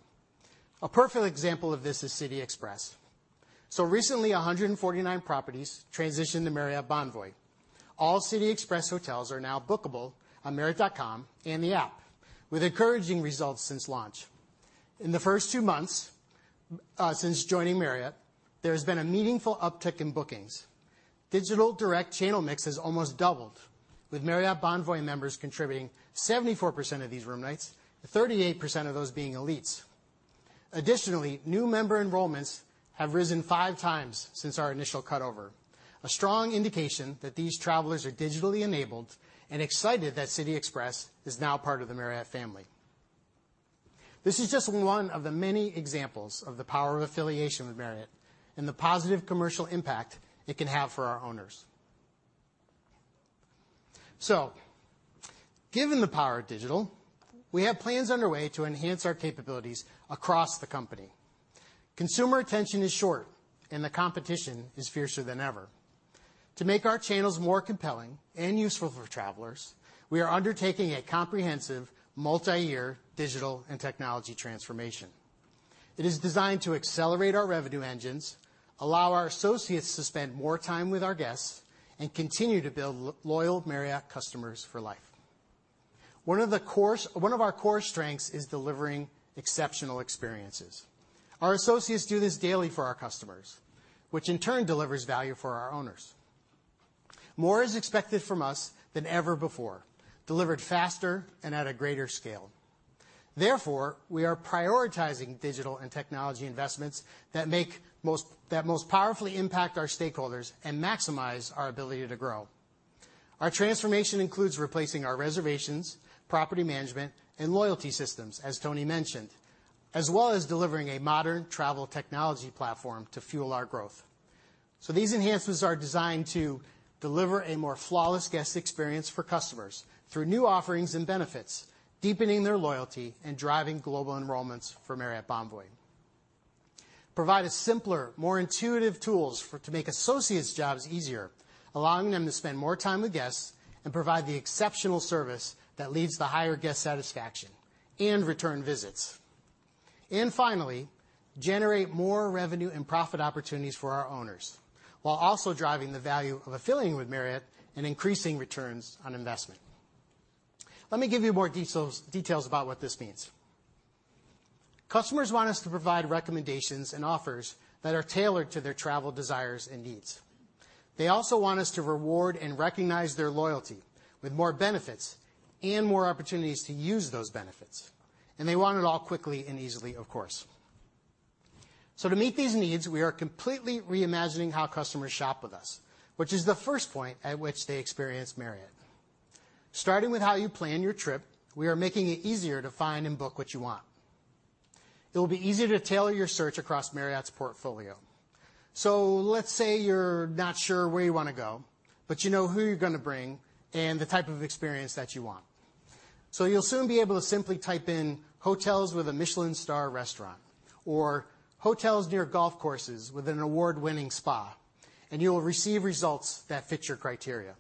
A perfect example of this is City Express. So recently, 149 properties transitioned to Marriott Bonvoy. All City Express hotels are now bookable on marriott.com and the app, with encouraging results since launch. In the first two months since joining Marriott, there has been a meaningful uptick in bookings. Digital direct channel mix has almost doubled, with Marriott Bonvoy members contributing 74% of these room nights, 38% of those being elites. Additionally, new member enrollments have risen five times since our initial cutover, a strong indication that these travelers are digitally enabled and excited that City Express is now part of the Marriott family. This is just one of the many examples of the power of affiliation with Marriott and the positive commercial impact it can have for our owners. So given the power of digital, we have plans underway to enhance our capabilities across the company. Consumer attention is short, and the competition is fiercer than ever. To make our channels more compelling and useful for travelers, we are undertaking a comprehensive, multi-year digital and technology transformation. It is designed to accelerate our revenue engines, allow our associates to spend more time with our guests, and continue to build loyal Marriott customers for life. One of our core strengths is delivering exceptional experiences. Our associates do this daily for our customers, which in turn delivers value for our owners. More is expected from us than ever before, delivered faster and at a greater scale. Therefore, we are prioritizing digital and technology investments that most powerfully impact our stakeholders and maximize our ability to grow. Our transformation includes replacing our reservations, property management, and loyalty systems, as Tony mentioned, as well as delivering a modern travel technology platform to fuel our growth. So these enhancements are designed to deliver a more flawless guest experience for customers through new offerings and benefits, deepening their loyalty and driving global enrollments for Marriott Bonvoy. Provide a simpler, more intuitive tools for to make associates' jobs easier, allowing them to spend more time with guests and provide the exceptional service that leads to higher guest satisfaction and return visits. Finally, generate more revenue and profit opportunities for our owners, while also driving the value of affiliating with Marriott and increasing returns on investment. Let me give you more details, details about what this means. Customers want us to provide recommendations and offers that are tailored to their travel desires and needs. They also want us to reward and recognize their loyalty with more benefits and more opportunities to use those benefits, and they want it all quickly and easily, of course. So to meet these needs, we are completely reimagining how customers shop with us, which is the first point at which they experience Marriott. Starting with how you plan your trip, we are making it easier to find and book what you want. It will be easier to tailor your search across Marriott's portfolio. So let's say you're not sure where you want to go, but you know who you're going to bring and the type of experience that you want. So you'll soon be able to simply type in, "hotels with a Michelin star restaurant," or, "hotels near golf courses with an award-winning spa," and you will receive results that fit your criteria.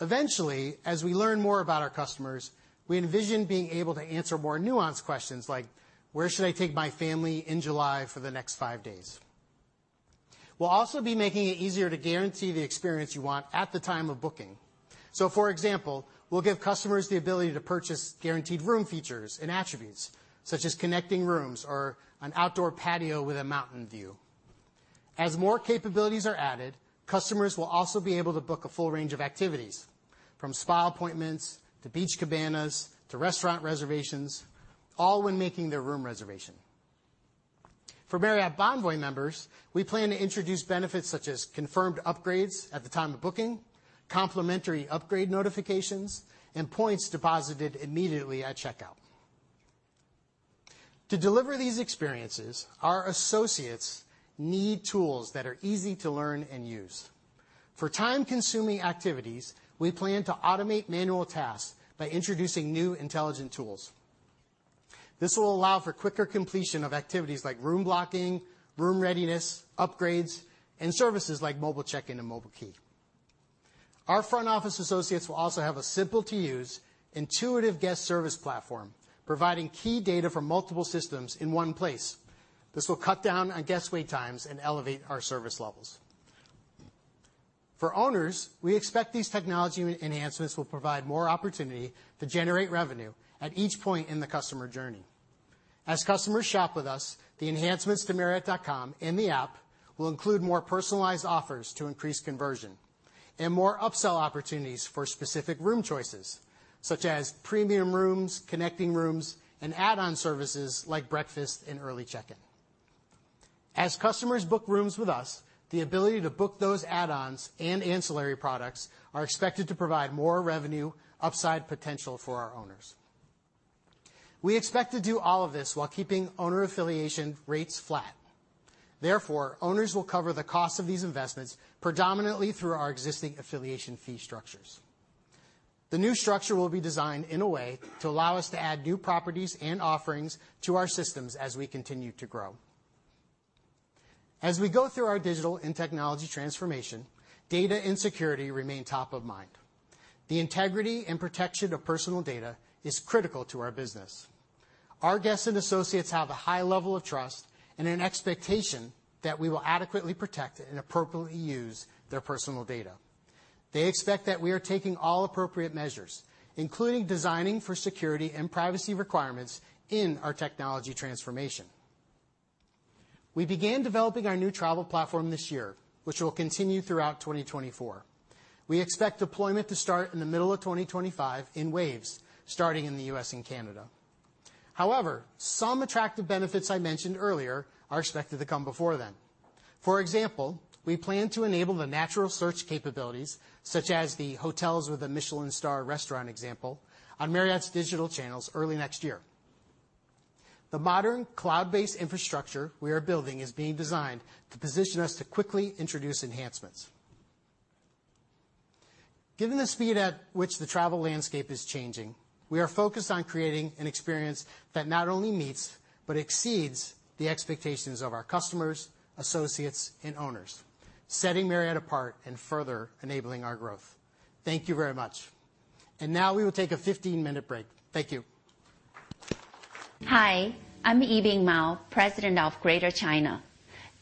Eventually, as we learn more about our customers, we envision being able to answer more nuanced questions like, "Where should I take my family in July for the next five days?" We'll also be making it easier to guarantee the experience you want at the time of booking. So, for example, we'll give customers the ability to purchase guaranteed room features and attributes, such as connecting rooms or an outdoor patio with a mountain view. As more capabilities are added, customers will also be able to book a full range of activities, from spa appointments to beach cabanas to restaurant reservations, all when making their room reservation. For Marriott Bonvoy members, we plan to introduce benefits such as confirmed upgrades at the time of booking, complimentary upgrade notifications, and points deposited immediately at checkout. To deliver these experiences, our associates need tools that are easy to learn and use. For time-consuming activities, we plan to automate manual tasks by introducing new intelligent tools. This will allow for quicker completion of activities like room blocking, room readiness, upgrades, and services like mobile check-in and mobile key. Our front office associates will also have a simple-to-use, intuitive guest service platform, providing key data from multiple systems in one place. This will cut down on guest wait times and elevate our service levels. For owners, we expect these technology enhancements will provide more opportunity to generate revenue at each point in the customer journey. As customers shop with us, the enhancements to Marriott.com and the app will include more personalized offers to increase conversion and more upsell opportunities for specific room choices, such as premium rooms, connecting rooms, and add-on services like breakfast and early check-in. As customers book rooms with us, the ability to book those add-ons and ancillary products are expected to provide more revenue upside potential for our owners. We expect to do all of this while keeping owner affiliation rates flat. Therefore, owners will cover the cost of these investments predominantly through our existing affiliation fee structures. The new structure will be designed in a way to allow us to add new properties and offerings to our systems as we continue to grow. As we go through our digital and technology transformation, data and security remain top of mind. The integrity and protection of personal data is critical to our business. Our guests and associates have a high level of trust and an expectation that we will adequately protect and appropriately use their personal data. They expect that we are taking all appropriate measures, including designing for security and privacy requirements in our technology transformation. We began developing our new travel platform this year, which will continue throughout 2024. We expect deployment to start in the middle of 2025 in waves, starting in the U.S. and Canada. However, some attractive benefits I mentioned earlier are expected to come before then. For example, we plan to enable the natural search capabilities, such as the hotels with a Michelin star restaurant example, on Marriott's digital channels early next year. The modern cloud-based infrastructure we are building is being designed to position us to quickly introduce enhancements. Given the speed at which the travel landscape is changing, we are focused on creating an experience that not only meets but exceeds the expectations of our customers, associates, and owners, setting Marriott apart and further enabling our growth. Thank you very much. And now we will take a 15-minute break. Thank you. Hi, I'm Yibing Mao, President of Greater China.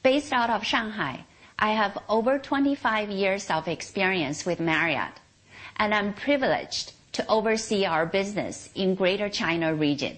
Based out of Shanghai, I have over 25 years of experience with Marriott, and I'm privileged to oversee our business in Greater China region.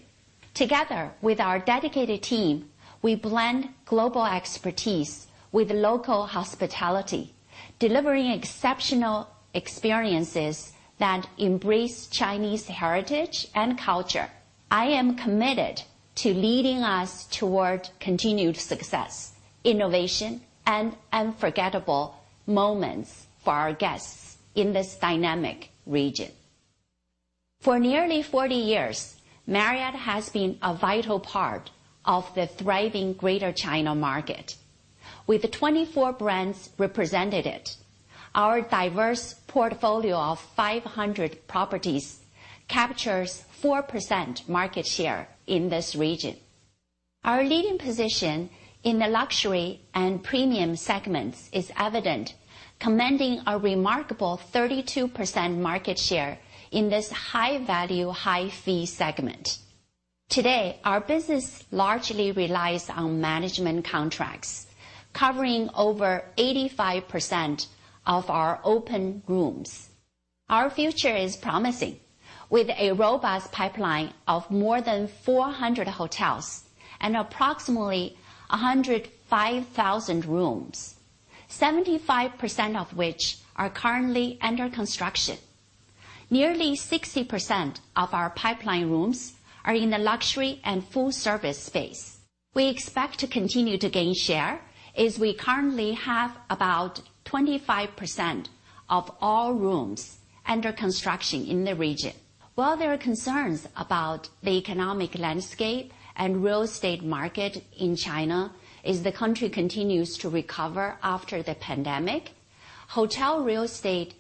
Together with our dedicated team, we blend global expertise with local hospitality, delivering exceptional experiences that embrace Chinese heritage and culture. I am committed to leading us toward continued success, innovation, and unforgettable moments for our guests in this dynamic region. For nearly 40 years, Marriott has been a vital part of the thriving Greater China market. With 24 brands represented, our diverse portfolio of 500 properties captures 4% market share in this region. Our leading position in the luxury and premium segments is evident, commanding a remarkable 32% market share in this high-value, high-fee segment. Today, our business largely relies on management contracts, covering over 85% of our open rooms. Our future is promising, with a robust pipeline of more than 400 hotels and approximately 105,000 rooms, 75% of which are currently under construction. Nearly 60% of our pipeline rooms are in the luxury and full-service space. We expect to continue to gain share, as we currently have about 25% of all rooms under construction in the region. While there are concerns about the economic landscape and real estate market in China, as the country continues to recover after the pandemic, hotel real estate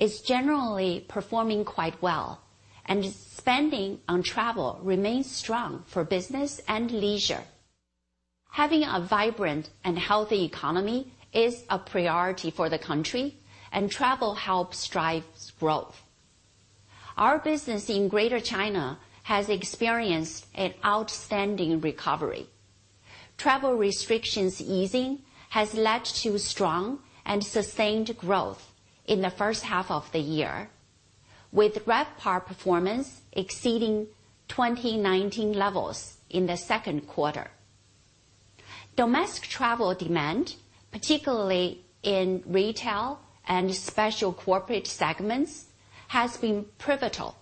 is generally performing quite well, and spending on travel remains strong for business and leisure. Having a vibrant and healthy economy is a priority for the country, and travel helps drives growth. Our business in Greater China has experienced an outstanding recovery. Travel restrictions easing has led to strong and sustained growth in the first half of the year, with RevPAR performance exceeding 2019 levels in the second quarter. Domestic travel demand, particularly in retail and special corporate segments, has been pivotal.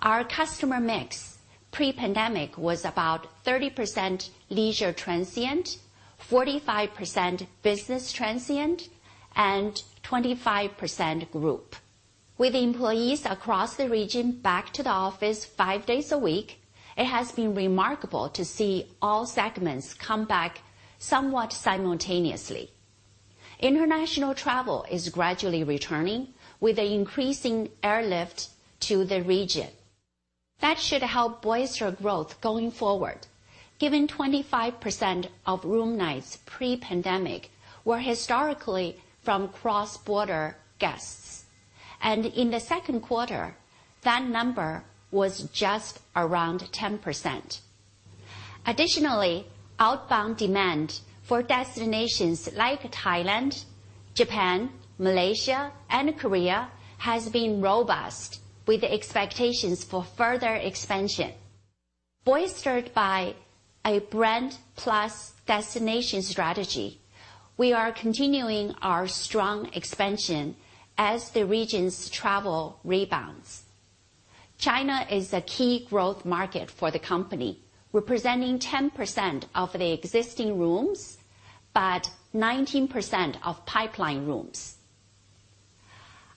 Our customer mix pre-pandemic was about 30% leisure transient, 45% business transient, and 25% group. With employees across the region back to the office five days a week, it has been remarkable to see all segments come back somewhat simultaneously. International travel is gradually returning, with an increasing airlift to the region. That should help bolster growth going forward, given 25% of room nights pre-pandemic were historically from cross-border guests, and in the second quarter, that number was just around 10%. Additionally, outbound demand for destinations like Thailand, Japan, Malaysia, and Korea has been robust, with expectations for further expansion. Bolstered by a brand plus destination strategy, we are continuing our strong expansion as the region's travel rebounds. China is a key growth market for the company, representing 10% of the existing rooms, but 19% of pipeline rooms.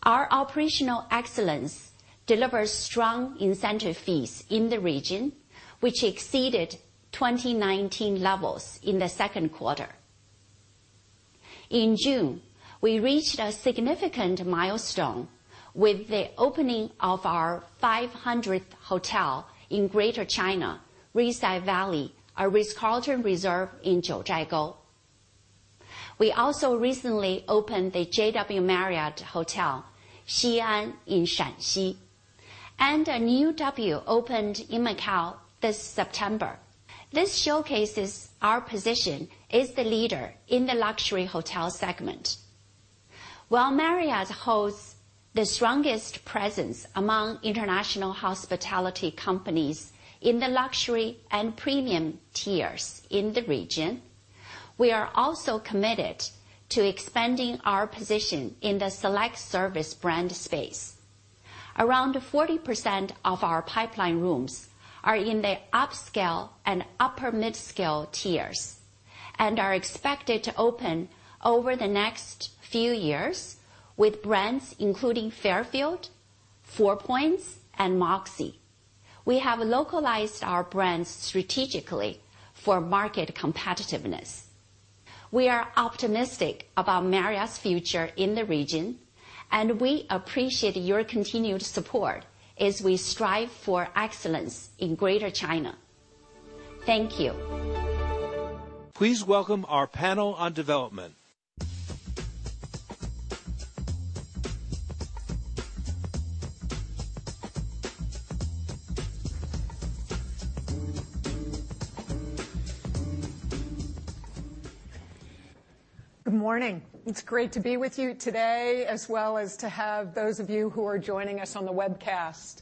Our operational excellence delivers strong incentive fees in the region, which exceeded 2019 levels in the second quarter. In June, we reached a significant milestone with the opening of our 500th hotel in Greater China, Rissai Valley, a Ritz-Carlton Reserve in Jiuzhaigou. We also recently opened the JW Marriott Hotel, Xi'an, in Shaanxi, and a new W opened in Macao this September. This showcases our position as the leader in the luxury hotel segment. While Marriott holds the strongest presence among international hospitality companies in the luxury and premium tiers in the region, we are also committed to expanding our position in the select service brand space. Around 40% of our pipeline rooms are in the upscale and upper midscale tiers and are expected to open over the next few years, with brands including Fairfield, Four Points, and Moxy. We have localized our brands strategically for market competitiveness. We are optimistic about Marriott's future in the region, and we appreciate your continued support as we strive for excellence in Greater China. Thank you. Please welcome our panel on development. Good morning. It's great to be with you today, as well as to have those of you who are joining us on the webcast.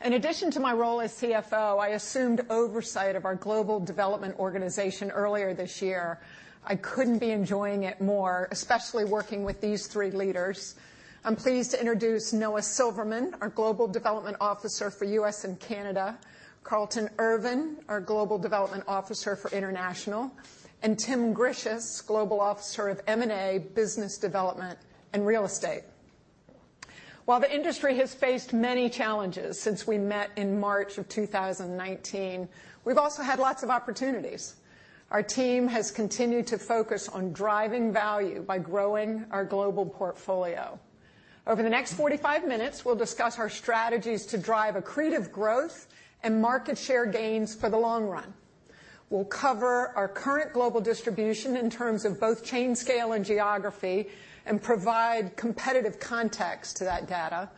In addition to my role as CFO, I assumed oversight of our global development organization earlier this year. I couldn't be enjoying it more, especially working with these three leaders. I'm pleased to introduce Noah Silverman, our Global Development Officer for U.S. and Canada, Carlton Ervin, our Global Development Officer for International, and Tim Grisius, Global Officer of M&A, Business Development, and Real Estate. While the industry has faced many challenges since we met in March of 2019, we've also had lots of opportunities. Our team has continued to focus on driving value by growing our global portfolio. Over the next 45 minutes, we'll discuss our strategies to drive accretive growth and market share gains for the long run. We'll cover our current global distribution in terms of both chain scale and geography, and provide competitive context to that data,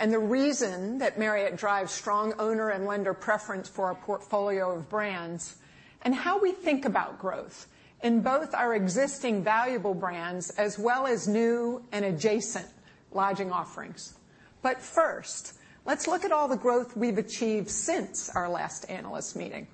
and the reason that Marriott drives strong owner and lender preference for our portfolio of brands, and how we think about growth in both our existing valuable brands as well as new and adjacent lodging offerings. But first, let's look at all the growth we've achieved since our last analyst meeting...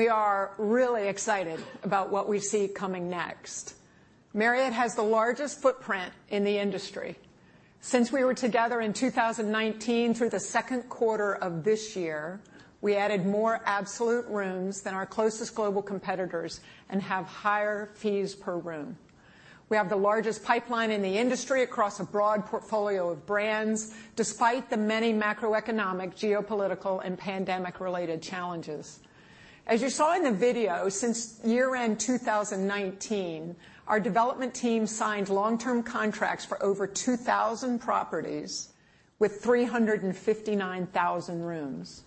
We are really excited about what we see coming next. Marriott has the largest footprint in the industry. Since we were together in 2019 through the second quarter of this year, we added more absolute rooms than our closest global competitors and have higher fees per room. We have the largest pipeline in the industry across a broad portfolio of brands, despite the many macroeconomic, geopolitical, and pandemic-related challenges. As you saw in the video, since year-end 2019, our development team signed long-term contracts for over 2,000 properties with 359,000 rooms.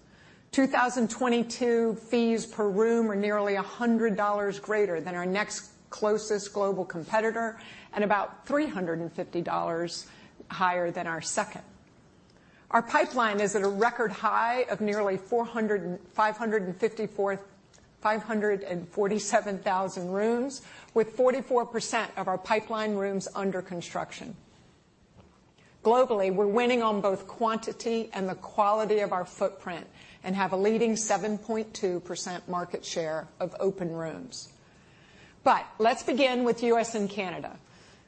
2022 fees per room are nearly $100 greater than our next closest global competitor, and about $350 higher than our second. Our pipeline is at a record high of nearly 547,000 rooms, with 44% of our pipeline rooms under construction. Globally, we're winning on both quantity and the quality of our footprint and have a leading 7.2% market share of open rooms. But let's begin with U.S. and Canada.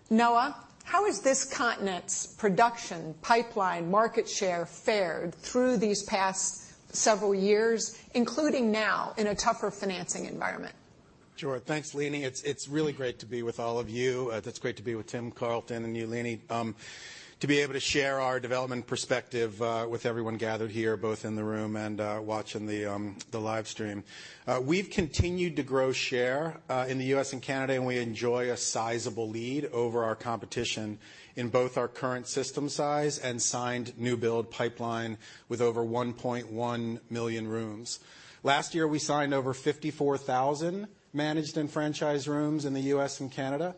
Noah, how has this continent's production pipeline market share fared through these past several years, including now in a tougher financing environment? Sure. Thanks, Leeny. It's, it's really great to be with all of you. It's great to be with Tim, Carlton, and you, Leeny, to be able to share our development perspective, with everyone gathered here, both in the room and, watching the live stream. We've continued to grow share, in the U.S. and Canada, and we enjoy a sizable lead over our competition in both our current system size and signed new build pipeline with over 1.1 million rooms. Last year, we signed over 54,000 managed and franchised rooms in the U.S. and Canada.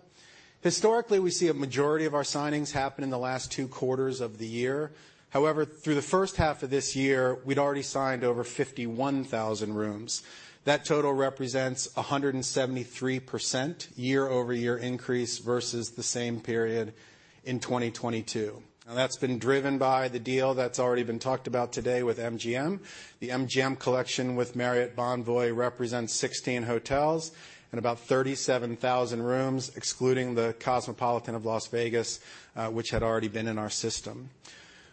Historically, we see a majority of our signings happen in the last two quarters of the year. However, through the first half of this year, we'd already signed over 51,000 rooms. That total represents a 173% year-over-year increase versus the same period in 2022. Now, that's been driven by the deal that's already been talked about today with MGM. The MGM Collection with Marriott Bonvoy represents 16 hotels and about 37,000 rooms, excluding the Cosmopolitan of Las Vegas, which had already been in our system.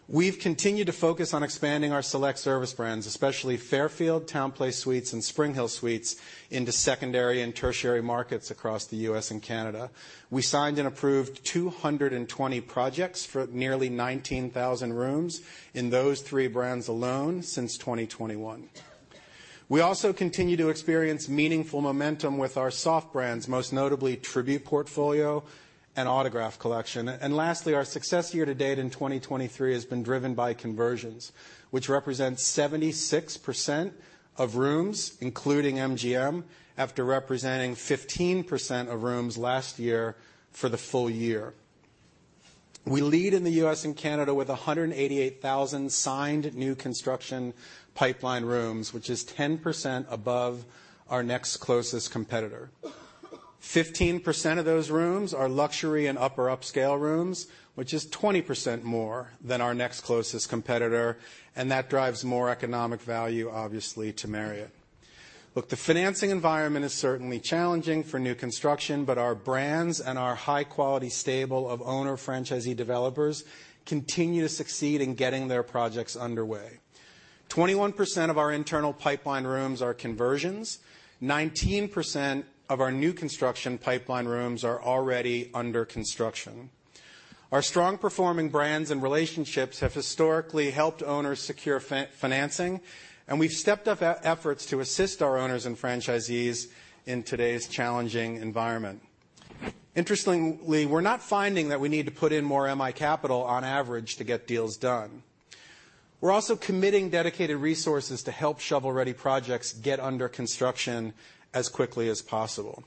We've continued to focus on expanding our select service brands, especially Fairfield, TownePlace Suites, and SpringHill Suites, into secondary and tertiary markets across the U.S. and Canada. We signed and approved 220 projects for nearly 19,000 rooms in those three brands alone since 2021. We also continue to experience meaningful momentum with our soft brands, most notably Tribute Portfolio and Autograph Collection. Lastly, our success year to date in 2023 has been driven by conversions, which represents 76% of rooms, including MGM, after representing 15% of rooms last year for the full year. We lead in the U.S. and Canada with 188,000 signed new construction pipeline rooms, which is 10% above our next closest competitor. 15% of those rooms are luxury and upper upscale rooms, which is 20% more than our next closest competitor, and that drives more economic value, obviously, to Marriott. Look, the financing environment is certainly challenging for new construction, but our brands and our high-quality, stable of owner franchisee developers continue to succeed in getting their projects underway. 21% of our internal pipeline rooms are conversions. 19% of our new construction pipeline rooms are already under construction. Our strong performing brands and relationships have historically helped owners secure financing, and we've stepped up efforts to assist our owners and franchisees in today's challenging environment. Interestingly, we're not finding that we need to put in more MI capital on average to get deals done. We're also committing dedicated resources to help shovel-ready projects get under construction as quickly as possible.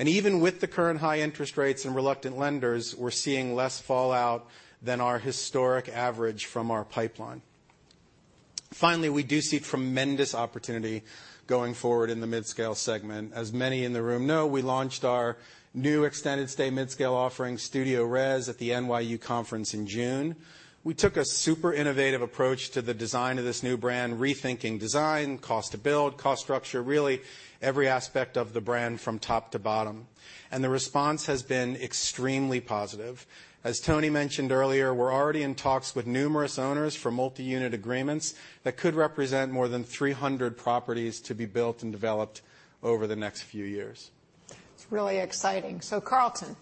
Even with the current high interest rates and reluctant lenders, we're seeing less fallout than our historic average from our pipeline. Finally, we do see tremendous opportunity going forward in the midscale segment. As many in the room know, we launched our new extended stay midscale offering, StudioRes, at the NYU conference in June. We took a super innovative approach to the design of this new brand, rethinking design, cost to build, cost structure, really every aspect of the brand from top to bottom, and the response has been extremely positive. As Tony mentioned earlier, we're already in talks with numerous owners for multi-unit agreements that could represent more than 300 properties to be built and developed over the next few years. It's really exciting. So, Carlton,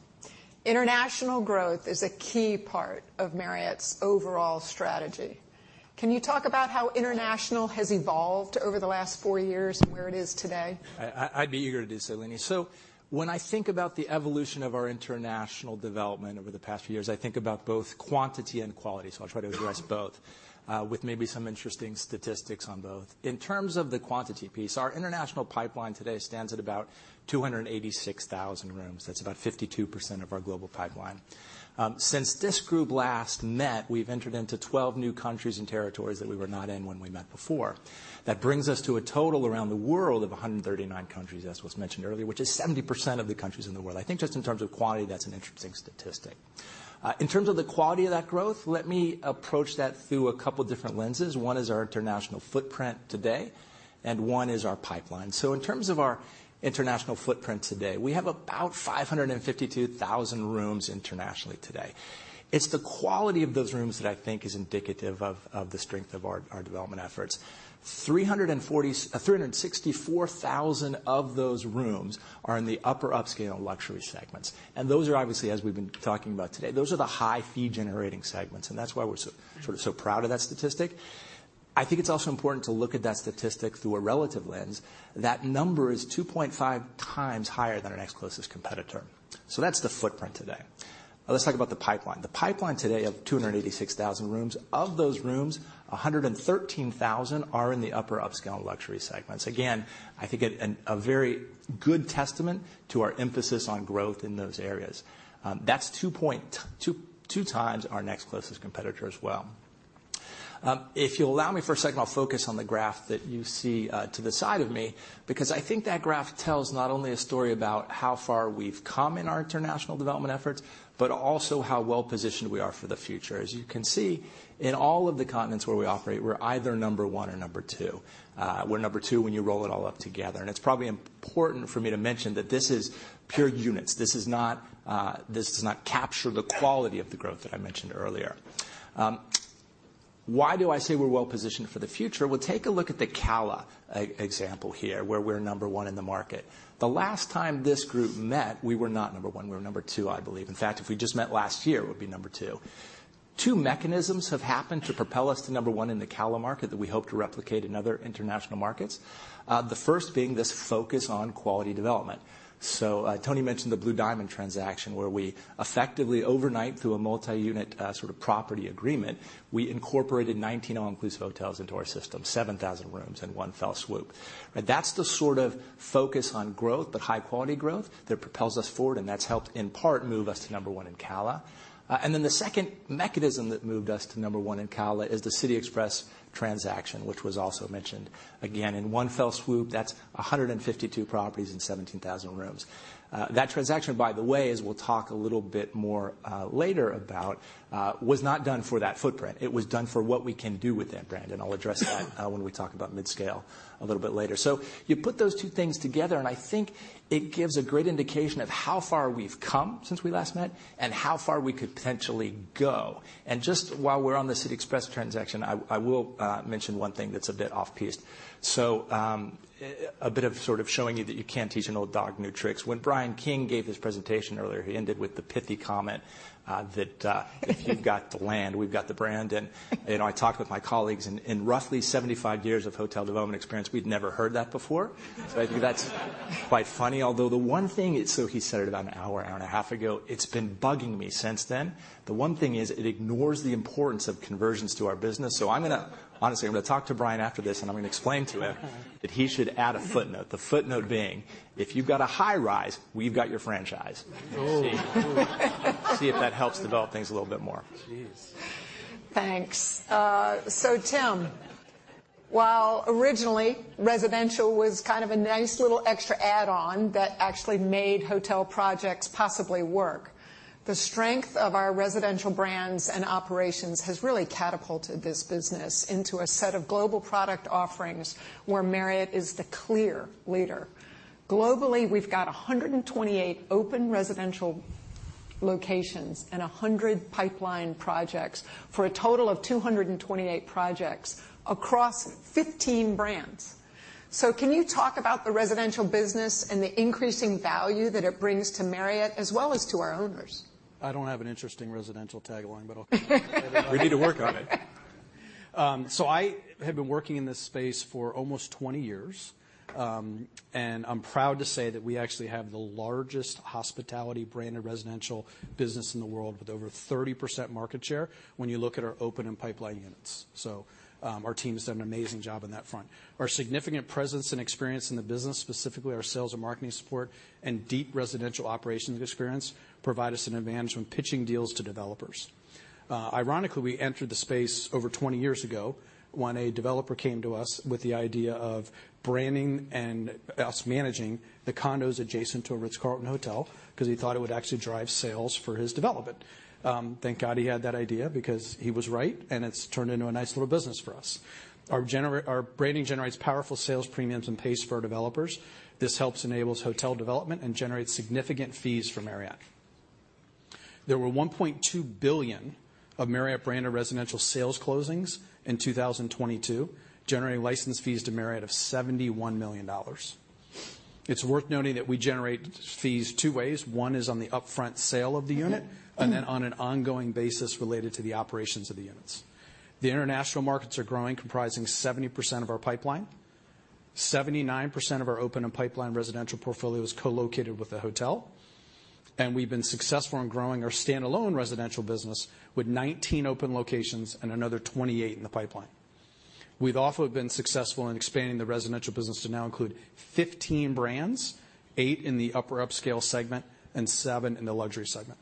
international growth is a key part of Marriott's overall strategy. Can you talk about how international has evolved over the last four years and where it is today? I'd be eager to do so, Leeny. So when I think about the evolution of our international development over the past few years, I think about both quantity and quality. So I'll try to address both with maybe some interesting statistics on both. In terms of the quantity piece, our international pipeline today stands at about 286,000 rooms. That's about 52% of our global pipeline. Since this group last met, we've entered into 12 new countries and territories that we were not in when we met before. That brings us to a total around the world of 139 countries, as was mentioned earlier, which is 70% of the countries in the world. I think just in terms of quantity, that's an interesting statistic. In terms of the quality of that growth, let me approach that through a couple different lenses. One is our international footprint today, and one is our pipeline. So in terms of our international footprint today, we have about 552,000 rooms internationally today. It's the quality of those rooms that I think is indicative of the strength of our development efforts. 364,000 of those rooms are in the upper upscale luxury segments, and those are obviously, as we've been talking about today, those are the high fee-generating segments, and that's why we're so, sort of, so proud of that statistic. I think it's also important to look at that statistic through a relative lens. That number is 2.5 times higher than our next closest competitor. So that's the footprint today. Let's talk about the pipeline. The pipeline today of 286,000 rooms, of those rooms, 113,000 are in the upper upscale luxury segments. Again, I think a very good testament to our emphasis on growth in those areas. That's 2.2 times our next closest competitor as well. If you'll allow me for a second, I'll focus on the graph that you see to the side of me, because I think that graph tells not only a story about how far we've come in our international development efforts, but also how well-positioned we are for the future. As you can see, in all of the continents where we operate, we're either number one or number two. We're number two when you roll it all up together, and it's probably important for me to mention that this is pure units. This is not, this does not capture the quality of the growth that I mentioned earlier. Why do I say we're well positioned for the future? Well, take a look at the CALA example here, where we're number one in the market. The last time this group met, we were not number one. We were number two, I believe. In fact, if we just met last year, we'd be number two. Two mechanisms have happened to propel us to number one in the CALA market that we hope to replicate in other international markets. The first being this focus on quality development. So, Tony mentioned the Blue Diamond transaction, where we effectively, overnight, through a multi-unit, sort of property agreement, we incorporated 19 all-inclusive hotels into our system, 7,000 rooms in one fell swoop. And that's the sort of focus on growth, but high-quality growth, that propels us forward, and that's helped in part move us to number one in CALA. And then the second mechanism that moved us to number one in CALA is the City Express transaction, which was also mentioned. Again, in one fell swoop, that's 152 properties and 17,000 rooms. That transaction, by the way, as we'll talk a little bit more later about, was not done for that footprint. It was done for what we can do with that brand, and I'll address that when we talk about midscale a little bit later. So you put those two things together, and I think it gives a great indication of how far we've come since we last met and how far we could potentially go. And just while we're on the City Express transaction, I will mention one thing that's a bit off-piste branded. So, a bit of sort of showing you that you can teach an old dog new tricks. When Brian King gave his presentation earlier, he ended with the pithy comment that "If you've got the land, we've got the brand." And I talked with my colleagues, and in roughly 75 years of hotel development experience, we'd never heard that before. So I think that's quite funny, although the one thing is. So he said it about an hour, hour and a half ago. It's been bugging me since then. The one thing is, it ignores the importance of conversions to our business. So I'm gonna... Honestly, I'm gonna talk to Brian after this, and I'm gonna explain to him- Okay. that he should add a footnote, the footnote being: If you've got a high-rise, we've got your franchise. Oh. See if that helps develop things a little bit more. Geez. Thanks. So Tim, while originally, residential was kind of a nice little extra add-on that actually made hotel projects possibly work, the strength of our residential brands and operations has really catapulted this business into a set of global product offerings where Marriott is the clear leader. Globally, we've got 128 open residential locations and 100 pipeline projects, for a total of 228 projects across 15 brands. So can you talk about the residential business and the increasing value that it brings to Marriott, as well as to our owners? I don't have an interesting residential tagline, but I'll- We need to work on it. So I have been working in this space for almost 20 years, and I'm proud to say that we actually have the largest hospitality branded residential business in the world, with over 30% market share when you look at our open and pipeline units. So, our team has done an amazing job on that front. Our significant presence and experience in the business, specifically our sales and marketing support and deep residential operations experience, provide us an advantage when pitching deals to developers. Ironically, we entered the space over 20 years ago when a developer came to us with the idea of branding and us managing the condos adjacent to a Ritz-Carlton hotel, because he thought it would actually drive sales for his development. Thank God he had that idea, because he was right, and it's turned into a nice little business for us. Our branding generates powerful sales premiums and pays for our developers. This helps enables hotel development and generates significant fees for Marriott. There were $1.2 billion of Marriott brand of residential sales closings in 2022, generating license fees to Marriott of $71 million. It's worth noting that we generate fees two ways. One is on the upfront sale of the unit, and then on an ongoing basis related to the operations of the units. The international markets are growing, comprising 70% of our pipeline. 79% of our open and pipeline residential portfolio is co-located with the hotel, and we've been successful in growing our standalone residential business with 19 open locations and another 28 in the pipeline. We've also been successful in expanding the residential business to now include 15 brands, 8 in the upper upscale segment and 7 in the luxury segment.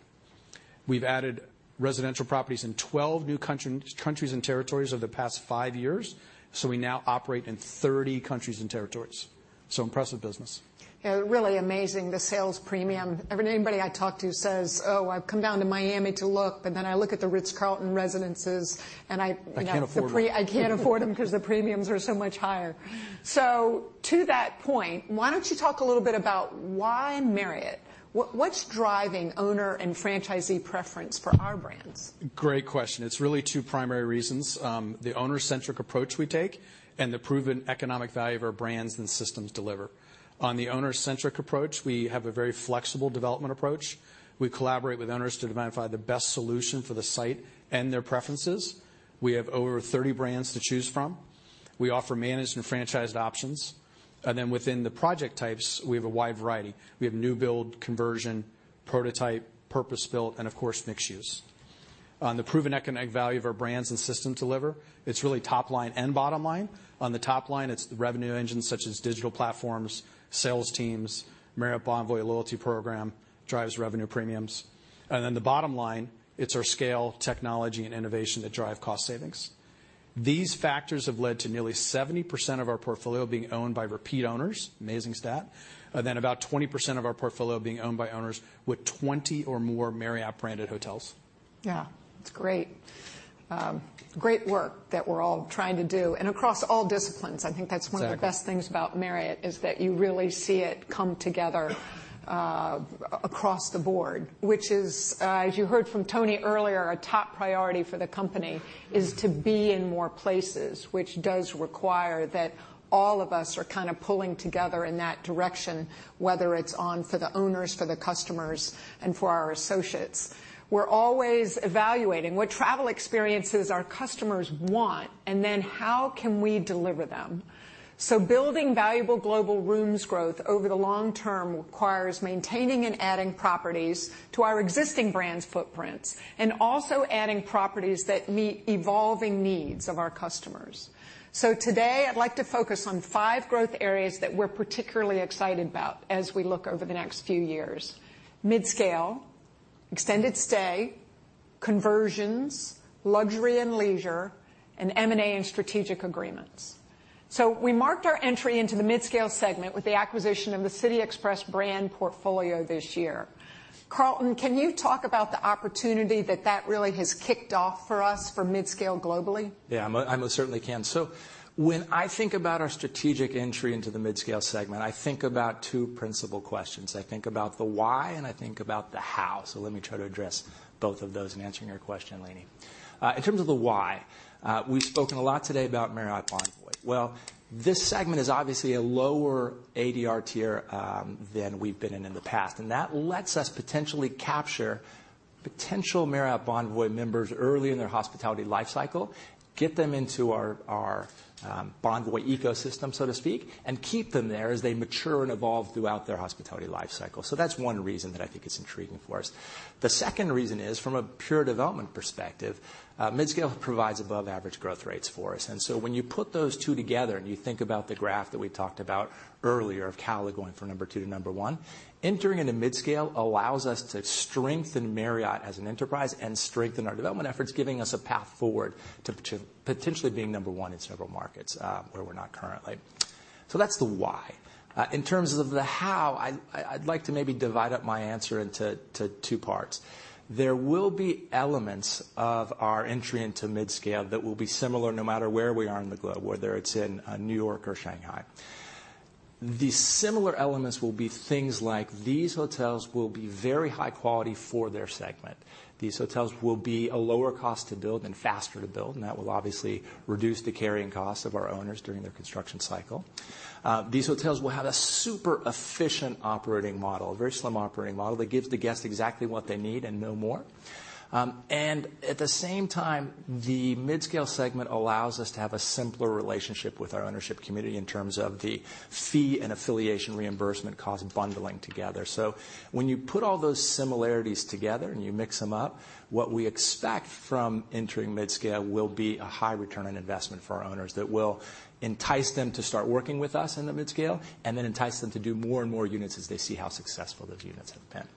We've added residential properties in 12 new countries and territories over the past 5 years, so we now operate in 30 countries and territories. So impressive business. Yeah, really amazing, the sales premium. Anybody I talk to says, "Oh, I've come down to Miami to look, but then I look at the Ritz-Carlton residences, and I, you know- I can't afford them.... I can't afford them because the premiums are so much higher. So to that point, why don't you talk a little bit about why Marriott? What, what's driving owner and franchisee preference for our brands? Great question. It's really two primary reasons: the owner-centric approach we take and the proven economic value of our brands and systems deliver. On the owner-centric approach, we have a very flexible development approach. We collaborate with owners to identify the best solution for the site and their preferences. We have over 30 brands to choose from. We offer managed and franchised options, and then within the project types, we have a wide variety. We have new build, conversion, prototype, purpose-built, and of course, mixed use. On the proven economic value of our brands and system deliver, it's really top line and bottom line. On the top line, it's the revenue engines such as digital platforms, sales teams, Marriott Bonvoy loyalty program drives revenue premiums. And then the bottom line, it's our scale, technology, and innovation that drive cost savings. These factors have led to nearly 70% of our portfolio being owned by repeat owners, amazing stat, and then about 20% of our portfolio being owned by owners with 20 or more Marriott-branded hotels. Yeah, it's great. Great work that we're all trying to do, and across all disciplines. Exactly. I think that's one of the best things about Marriott, is that you really see it come together across the board, which is, as you heard from Tony earlier, a top priority for the company is to be in more places, which does require that all of us are kind of pulling together in that direction, whether it's on for the owners, for the customers, and for our associates. We're always evaluating what travel experiences our customers want, and then how can we deliver them? So building valuable global rooms growth over the long term requires maintaining and adding properties to our existing brands' footprints, and also adding properties that meet evolving needs of our customers. So today, I'd like to focus on five growth areas that we're particularly excited about as we look over the next few years: midscale, extended stay, conversions, luxury and leisure, and M&A and strategic agreements. We marked our entry into the midscale segment with the acquisition of the City Express brand portfolio this year. Carlton, can you talk about the opportunity that that really has kicked off for us for midscale globally? Yeah, I most certainly can. So when I think about our strategic entry into the midscale segment, I think about two principal questions. I think about the why, and I think about the how. So let me try to address both of those in answering your question, Leeny. In terms of the why, we've spoken a lot today about Marriott Bonvoy. Well, this segment is obviously a lower ADR tier than we've been in in the past, and that lets us potentially capture potential Marriott Bonvoy members early in their hospitality life cycle, get them into our Bonvoy ecosystem, so to speak, and keep them there as they mature and evolve throughout their hospitality life cycle. So that's one reason that I think it's intriguing for us. The second reason is from a pure development perspective, midscale provides above average growth rates for us. And so when you put those two together and you think about the graph that we talked about earlier of CALA going from number two to number one, entering into midscale allows us to strengthen Marriott as an enterprise and strengthen our development efforts, giving us a path forward to potentially being number one in several markets where we're not currently. So that's the why. In terms of the how, I'd like to maybe divide up my answer into two parts. There will be elements of our entry into midscale that will be similar no matter where we are on the globe, whether it's in New York or Shanghai. The similar elements will be things like these hotels will be very high quality for their segment. These hotels will be a lower cost to build and faster to build, and that will obviously reduce the carrying costs of our owners during their construction cycle. These hotels will have a super efficient operating model, a very slim operating model that gives the guests exactly what they need and no more. And at the same time, the midscale segment allows us to have a simpler relationship with our ownership community in terms of the fee and affiliation reimbursement cost bundling together. So when you put all those similarities together and you mix them up, what we expect from entering midscale will be a high return on investment for our owners that will entice them to start working with us in the midscale, and then entice them to do more and more units as they see how successful those units have been.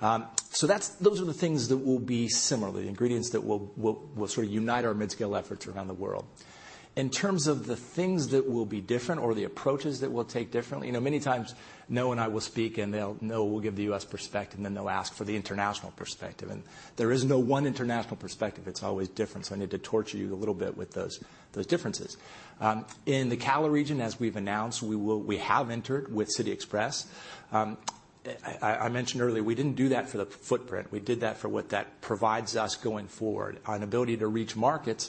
So that's those are the things that will be similar, the ingredients that will, will, will sort of unite our midscale efforts around the world. In terms of the things that will be different or the approaches that we'll take differently, you know, many times Noah and I will speak, and they'll Noah will give the U.S. perspective, and then they'll ask for the international perspective, and there is no one international perspective. It's always different, so I need to torture you a little bit with those, those differences. In the CALA region, as we've announced, we have entered with City Express. I mentioned earlier, we didn't do that for the footprint. We did that for what that provides us going forward, an ability to reach markets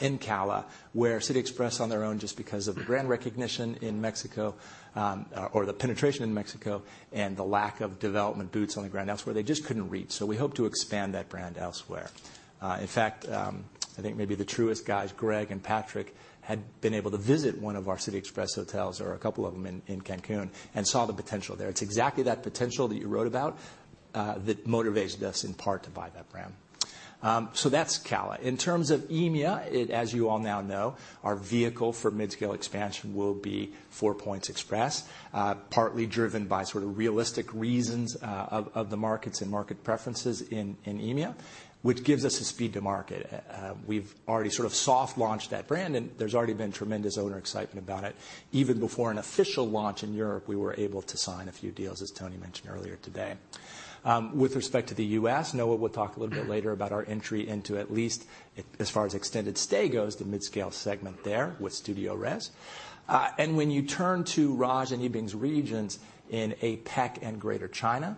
in CALA, where City Express on their own, just because of the brand recognition in Mexico, or the penetration in Mexico and the lack of development boots on the ground elsewhere, they just couldn't reach. So we hope to expand that brand elsewhere. In fact, I think maybe the Truist guys, Greg and Patrick, had been able to visit one of our City Express hotels or a couple of them in Cancún and saw the potential there. It's exactly that potential that you wrote about that motivates us in part to buy that brand. So that's CALA. In terms of EMEA, as you all now know, our vehicle for midscale expansion will be Four Points Express, partly driven by sort of realistic reasons, of the markets and market preferences in EMEA, which gives us a speed to market. We've already sort of soft launched that brand, and there's already been tremendous owner excitement about it. Even before an official launch in Europe, we were able to sign a few deals, as Tony mentioned earlier today. With respect to the U.S., Noah will talk a little bit later about our entry into at least, as far as extended stay goes, the midscale segment there with StudioRes. When you turn to Raj and Yibing's regions in APAC and Greater China,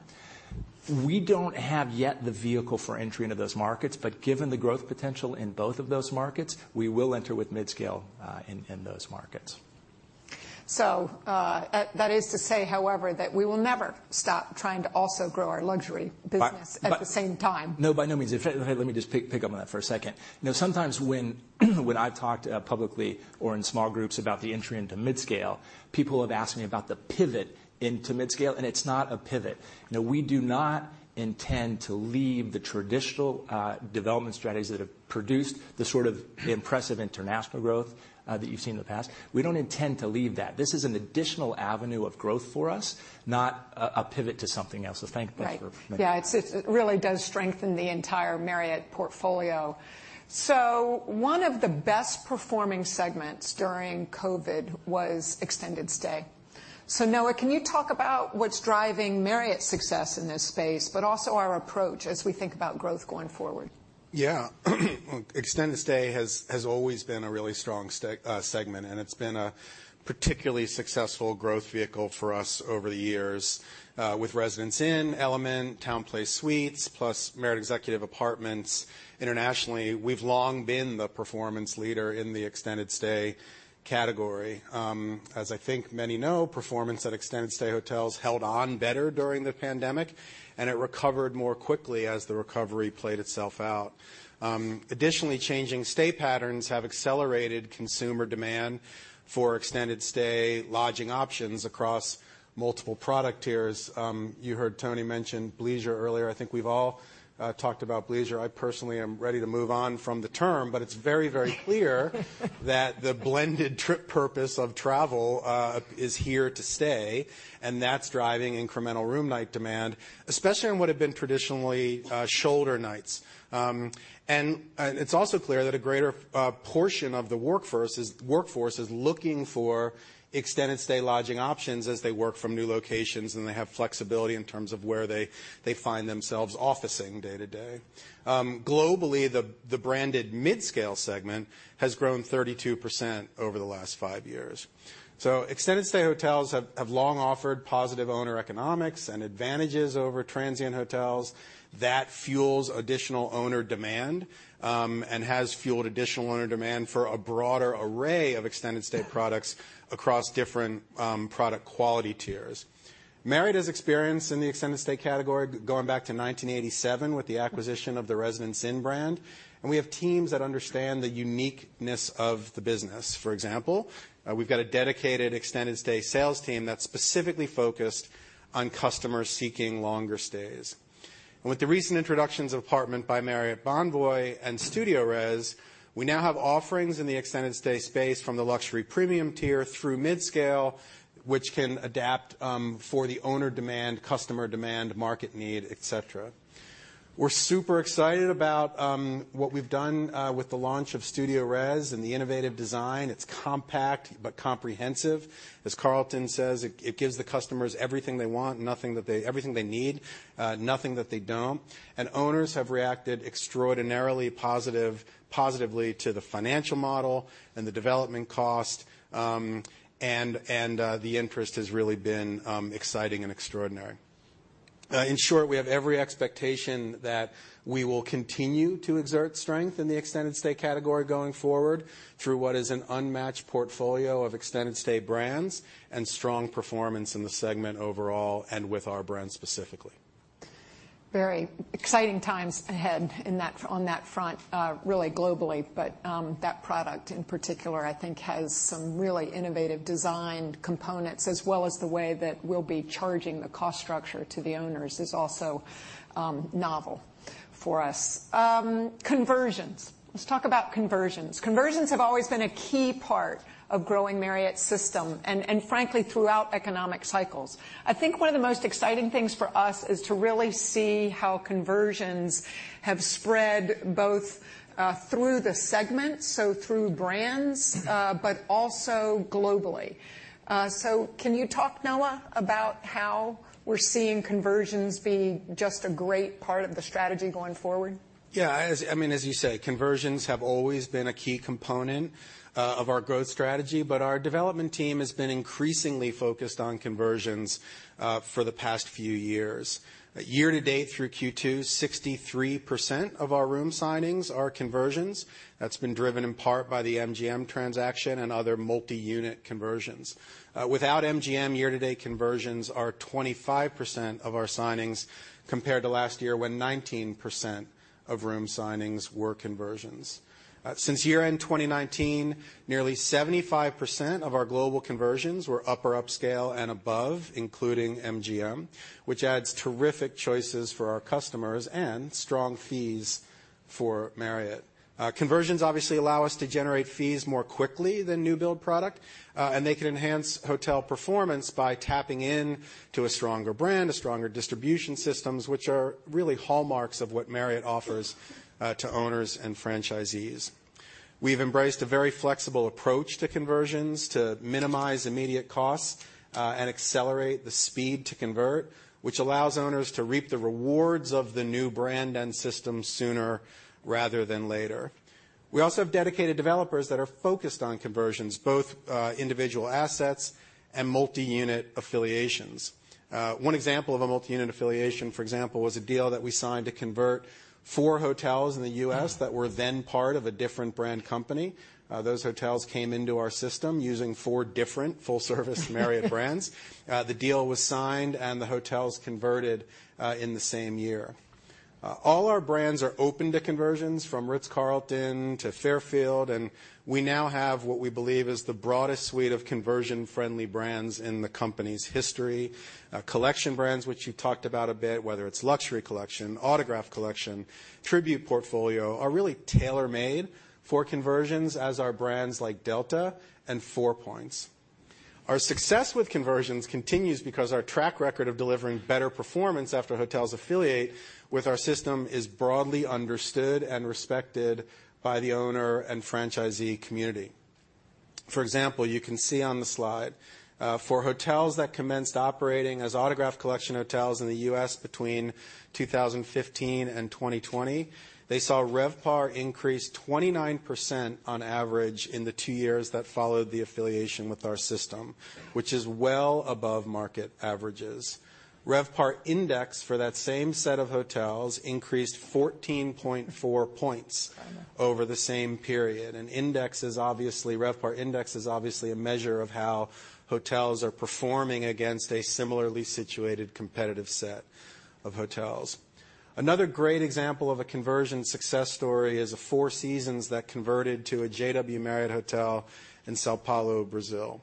we don't have yet the vehicle for entry into those markets, but given the growth potential in both of those markets, we will enter with midscale in those markets. So, that is to say, however, that we will never stop trying to also grow our luxury business- By, by- at the same time. No, by no means. In fact, let me just pick up on that for a second. You know, sometimes when I've talked publicly or in small groups about the entry into midscale, people have asked me about the pivot into midscale, and it's not a pivot. You know, we do not intend to leave the traditional development strategies that have produced the sort of impressive international growth that you've seen in the past. We don't intend to leave that. This is an additional avenue of growth for us, not a pivot to something else. So thank- Right. Thank you. Yeah, it really does strengthen the entire Marriott portfolio. So one of the best performing segments during COVID was extended stay. So Noah, can you talk about what's driving Marriott's success in this space, but also our approach as we think about growth going forward? Yeah. Extended stay has always been a really strong segment, and it's been a particularly successful growth vehicle for us over the years. With Residence Inn, Element, TownePlace Suites, plus Marriott Executive Apartments internationally, we've long been the performance leader in the extended stay category. As I think many know, performance at extended stay hotels held on better during the pandemic, and it recovered more quickly as the recovery played itself out. Additionally, changing stay patterns have accelerated consumer demand for extended stay lodging options across multiple product tiers. You heard Tony mention bleisure earlier. I think we've all talked about bleisure. I personally am ready to move on from the term, but it's very, very clear-... that the blended trip purpose of travel is here to stay, and that's driving incremental room night demand, especially on what have been traditionally shoulder nights. And it's also clear that a greater portion of the workforce is looking for extended stay lodging options as they work from new locations, and they have flexibility in terms of where they find themselves officing day to day. Globally, the branded midscale segment has grown 32% over the last five years. So extended stay hotels have long offered positive owner economics and advantages over transient hotels. That fuels additional owner demand, and has fueled additional owner demand for a broader array of extended stay products across different product quality tiers. Marriott has experience in the extended stay category going back to 1987 with the acquisition of the Residence Inn brand, and we have teams that understand the uniqueness of the business. For example, we've got a dedicated extended stay sales team that's specifically focused on customers seeking longer stays. With the recent introductions of Apartment by Marriott Bonvoy and StudioRes, we now have offerings in the extended stay space from the luxury premium tier through midscale, which can adapt, for the owner demand, customer demand, market need, et cetera. We're super excited about, what we've done, with the launch of StudioRes and the innovative design. It's compact but comprehensive. As Carlton says, it gives the customers everything they want and nothing that they-- everything they need, nothing that they don't. Owners have reacted extraordinarily positive, positively to the financial model and the development cost, and the interest has really been exciting and extraordinary. In short, we have every expectation that we will continue to exert strength in the extended stay category going forward through what is an unmatched portfolio of extended stay brands and strong performance in the segment overall and with our brand specifically. Very exciting times ahead in that on that front, really globally, but that product in particular, I think, has some really innovative design components as well as the way that we'll be charging the cost structure to the owners is also novel for us. Conversions. Let's talk about conversions. Conversions have always been a key part of growing Marriott's system and frankly, throughout economic cycles. I think one of the most exciting things for us is to really see how conversions have spread both through the segments, so through brands but also globally. So can you talk, Noah, about how we're seeing conversions being just a great part of the strategy going forward? Yeah, as I mean, as you say, conversions have always been a key component of our growth strategy, but our development team has been increasingly focused on conversions for the past few years. Year-to-date through Q2, 63% of our room signings are conversions. That's been driven in part by the MGM transaction and other multi-unit conversions. Without MGM, year-to-date conversions are 25% of our signings, compared to last year, when 19% of room signings were conversions. Since year-end 2019, nearly 75% of our global conversions were upper upscale and above, including MGM, which adds terrific choices for our customers and strong fees for Marriott. Conversions obviously allow us to generate fees more quickly than new build product, and they can enhance hotel performance by tapping into a stronger brand, a stronger distribution systems, which are really hallmarks of what Marriott offers, to owners and franchisees. We've embraced a very flexible approach to conversions to minimize immediate costs, and accelerate the speed to convert, which allows owners to reap the rewards of the new brand and system sooner rather than later. We also have dedicated developers that are focused on conversions, both individual assets and multi-unit affiliations. One example of a multi-unit affiliation, for example, was a deal that we signed to convert four hotels in the U.S. that were then part of a different brand company. Those hotels came into our system using four different full-service Marriott brands. The deal was signed, and the hotels converted, in the same year. All our brands are open to conversions, from Ritz-Carlton to Fairfield, and we now have what we believe is the broadest suite of conversion-friendly brands in the company's history. Collection brands, which you talked about a bit, whether it's Luxury Collection, Autograph Collection, Tribute Portfolio, are really tailor-made for conversions, as are brands like Delta and Four Points. Our success with conversions continues because our track record of delivering better performance after hotels affiliate with our system is broadly understood and respected by the owner and franchisee community. For example, you can see on the slide, for hotels that commenced operating as Autograph Collection hotels in the U.S. between 2015 and 2020, they saw RevPAR increase 29% on average in the two years that followed the affiliation with our system, which is well above market averages. RevPAR index for that same set of hotels increased 14.4 points- Mm-hmm. Over the same period, and index is obviously RevPAR index is obviously a measure of how hotels are performing against a similarly situated competitive set of hotels. Another great example of a conversion success story is a Four Seasons that converted to a JW Marriott hotel in São Paulo, Brazil.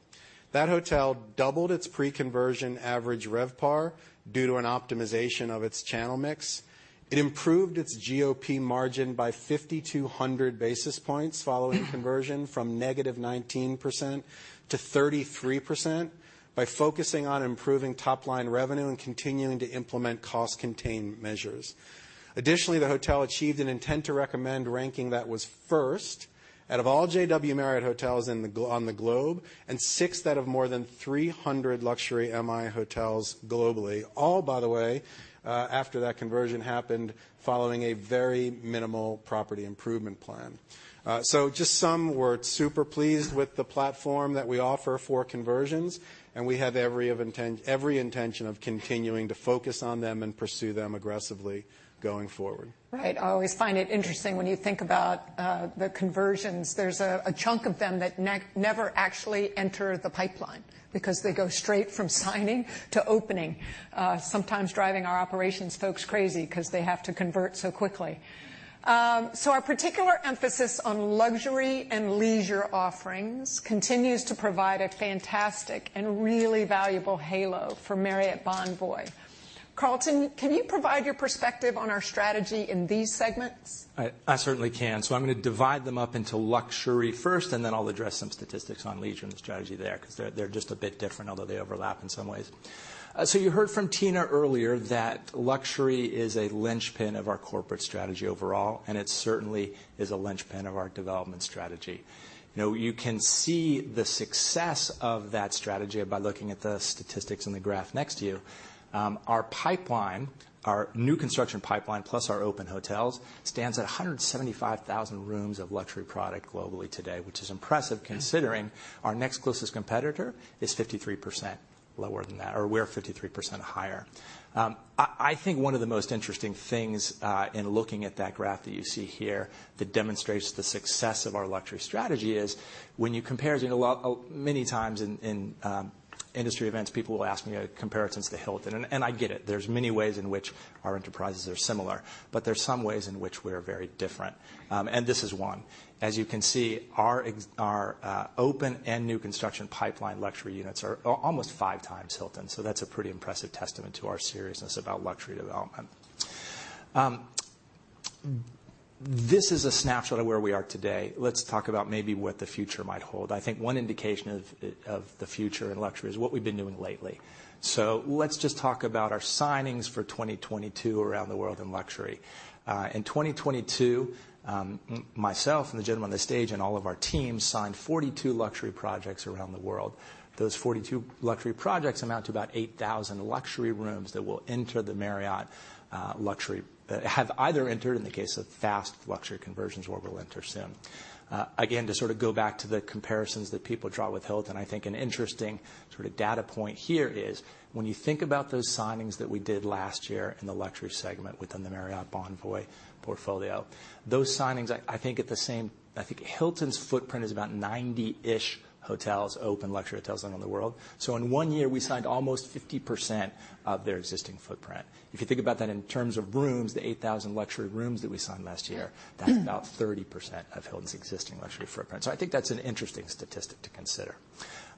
That hotel doubled its pre-conversion average RevPAR due to an optimization of its channel mix. It improved its GOP margin by 5,200 basis points following conversion, from negative 19% to 33%, by focusing on improving top-line revenue and continuing to implement cost-contain measures. Additionally, the hotel achieved an intent to recommend ranking that was first out of all JW Marriott hotels in the globe, and sixth out of more than 300 luxury MI hotels globally. All, by the way, after that conversion happened, following a very minimal property improvement plan. So just some words, super pleased with the platform that we offer for conversions, and we have every intention of continuing to focus on them and pursue them aggressively going forward. Right. I always find it interesting when you think about the conversions. There's a chunk of them that never actually enter the pipeline because they go straight from signing to opening, sometimes driving our operations folks crazy 'cause they have to convert so quickly. Our particular emphasis on luxury and leisure offerings continues to provide a fantastic and really valuable halo for Marriott Bonvoy. Carlton, can you provide your perspective on our strategy in these segments? I certainly can. So I'm gonna divide them up into luxury first, and then I'll address some statistics on leisure and the strategy there, 'cause they're, they're just a bit different, although they overlap in some ways. So you heard from Tina earlier that luxury is a linchpin of our corporate strategy overall, and it certainly is a linchpin of our development strategy. You know, you can see the success of that strategy by looking at the statistics in the graph next to you. Our pipeline, our new construction pipeline, plus our open hotels, stands at 175,000 rooms of luxury product globally today, which is impressive, considering our next closest competitor is 53% lower than that, or we're 53% higher. I think one of the most interesting things in looking at that graph that you see here that demonstrates the success of our luxury strategy is when you compare. You know, well, many times in industry events, people will ask me comparisons to Hilton, and I get it. There's many ways in which our enterprises are similar, but there's some ways in which we're very different, and this is one. As you can see, our open and new construction pipeline luxury units are almost five times Hilton, so that's a pretty impressive testament to our seriousness about luxury development. This is a snapshot of where we are today. Let's talk about maybe what the future might hold. I think one indication of the future in luxury is what we've been doing lately. So let's just talk about our signings for 2022 around the world in luxury. In 2022, myself and the gentlemen on the stage and all of our teams signed 42 luxury projects around the world. Those 42 luxury projects amount to about 8,000 luxury rooms that will enter the Marriott luxury have either entered, in the case of fast luxury conversions, or will enter soon. Again, to sort of go back to the comparisons that people draw with Hilton, I think an interesting sort of data point here is when you think about those signings that we did last year in the luxury segment within the Marriott Bonvoy portfolio, those signings, I, I think at the same I think Hilton's footprint is about 90-ish hotels, open luxury hotels around the world. So in 1 year, we signed almost 50% of their existing footprint. If you think about that in terms of rooms, the 8,000 luxury rooms that we signed last year, that's about 30% of Hilton's existing luxury footprint. So I think that's an interesting statistic to consider.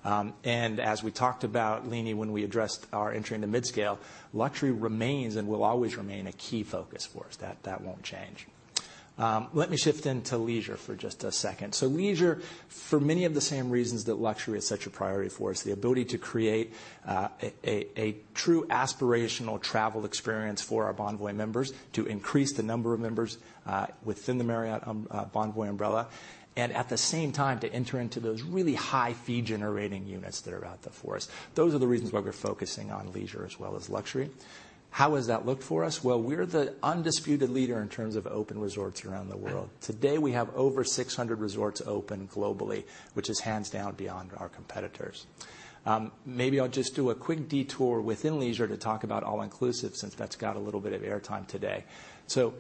And as we talked about, Lenny, when we addressed our entry into midscale, luxury remains and will always remain a key focus for us. That, that won't change. Let me shift into leisure for just a second. So leisure, for many of the same reasons that luxury is such a priority for us, the ability to create a true aspirational travel experience for our Bonvoy members, to increase the number of members within the Marriott Bonvoy umbrella, and at the same time, to enter into those really high fee-generating units that are out there for us. Those are the reasons why we're focusing on leisure as well as luxury. How has that looked for us? Well, we're the undisputed leader in terms of open resorts around the world. Today, we have over 600 resorts open globally, which is hands down beyond our competitors. Maybe I'll just do a quick detour within leisure to talk about all-inclusive, since that's got a little bit of airtime today. So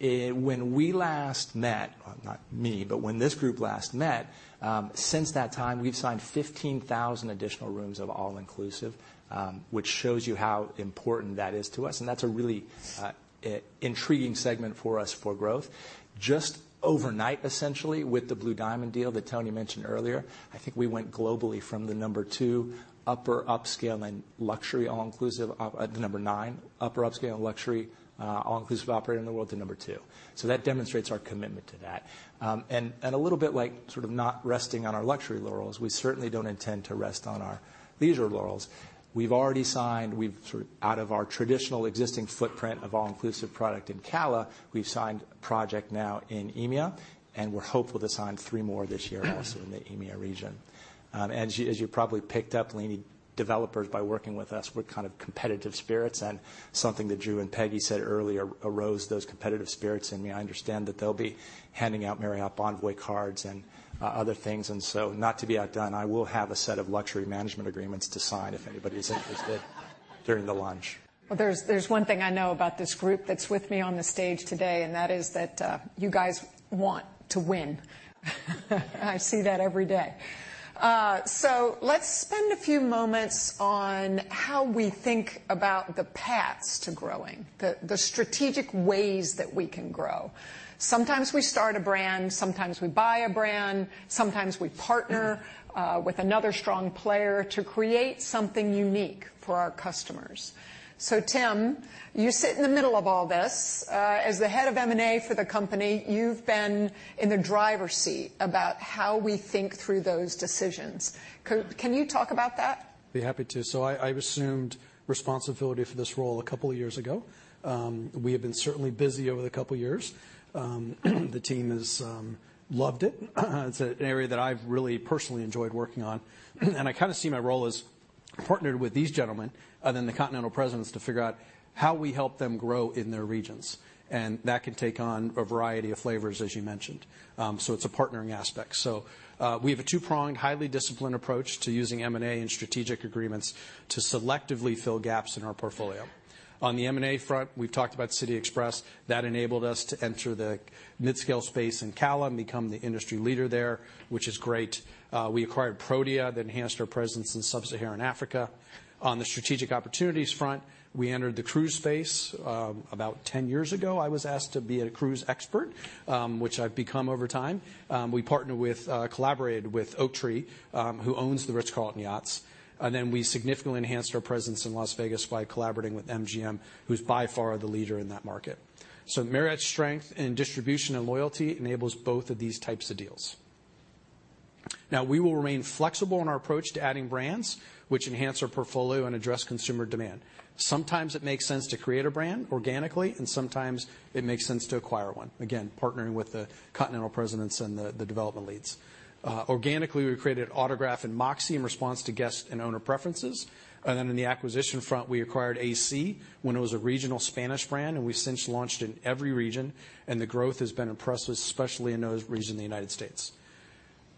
when we last met... Well, not me, but when this group last met, since that time, we've signed 15,000 additional rooms of all-inclusive, which shows you how important that is to us, and that's a really, intriguing segment for us for growth. Just overnight, essentially, with the Blue Diamond deal that Tony mentioned earlier, I think we went globally from the number two upper upscale and luxury all-inclusive, the number nine upper upscale and luxury, all-inclusive operator in the world to number two. So that demonstrates our commitment to that. And, a little bit like sort of not resting on our luxury laurels, we certainly don't intend to rest on our leisure laurels. We've already signed. We've sort of out of our traditional existing footprint of all-inclusive product in CALA, we've signed a project now in EMEA, and we're hopeful to sign three more this year also in the EMEA region. As you probably picked up, Leeny, developers, by working with us, we're kind of competitive spirits, and something that Drew and Peggy said earlier arose those competitive spirits in me. I understand that they'll be handing out Marriott Bonvoy cards and, other things, and so not to be outdone, I will have a set of luxury management agreements to sign if anybody's interested during the lunch. Well, there's one thing I know about this group that's with me on the stage today, and that is that you guys want to win. I see that every day. So let's spend a few moments on how we think about the paths to growing, the strategic ways that we can grow. Sometimes we start a brand, sometimes we buy a brand, sometimes we partner with another strong player to create something unique for our customers. So Tim, you sit in the middle of all this. As the head of M&A for the company, you've been in the driver's seat about how we think through those decisions. Can you talk about that? Be happy to. So I assumed responsibility for this role a couple of years ago. We have been certainly busy over the couple years. The team has loved it. It's an area that I've really personally enjoyed working on, and I kind of see my role as partnering with these gentlemen and then the continental presidents to figure out how we help them grow in their regions, and that can take on a variety of flavors, as you mentioned. So it's a partnering aspect. So, we have a two-pronged, highly disciplined approach to using M&A and strategic agreements to selectively fill gaps in our portfolio. On the M&A front, we've talked about City Express. That enabled us to enter the midscale space in CALA and become the industry leader there, which is great. We acquired Protea. That enhanced our presence in sub-Saharan Africa. On the strategic opportunities front, we entered the cruise space. About 10 years ago, I was asked to be a cruise expert, which I've become over time. We partnered with, collaborated with Oaktree, who owns the Ritz-Carlton Yachts, and then we significantly enhanced our presence in Las Vegas by collaborating with MGM, who's by far the leader in that market. So Marriott's strength in distribution and loyalty enables both of these types of deals. Now, we will remain flexible in our approach to adding brands which enhance our portfolio and address consumer demand. Sometimes it makes sense to create a brand organically, and sometimes it makes sense to acquire one, again, partnering with the continental presidents and the development leads. Organically, we created Autograph and Moxy in response to guest and owner preferences, and then in the acquisition front, we acquired AC when it was a regional Spanish brand, and we've since launched in every region, and the growth has been impressive, especially in those regions in the United States.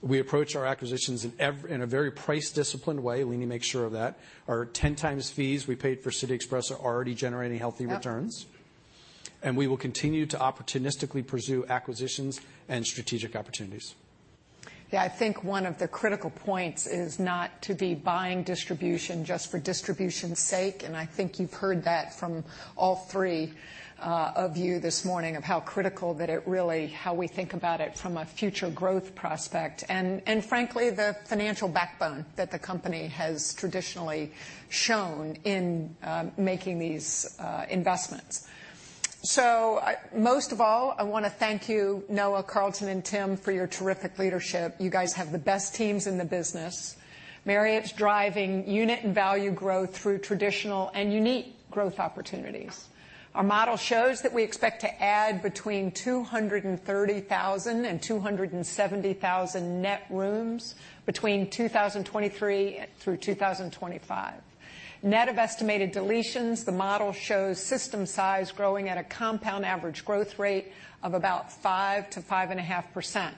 We approach our acquisitions in a very price-disciplined way. We need to make sure of that. Our 10x fees we paid for City Express are already generating healthy returns. Yep. We will continue to opportunistically pursue acquisitions and strategic opportunities. Yeah, I think one of the critical points is not to be buying distribution just for distribution's sake, and I think you've heard that from all three of you this morning, of how critical that it really is. How we think about it from a future growth prospect and, frankly, the financial backbone that the company has traditionally shown in making these investments. So, I most of all want to thank you, Noah, Carlton, and Tim, for your terrific leadership. You guys have the best teams in the business. Marriott's driving unit and value growth through traditional and unique growth opportunities. Our model shows that we expect to add between 230,000 and 270,000 net rooms between 2023 through 2025. Net of estimated deletions, the model shows system size growing at a compound average growth rate of about 5%-5.5%,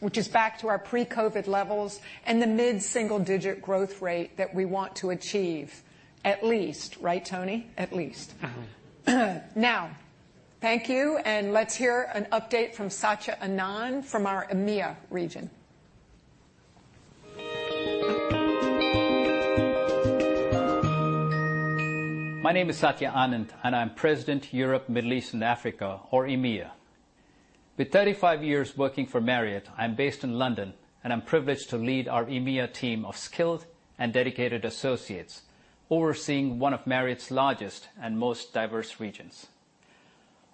which is back to our pre-COVID levels and the mid-single-digit growth rate that we want to achieve, at least. Right, Tony? At least. Uh-huh. Now, thank you, and let's hear an update from Satya Anand from our EMEA region. My name is Satya Anand, and I'm President, Europe, Middle East, and Africa, or EMEA. With 35 years working for Marriott, I'm based in London, and I'm privileged to lead our EMEA team of skilled and dedicated associates, overseeing one of Marriott's largest and most diverse regions.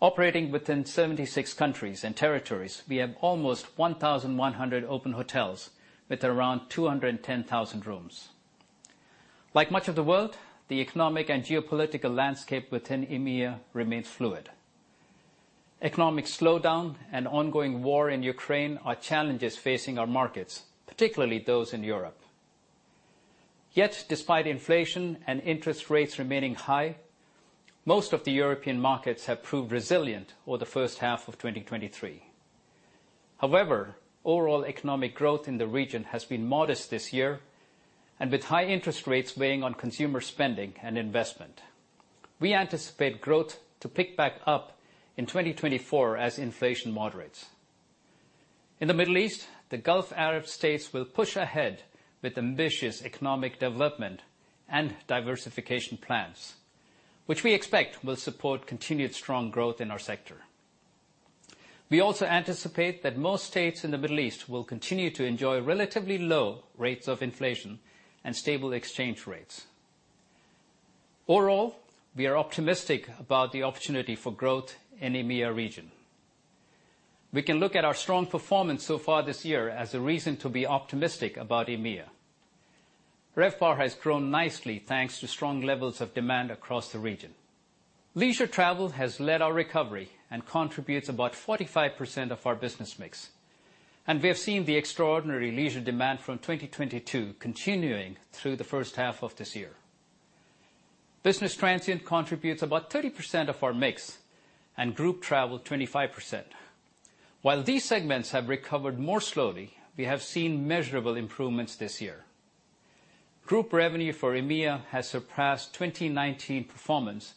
Operating within 76 countries and territories, we have almost 1,100 open hotels with around 210,000 rooms. Like much of the world, the economic and geopolitical landscape within EMEA remains fluid. Economic slowdown and ongoing war in Ukraine are challenges facing our markets, particularly those in Europe. Yet, despite inflation and interest rates remaining high, most of the European markets have proved resilient over the first half of 2023. However, overall economic growth in the region has been modest this year, and with high interest rates weighing on consumer spending and investment, we anticipate growth to pick back up in 2024 as inflation moderates. In the Middle East, the Gulf Arab states will push ahead with ambitious economic development and diversification plans, which we expect will support continued strong growth in our sector. We also anticipate that most states in the Middle East will continue to enjoy relatively low rates of inflation and stable exchange rates. Overall, we are optimistic about the opportunity for growth in EMEA region. We can look at our strong performance so far this year as a reason to be optimistic about EMEA. RevPAR has grown nicely, thanks to strong levels of demand across the region. Leisure travel has led our recovery and contributes about 45% of our business mix, and we have seen the extraordinary leisure demand from 2022 continuing through the first half of this year. Business transient contributes about 30% of our mix, and group travel, 25%. While these segments have recovered more slowly, we have seen measurable improvements this year. Group revenue for EMEA has surpassed 2019 performance,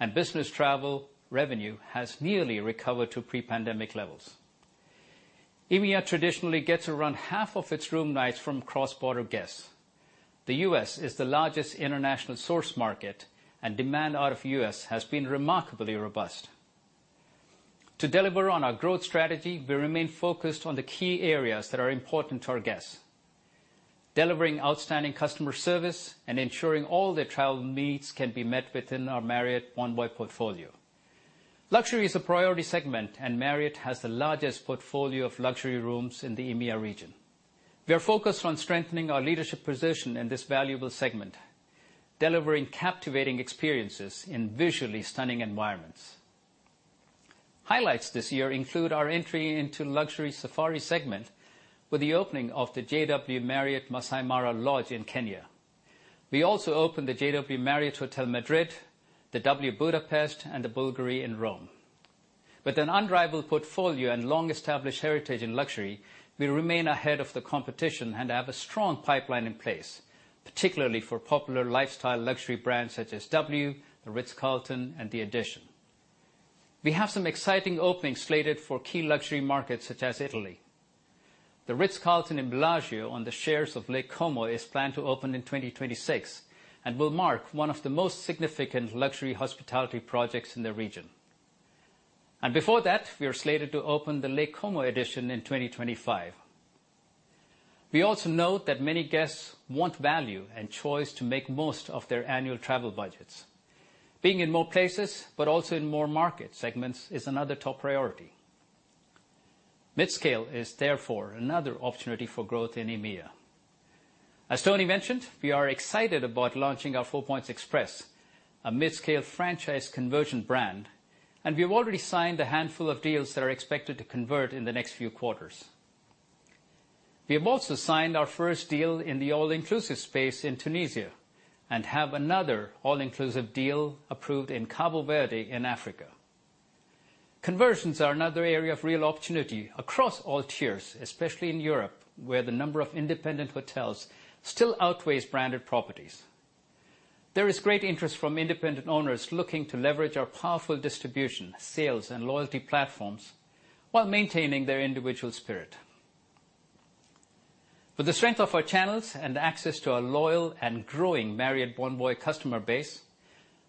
and business travel revenue has nearly recovered to pre-pandemic levels. EMEA traditionally gets around half of its room nights from cross-border guests. The US is the largest international source market, and demand out of US has been remarkably robust. To deliver on our growth strategy, we remain focused on the key areas that are important to our guests, delivering outstanding customer service and ensuring all their travel needs can be met within our Marriott Bonvoy portfolio. Luxury is a priority segment, and Marriott has the largest portfolio of luxury rooms in the EMEA region. We are focused on strengthening our leadership position in this valuable segment, delivering captivating experiences in visually stunning environments. Highlights this year include our entry into luxury safari segment with the opening of the JW Marriott Masai Mara Lodge in Kenya. We also opened the JW Marriott Hotel, Madrid, the W Budapest, and the Bulgari in Rome. With an unrivaled portfolio and long-established heritage in luxury, we remain ahead of the competition and have a strong pipeline in place, particularly for popular lifestyle luxury brands such as W, The Ritz-Carlton, and the Edition. We have some exciting openings slated for key luxury markets such as Italy. The Ritz-Carlton in Bellagio, on the shores of Lake Como, is planned to open in 2026 and will mark one of the most significant luxury hospitality projects in the region. Before that, we are slated to open the Lake Como EDITION in 2025. We also note that many guests want value and choice to make most of their annual travel budgets. Being in more places, but also in more market segments, is another top priority. Midscale is therefore another opportunity for growth in EMEA. As Tony mentioned, we are excited about launching our Four Points Express, a midscale franchise conversion brand, and we have already signed a handful of deals that are expected to convert in the next few quarters. We have also signed our first deal in the all-inclusive space in Tunisia and have another all-inclusive deal approved in Cabo Verde in Africa. Conversions are another area of real opportunity across all tiers, especially in Europe, where the number of independent hotels still outweighs branded properties. There is great interest from independent owners looking to leverage our powerful distribution, sales, and loyalty platforms while maintaining their individual spirit. With the strength of our channels and access to our loyal and growing Marriott Bonvoy customer base,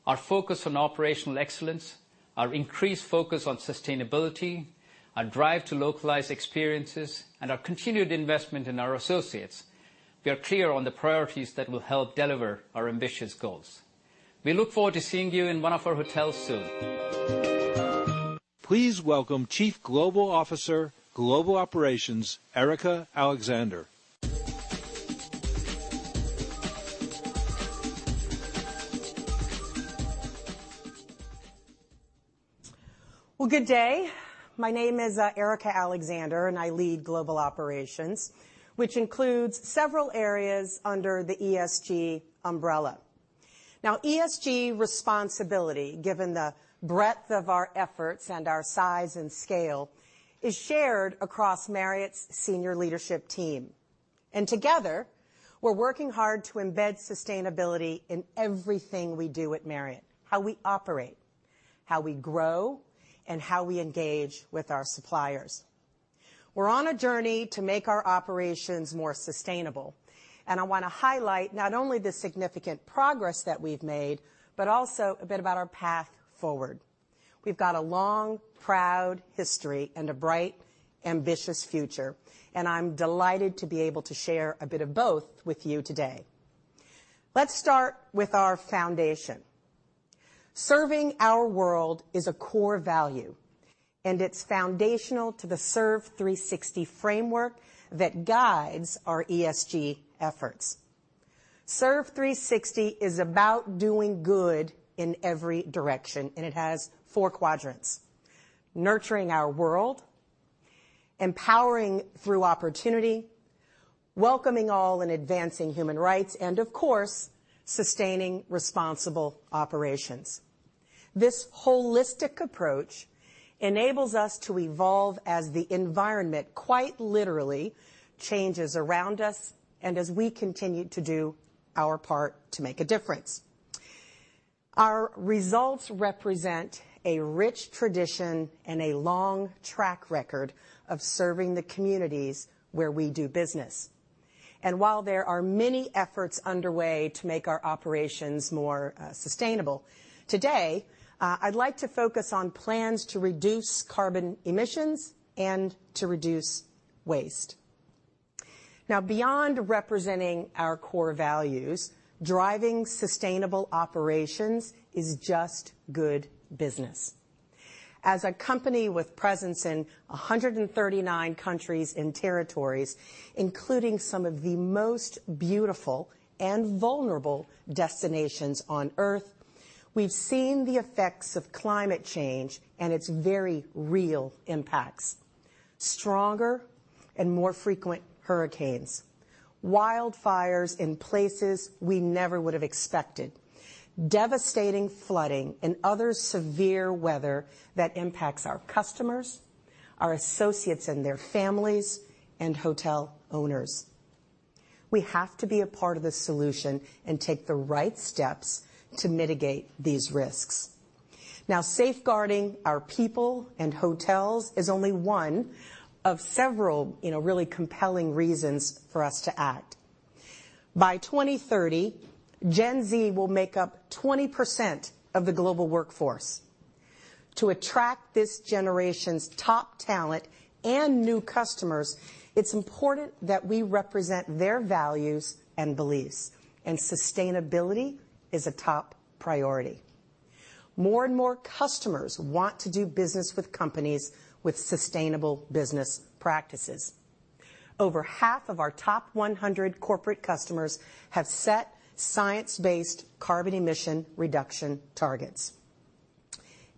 our focus on operational excellence, our increased focus on sustainability, our drive to localize experiences and our continued investment in our associates, we are clear on the priorities that will help deliver our ambitious goals. We look forward to seeing you in one of our hotels soon. Please welcome Chief Global Officer, Global Operations, Erika Alexander. Well, good day. My name is Erika Alexander, and I lead Global Operations, which includes several areas under the ESG umbrella. Now, ESG responsibility, given the breadth of our efforts and our size and scale, is shared across Marriott's senior leadership team, and together, we're working hard to embed sustainability in everything we do at Marriott, how we operate, how we grow, and how we engage with our suppliers. We're on a journey to make our operations more sustainable, and I wanna highlight not only the significant progress that we've made, but also a bit about our path forward. We've got a long, proud history and a bright, ambitious future, and I'm delighted to be able to share a bit of both with you today. Let's start with our foundation. Serving our world is a core value, and it's foundational to the Serve 360 Framework that guides our ESG efforts. Serve 360 is about doing good in every direction, and it has four quadrants: nurturing our world, empowering through opportunity, welcoming all and advancing human rights, and of course, sustaining responsible operations. This holistic approach enables us to evolve as the environment quite literally changes around us and as we continue to do our part to make a difference. Our results represent a rich tradition and a long track record of serving the communities where we do business. And while there are many efforts underway to make our operations more sustainable, today, I'd like to focus on plans to reduce carbon emissions and to reduce waste. Now, beyond representing our core values, driving sustainable operations is just good business. As a company with presence in 139 countries and territories, including some of the most beautiful and vulnerable destinations on Earth, we've seen the effects of climate change and its very real impacts. Stronger and more frequent hurricanes, wildfires in places we never would have expected, devastating flooding and other severe weather that impacts our customers, our associates and their families, and hotel owners. We have to be a part of the solution and take the right steps to mitigate these risks. Now, safeguarding our people and hotels is only one of several, you know, really compelling reasons for us to act. By 2030, Gen Z will make up 20% of the global workforce. To attract this generation's top talent and new customers, it's important that we represent their values and beliefs, and sustainability is a top priority. More and more customers want to do business with companies with sustainable business practices. Over half of our top 100 corporate customers have set science-based carbon emission reduction targets,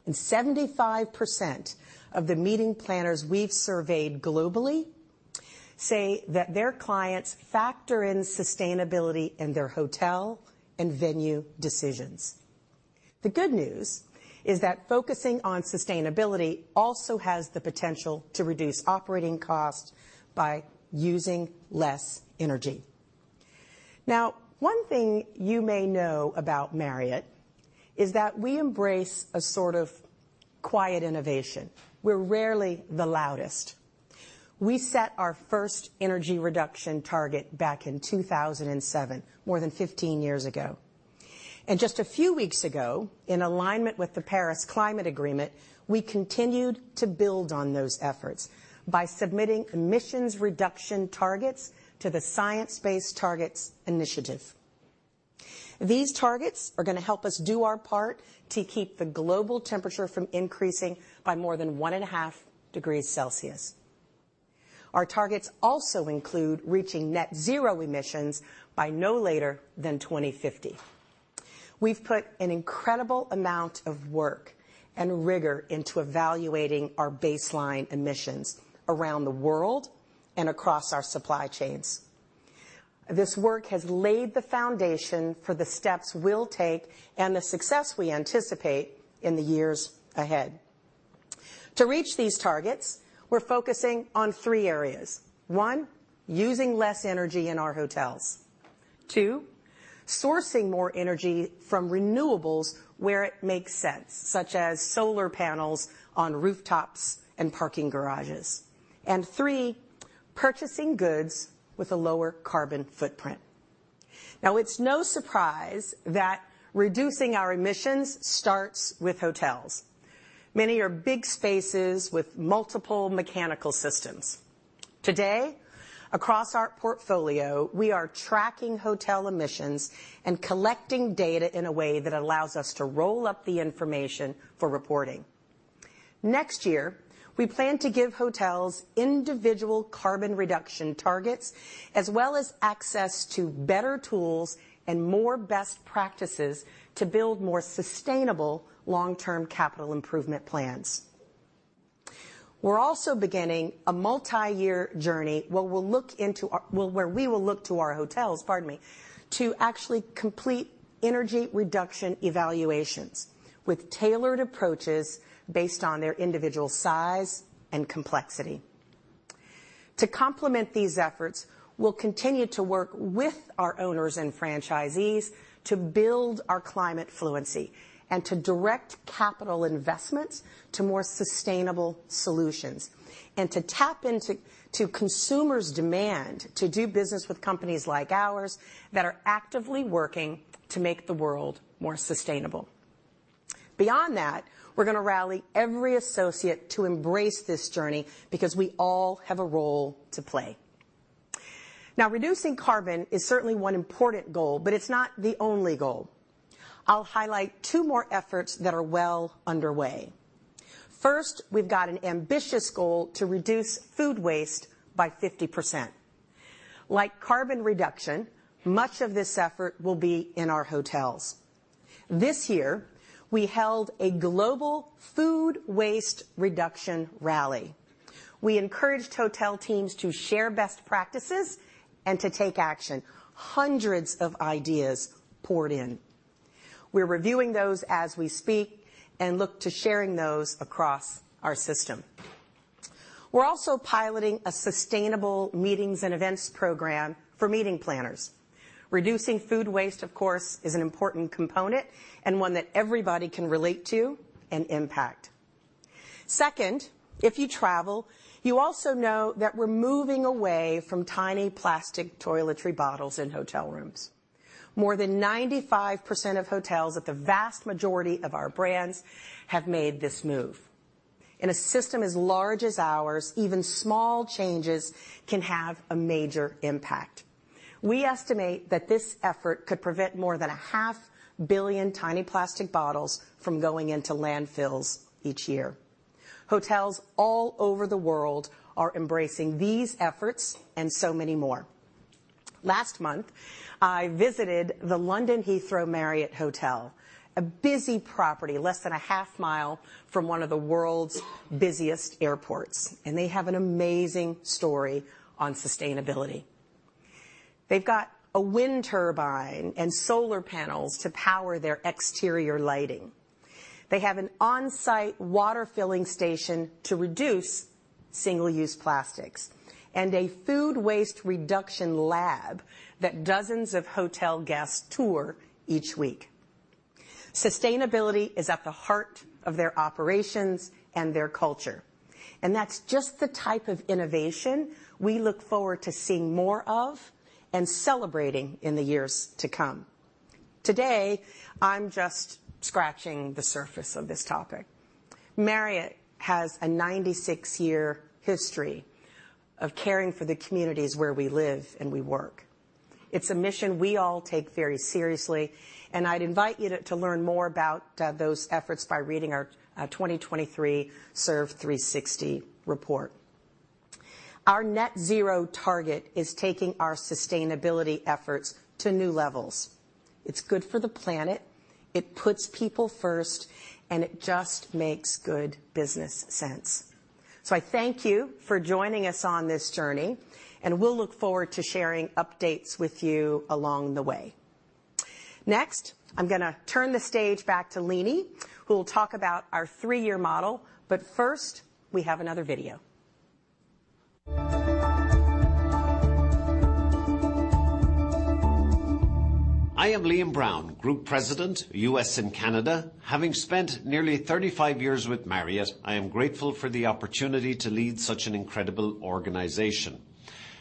and 75% of the meeting planners we've surveyed globally say that their clients factor in sustainability in their hotel and venue decisions. The good news is that focusing on sustainability also has the potential to reduce operating costs by using less energy. Now, one thing you may know about Marriott is that we embrace a sort of quiet innovation. We're rarely the loudest. We set our first energy reduction target back in 2007, more than 15 years ago. Just a few weeks ago, in alignment with the Paris Climate Agreement, we continued to build on those efforts by submitting emissions reduction targets to the Science Based Targets initiative. These targets are gonna help us do our part to keep the global temperature from increasing by more than 1.5 degrees Celsius. Our targets also include reaching net zero emissions by no later than 2050. We've put an incredible amount of work and rigor into evaluating our baseline emissions around the world and across our supply chains. This work has laid the foundation for the steps we'll take and the success we anticipate in the years ahead. To reach these targets, we're focusing on three areas. One, using less energy in our hotels. Two, sourcing more energy from renewables where it makes sense, such as solar panels on rooftops and parking garages. And three, purchasing goods with a lower carbon footprint.... Now, it's no surprise that reducing our emissions starts with hotels. Many are big spaces with multiple mechanical systems. Today, across our portfolio, we are tracking hotel emissions and collecting data in a way that allows us to roll up the information for reporting. Next year, we plan to give hotels individual carbon reduction targets, as well as access to better tools and more best practices to build more sustainable long-term capital improvement plans. We're also beginning a multi-year journey, where we will look to our hotels, pardon me, to actually complete energy reduction evaluations with tailored approaches based on their individual size and complexity. To complement these efforts, we'll continue to work with our owners and franchisees to build our climate fluency and to direct capital investments to more sustainable solutions, and to tap into consumers' demand to do business with companies like ours that are actively working to make the world more sustainable. Beyond that, we're going to rally every associate to embrace this journey because we all have a role to play. Now, reducing carbon is certainly one important goal, but it's not the only goal. I'll highlight two more efforts that are well underway. First, we've got an ambitious goal to reduce food waste by 50%. Like carbon reduction, much of this effort will be in our hotels. This year, we held a global food waste reduction rally. We encouraged hotel teams to share best practices and to take action. Hundreds of ideas poured in. We're reviewing those as we speak and look to sharing those across our system. We're also piloting a sustainable meetings and events program for meeting planners. Reducing food waste, of course, is an important component and one that everybody can relate to and impact. Second, if you travel, you also know that we're moving away from tiny plastic toiletry bottles in hotel rooms. More than 95% of hotels at the vast majority of our brands have made this move. In a system as large as ours, even small changes can have a major impact. We estimate that this effort could prevent more than 500 million tiny plastic bottles from going into landfills each year. Hotels all over the world are embracing these efforts and so many more. Last month, I visited the London Heathrow Marriott Hotel, a busy property, less than a half mile from one of the world's busiest airports, and they have an amazing story on sustainability. They've got a wind turbine and solar panels to power their exterior lighting. They have an on-site water filling station to reduce single-use plastics and a food waste reduction lab that dozens of hotel guests tour each week. Sustainability is at the heart of their operations and their culture, and that's just the type of innovation we look forward to seeing more of and celebrating in the years to come. Today, I'm just scratching the surface of this topic. Marriott has a 96-year history of caring for the communities where we live, and we work. It's a mission we all take very seriously, and I'd invite you to learn more about those efforts by reading our 2023 Serve 360 report. Our net zero target is taking our sustainability efforts to new levels. It's good for the planet, it puts people first, and it just makes good business sense. I thank you for joining us on this journey, and we'll look forward to sharing updates with you along the way. Next, I'm going to turn the stage back to Leeny, who will talk about our three-year model. First, we have another video. I am Liam Brown, Group President, U.S. and Canada. Having spent nearly 35 years with Marriott, I am grateful for the opportunity to lead such an incredible organization.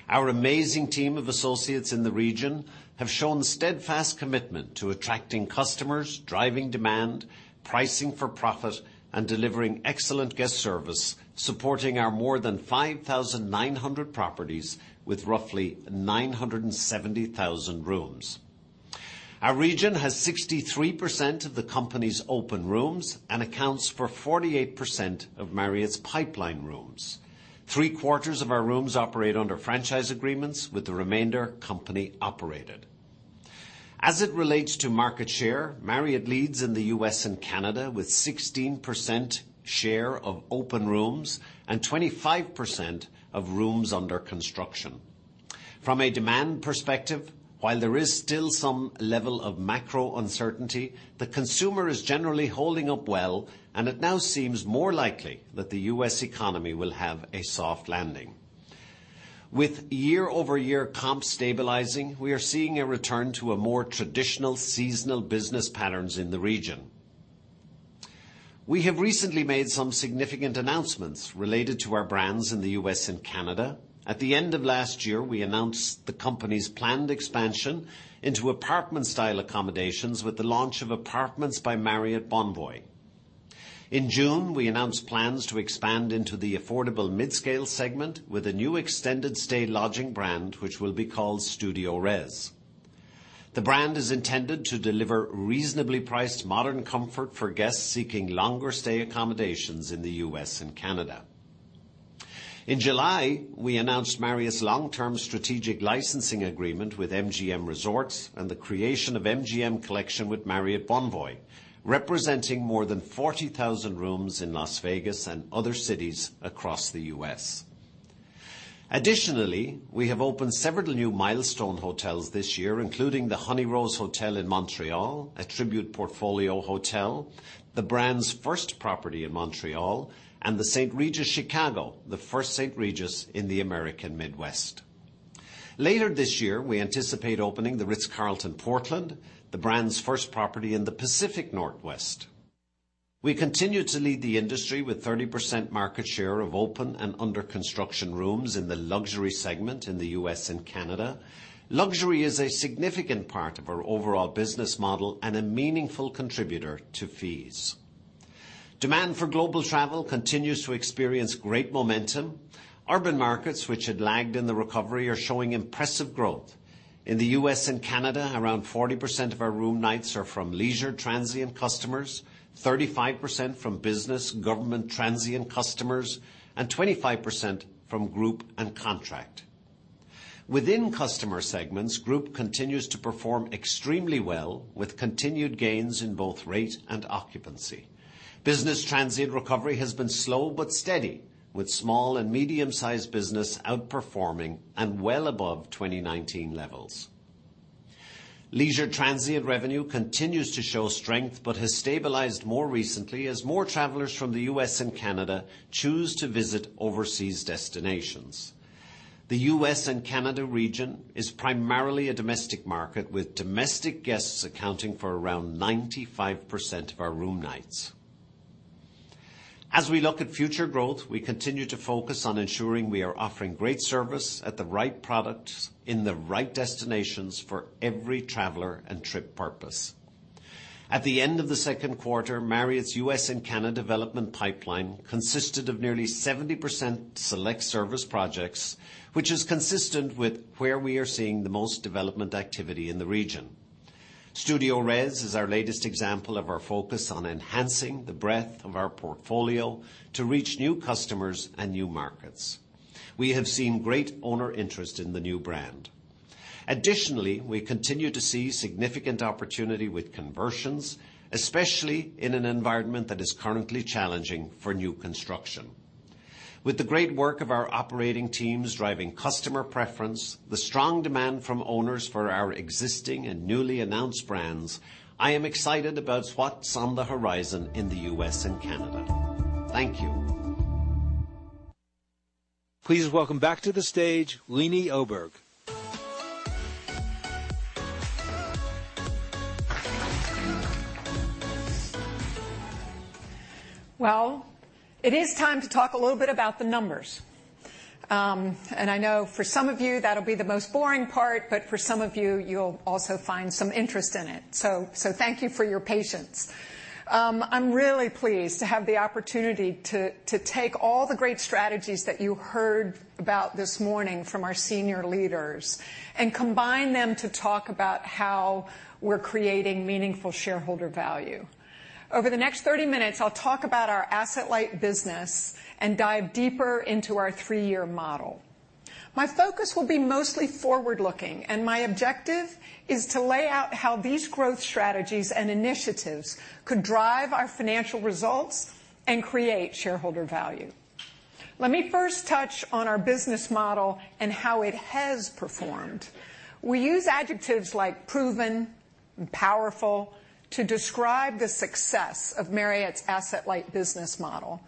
Our amazing team of associates in the region have shown steadfast commitment to attracting customers, driving demand, pricing for profit, and delivering excellent guest service, supporting our more than 5,900 properties with roughly 970,000 rooms. Our region has 63% of the company's open rooms and accounts for 48% of Marriott's pipeline rooms. Three-quarters of our rooms operate under franchise agreements, with the remainder company-operated. As it relates to market share, Marriott leads in the U.S. and Canada with 16% share of open rooms and 25% of rooms under construction. From a demand perspective, while there is still some level of macro uncertainty, the consumer is generally holding up well, and it now seems more likely that the U.S. economy will have a soft landing. With year-over-year comps stabilizing, we are seeing a return to a more traditional seasonal business patterns in the region. We have recently made some significant announcements related to our brands in the U.S. and Canada. At the end of last year, we announced the company's planned expansion into apartment-style accommodations with the launch of Apartments by Marriott Bonvoy. In June, we announced plans to expand into the affordable midscale segment with a new extended stay lodging brand, which will be called StudioRes. The brand is intended to deliver reasonably priced modern comfort for guests seeking longer stay accommodations in the U.S. and Canada. In July, we announced Marriott's long-term strategic licensing agreement with MGM Resorts and the creation of MGM Collection with Marriott Bonvoy, representing more than 40,000 rooms in Las Vegas and other cities across the U.S. Additionally, we have opened several new milestone hotels this year, including the Honeyrose Hotel in Montreal, a Tribute Portfolio hotel, the brand's first property in Montreal, and The St. Regis Chicago, the first St. Regis in the American Midwest. Later this year, we anticipate opening The Ritz-Carlton, Portland, the brand's first property in the Pacific Northwest. We continue to lead the industry with 30% market share of open and under construction rooms in the luxury segment in the U.S. and Canada. Luxury is a significant part of our overall business model and a meaningful contributor to fees. Demand for global travel continues to experience great momentum. Urban markets, which had lagged in the recovery, are showing impressive growth. In the U.S. and Canada, around 40% of our room nights are from leisure transient customers, 35% from business, government transient customers, and 25% from group and contract. Within customer segments, group continues to perform extremely well, with continued gains in both rate and occupancy. Business transient recovery has been slow but steady, with small and medium-sized business outperforming and well above 2019 levels. Leisure transient revenue continues to show strength, but has stabilized more recently as more travelers from the U.S. and Canada choose to visit overseas destinations. The U.S. and Canada region is primarily a domestic market, with domestic guests accounting for around 95% of our room nights. As we look at future growth, we continue to focus on ensuring we are offering great service at the right product, in the right destinations for every traveler and trip purpose. At the end of the second quarter, Marriott's U.S. and Canada development pipeline consisted of nearly 70% select service projects, which is consistent with where we are seeing the most development activity in the region. StudioRes is our latest example of our focus on enhancing the breadth of our portfolio to reach new customers and new markets. We have seen great owner interest in the new brand. Additionally, we continue to see significant opportunity with conversions, especially in an environment that is currently challenging for new construction. With the great work of our operating teams driving customer preference, the strong demand from owners for our existing and newly announced brands, I am excited about what's on the horizon in the U.S. and Canada. Thank you. Please welcome back to the stage, Leeny Oberg. Well, it is time to talk a little bit about the numbers. And I know for some of you, that'll be the most boring part, but for some of you, you'll also find some interest in it. So thank you for your patience. I'm really pleased to have the opportunity to take all the great strategies that you heard about this morning from our senior leaders and combine them to talk about how we're creating meaningful shareholder value. Over the next 30 minutes, I'll talk about our asset-light business and dive deeper into our three-year model. My focus will be mostly forward-looking, and my objective is to lay out how these growth strategies and initiatives could drive our financial results and create shareholder value. Let me first touch on our business model and how it has performed. We use adjectives like proven and powerful to describe the success of Marriott's asset-light business model,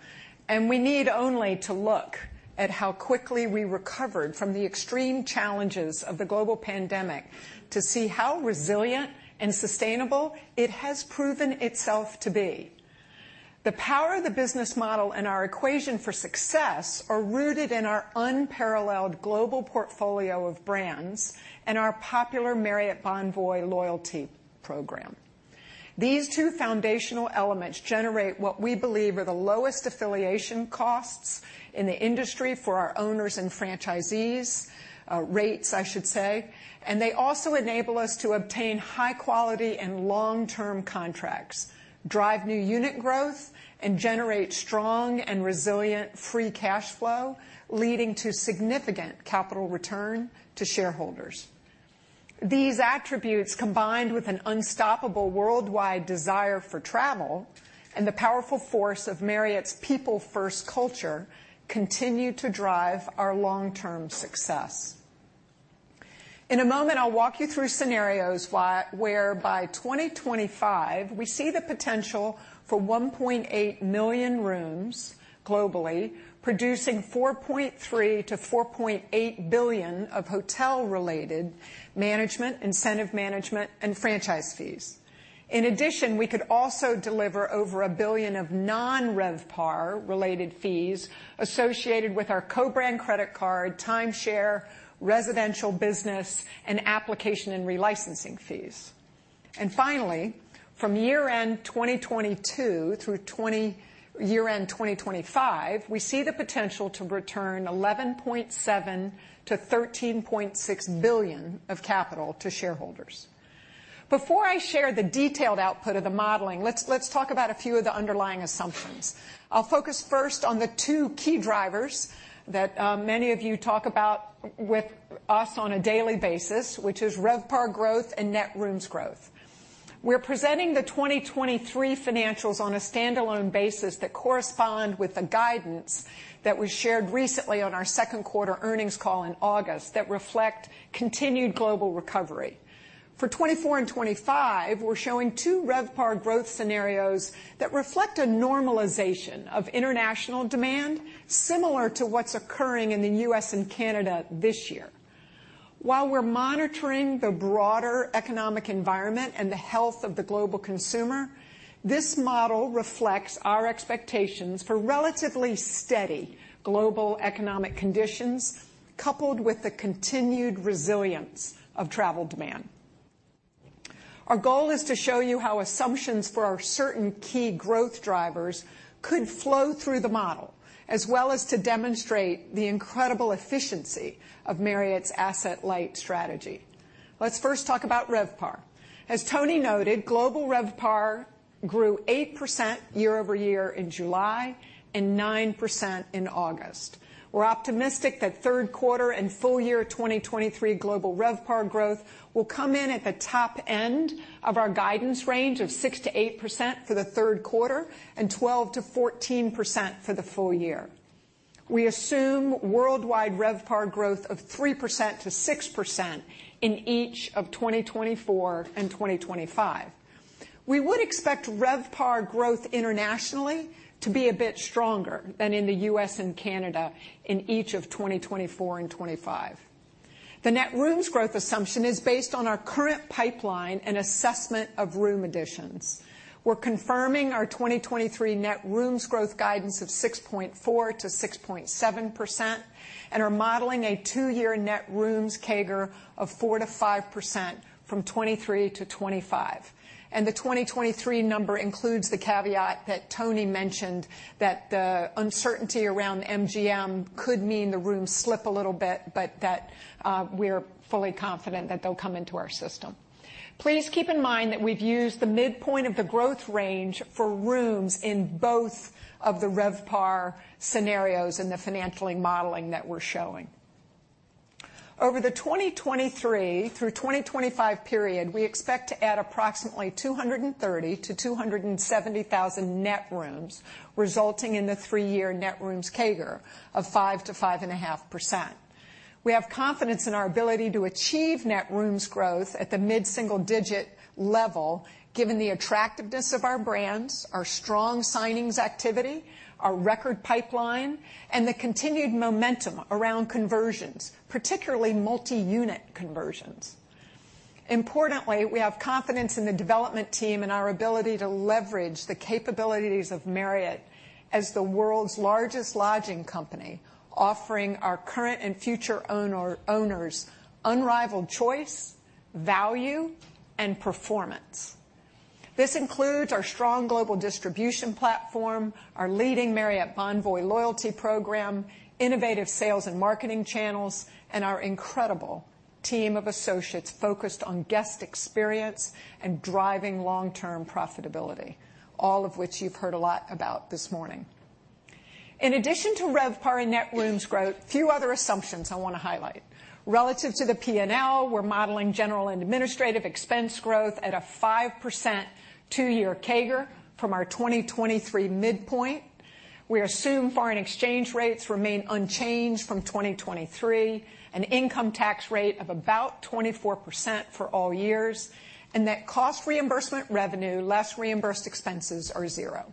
and we need only to look at how quickly we recovered from the extreme challenges of the global pandemic to see how resilient and sustainable it has proven itself to be. The power of the business model and our equation for success are rooted in our unparalleled global portfolio of brands and our popular Marriott Bonvoy loyalty program. These two foundational elements generate what we believe are the lowest affiliation costs in the industry for our owners and franchisees, rates, I should say. They also enable us to obtain high quality and long-term contracts, drive new unit growth, and generate strong and resilient free cash flow, leading to significant capital return to shareholders. These attributes, combined with an unstoppable worldwide desire for travel and the powerful force of Marriott's people-first culture, continue to drive our long-term success. In a moment, I'll walk you through scenarios where by 2025, we see the potential for 1.8 million rooms globally, producing $4.3 billion-$4.8 billion of hotel-related management, incentive management, and franchise fees. In addition, we could also deliver over $1 billion of non-RevPAR-related fees associated with our co-brand credit card, timeshare, residential business, and application and re-licensing fees. And finally, from year-end 2022 through year-end 2025, we see the potential to return $11.7 billion-$13.6 billion of capital to shareholders. Before I share the detailed output of the modeling, let's, let's talk about a few of the underlying assumptions. I'll focus first on the two key drivers that many of you talk about with us on a daily basis, which is RevPAR growth and net rooms growth. We're presenting the 2023 financials on a standalone basis that correspond with the guidance that we shared recently on our second quarter earnings call in August that reflect continued global recovery. For 2024 and 2025, we're showing two RevPAR growth scenarios that reflect a normalization of international demand, similar to what's occurring in the US and Canada this year. While we're monitoring the broader economic environment and the health of the global consumer, this model reflects our expectations for relatively steady global economic conditions, coupled with the continued resilience of travel demand. Our goal is to show you how assumptions for our certain key growth drivers could flow through the model, as well as to demonstrate the incredible efficiency of Marriott's asset-light strategy. Let's first talk about RevPAR. As Tony noted, global RevPAR grew 8% year-over-year in July and 9% in August. We're optimistic that third quarter and full year 2023 global RevPAR growth will come in at the top end of our guidance range of 6%-8% for the third quarter and 12%-14% for the full year. We assume worldwide RevPAR growth of 3%-6% in each of 2024 and 2025. We would expect RevPAR growth internationally to be a bit stronger than in the US and Canada in each of 2024 and 2025. The net rooms growth assumption is based on our current pipeline and assessment of room additions. We're confirming our 2023 net rooms growth guidance of 6.4%-6.7%, and are modeling a two-year net rooms CAGR of 4%-5% from 2023 to 2025. The 2023 number includes the caveat that Tony mentioned, that the uncertainty around MGM could mean the rooms slip a little bit, but that, we're fully confident that they'll come into our system. Please keep in mind that we've used the midpoint of the growth range for rooms in both of the RevPAR scenarios in the financial modeling that we're showing. Over the 2023 through 2025 period, we expect to add approximately 230-270 thousand net rooms, resulting in a three-year net rooms CAGR of 5%-5.5%. We have confidence in our ability to achieve net rooms growth at the mid-single digit level, given the attractiveness of our brands, our strong signings activity, our record pipeline, and the continued momentum around conversions, particularly multi-unit conversions. Importantly, we have confidence in the development team and our ability to leverage the capabilities of Marriott as the world's largest lodging company, offering our current and future owners unrivaled choice, value, and performance. This includes our strong global distribution platform, our leading Marriott Bonvoy loyalty program, innovative sales and marketing channels, and our incredible team of associates focused on guest experience and driving long-term profitability, all of which you've heard a lot about this morning. In addition to RevPAR and net rooms growth, a few other assumptions I want to highlight. Relative to the P&L, we're modeling general and administrative expense growth at a 5% 2-year CAGR from our 2023 midpoint. We assume foreign exchange rates remain unchanged from 2023, an income tax rate of about 24% for all years, and that cost reimbursement revenue, less reimbursed expenses, are zero.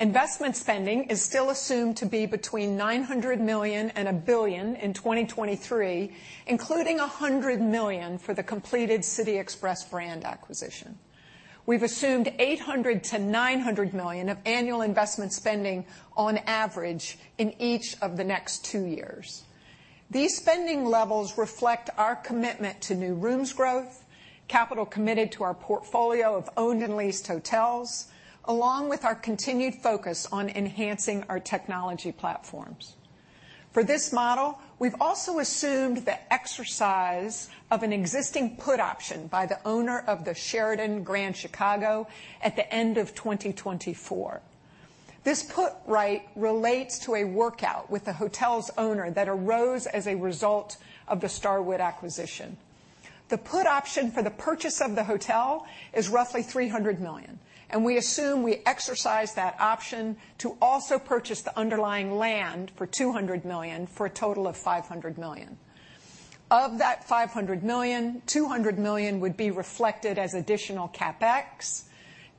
Investment spending is still assumed to be between $900 million and $1 billion in 2023, including $100 million for the completed City Express brand acquisition. We've assumed $800 million-$900 million of annual investment spending on average in each of the next two years. These spending levels reflect our commitment to new rooms growth, capital committed to our portfolio of owned and leased hotels, along with our continued focus on enhancing our technology platforms. For this model, we've also assumed the exercise of an existing put option by the owner of the Sheraton Grand Chicago at the end of 2024. This put right relates to a workout with the hotel's owner that arose as a result of the Starwood acquisition. The put option for the purchase of the hotel is roughly $300 million, and we assume we exercise that option to also purchase the underlying land for $200 million, for a total of $500 million. Of that $500 million, $200 million would be reflected as additional CapEx,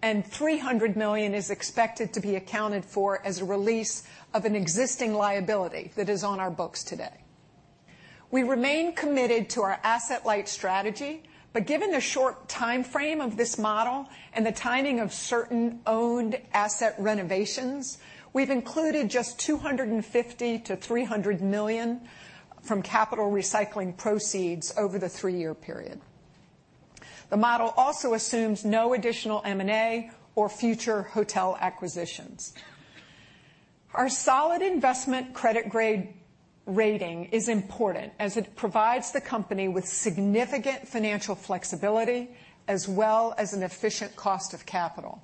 and $300 million is expected to be accounted for as a release of an existing liability that is on our books today. We remain committed to our asset-light strategy, but given the short time frame of this model and the timing of certain owned asset renovations, we've included just $250 million-$300 million from capital recycling proceeds over the three-year period. The model also assumes no additional M&A or future hotel acquisitions. Our solid investment-grade credit rating is important, as it provides the company with significant financial flexibility, as well as an efficient cost of capital.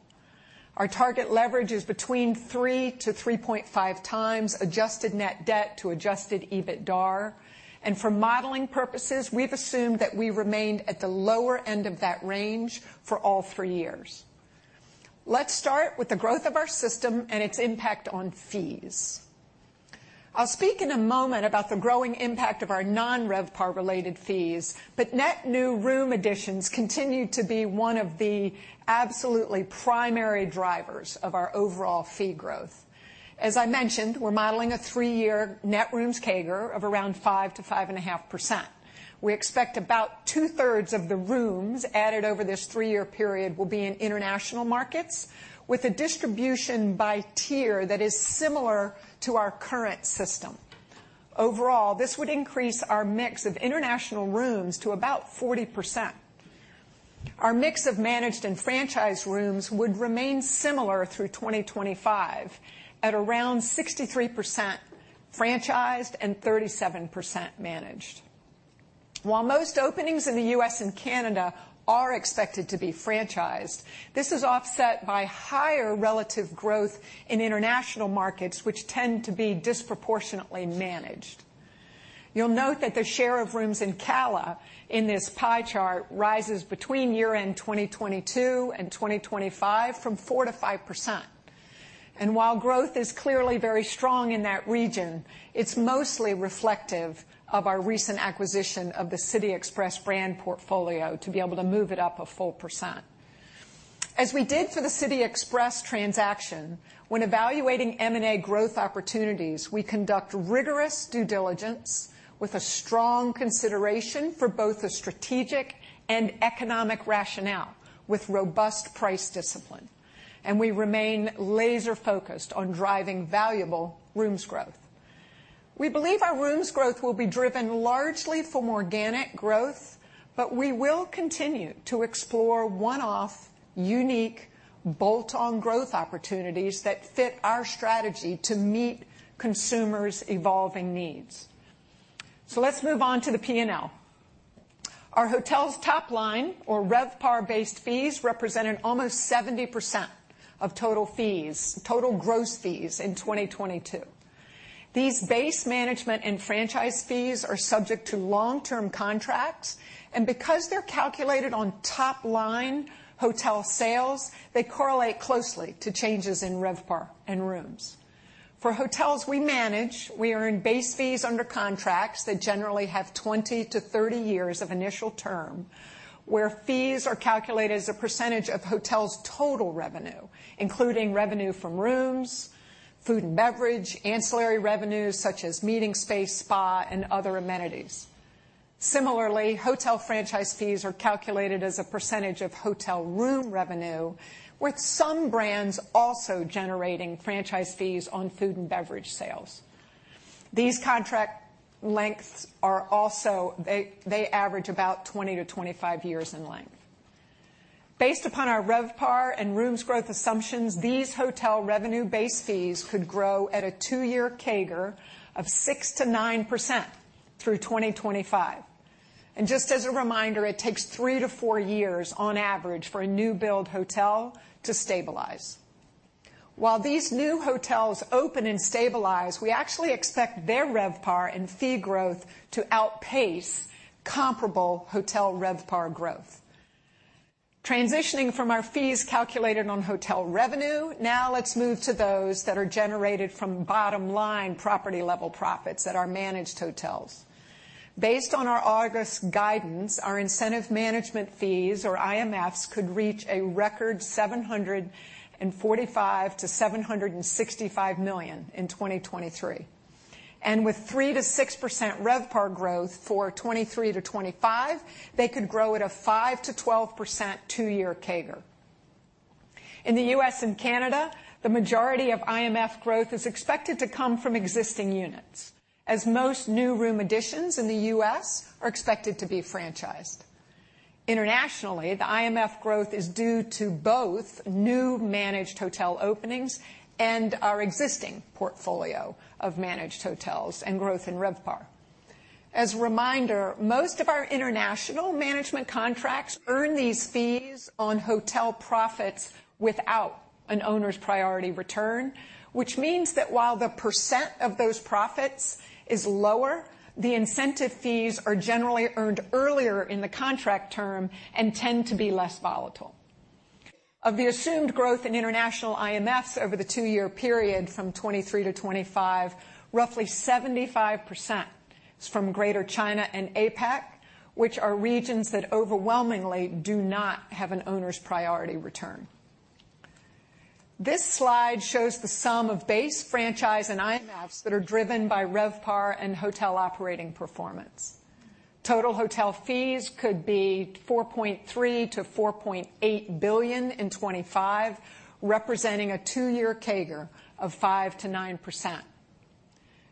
Our target leverage is between 3-3.5 times adjusted net debt to adjusted EBITDAR, and for modeling purposes, we've assumed that we remained at the lower end of that range for all three years. Let's start with the growth of our system and its impact on fees. I'll speak in a moment about the growing impact of our non-RevPAR-related fees, but net new room additions continue to be one of the absolutely primary drivers of our overall fee growth. As I mentioned, we're modeling a three-year net rooms CAGR of around 5%-5.5%. We expect about two-thirds of the rooms added over this three-year period will be in international markets, with a distribution by tier that is similar to our current system. Overall, this would increase our mix of international rooms to about 40%. Our mix of managed and franchised rooms would remain similar through 2025, at around 63% franchised and 37% managed. While most openings in the U.S. and Canada are expected to be franchised, this is offset by higher relative growth in international markets, which tend to be disproportionately managed. You'll note that the share of rooms in CALA in this pie chart rises between year-end 2022 and 2025 from 4%-5%. While growth is clearly very strong in that region, it's mostly reflective of our recent acquisition of the City Express brand portfolio to be able to move it up a full 1%. As we did for the City Express transaction, when evaluating M&A growth opportunities, we conduct rigorous due diligence with a strong consideration for both the strategic and economic rationale, with robust price discipline, and we remain laser-focused on driving valuable rooms growth. We believe our rooms growth will be driven largely from organic growth, but we will continue to explore one-off, unique, bolt-on growth opportunities that fit our strategy to meet consumers' evolving needs. Let's move on to the P&L. Our hotels' top line, or RevPAR-based fees, represented almost 70% of total fees, total gross fees in 2022. These base management and franchise fees are subject to long-term contracts, and because they're calculated on top-line hotel sales, they correlate closely to changes in RevPAR and rooms. For hotels we manage, we earn base fees under contracts that generally have 20-30 years of initial term, where fees are calculated as a percentage of hotel's total revenue, including revenue from rooms, food and beverage, ancillary revenues, such as meeting space, spa, and other amenities. Similarly, hotel franchise fees are calculated as a percentage of hotel room revenue, with some brands also generating franchise fees on food and beverage sales. These contract lengths are also... They, they average about 20-25 years in length. Based upon our RevPAR and rooms growth assumptions, these hotel revenue base fees could grow at a 2-year CAGR of 6%-9% through 2025. And just as a reminder, it takes 3-4 years on average for a new-build hotel to stabilize. While these new hotels open and stabilize, we actually expect their RevPAR and fee growth to outpace comparable hotel RevPAR growth. Transitioning from our fees calculated on hotel revenue, now let's move to those that are generated from bottom-line, property-level profits at our managed hotels. Based on our August guidance, our incentive management fees, or IMFs, could reach a record $745 million-$765 million in 2023. With 3%-6% RevPAR growth for 2023-2025, they could grow at a 5%-12% two-year CAGR. In the U.S. and Canada, the majority of IMF growth is expected to come from existing units, as most new room additions in the U.S. are expected to be franchised. Internationally, the IMF growth is due to both new managed hotel openings and our existing portfolio of managed hotels and growth in RevPAR. As a reminder, most of our international management contracts earn these fees on hotel profits without an owner's priority return, which means that while the percent of those profits is lower, the incentive fees are generally earned earlier in the contract term and tend to be less volatile. Of the assumed growth in international IMFs over the two-year period from 2023 to 2025, roughly 75% is from Greater China and APAC, which are regions that overwhelmingly do not have an owner's priority return. This slide shows the sum of base franchise and IMFs that are driven by RevPAR and hotel operating performance. Total hotel fees could be $4.3 billion-$4.8 billion in 2025, representing a two-year CAGR of 5%-9%.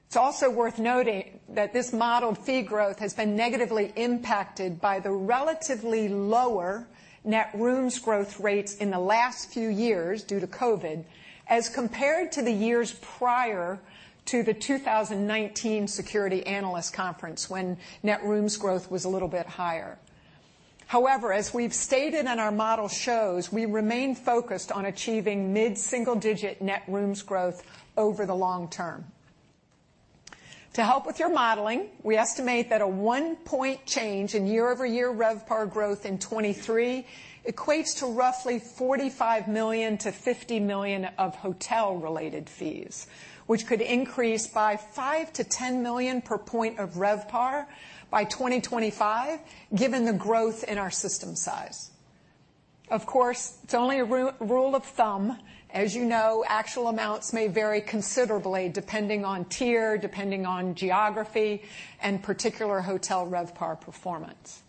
It's also worth noting that this modeled fee growth has been negatively impacted by the relatively lower net rooms growth rates in the last few years due to COVID, as compared to the years prior to the 2019 Security Analyst Conference, when net rooms growth was a little bit higher. However, as we've stated and our model shows, we remain focused on achieving mid-single-digit net rooms growth over the long term. To help with your modeling, we estimate that a 1-point change in year-over-year RevPAR growth in 2023 equates to roughly $45 million-$50 million of hotel-related fees, which could increase by $5 million-$10 million per point of RevPAR by 2025, given the growth in our system size. Of course, it's only a rule of thumb. As you know, actual amounts may vary considerably, depending on tier, depending on geography, and particular hotel RevPAR performance.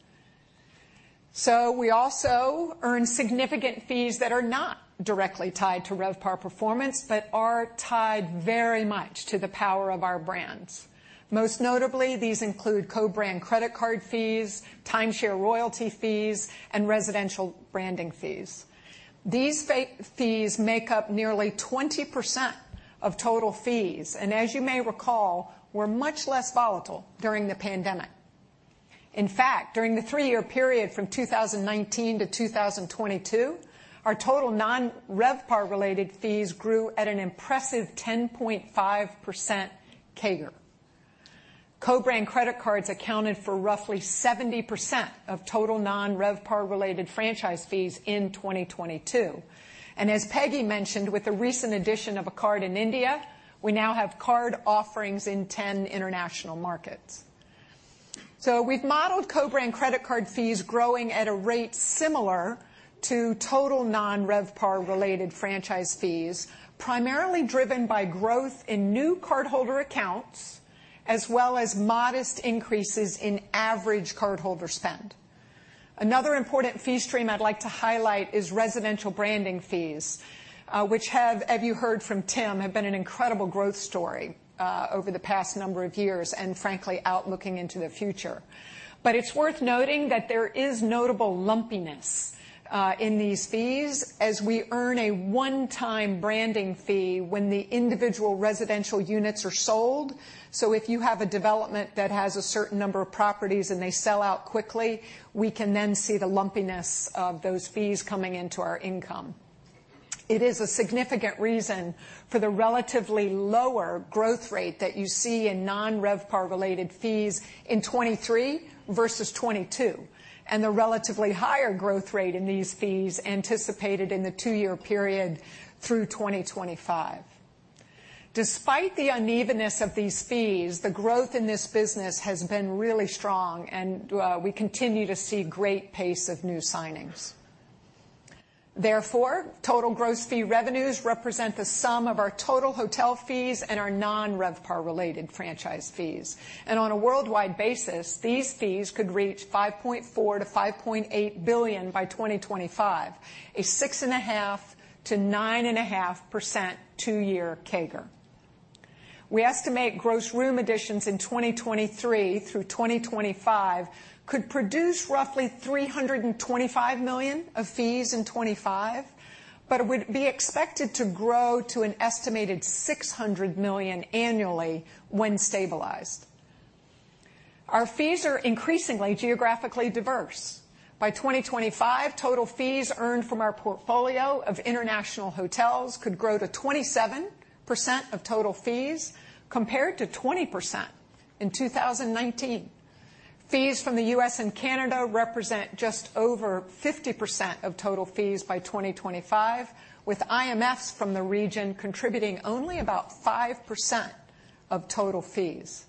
So we also earn significant fees that are not directly tied to RevPAR performance, but are tied very much to the power of our brands. Most notably, these include co-brand credit card fees, timeshare royalty fees, and residential branding fees. These fees make up nearly 20% of total fees, and as you may recall, were much less volatile during the pandemic. In fact, during the three-year period from 2019 to 2022, our total non-RevPAR-related fees grew at an impressive 10.5% CAGR. Co-brand credit cards accounted for roughly 70% of total non-RevPAR-related franchise fees in 2022. As Peggy mentioned, with the recent addition of a card in India, we now have card offerings in 10 international markets. So we've modeled co-brand credit card fees growing at a rate similar to total non-RevPAR-related franchise fees, primarily driven by growth in new cardholder accounts, as well as modest increases in average cardholder spend. Another important fee stream I'd like to highlight is residential branding fees, which have, as you heard from Tim, have been an incredible growth story, over the past number of years and frankly, out looking into the future. But it's worth noting that there is notable lumpiness, in these fees as we earn a one-time branding fee when the individual residential units are sold. So if you have a development that has a certain number of properties and they sell out quickly, we can then see the lumpiness of those fees coming into our income. It is a significant reason for the relatively lower growth rate that you see in non-RevPAR-related fees in 2023 versus 2022, and the relatively higher growth rate in these fees anticipated in the two-year period through 2025. Despite the unevenness of these fees, the growth in this business has been really strong, and we continue to see great pace of new signings. Therefore, total gross fee revenues represent the sum of our total hotel fees and our non-RevPAR-related franchise fees. On a worldwide basis, these fees could reach $5.4 billion-$5.8 billion by 2025, a 6.5%-9.5% two-year CAGR. We estimate gross room additions in 2023 through 2025 could produce roughly $325 million of fees in 2025, but it would be expected to grow to an estimated $600 million annually when stabilized. Our fees are increasingly geographically diverse. By 2025, total fees earned from our portfolio of international hotels could grow to 27% of total fees, compared to 20% in 2019. Fees from the U.S. and Canada represent just over 50% of total fees by 2025, with IMFs from the region contributing only about 5% of total fees.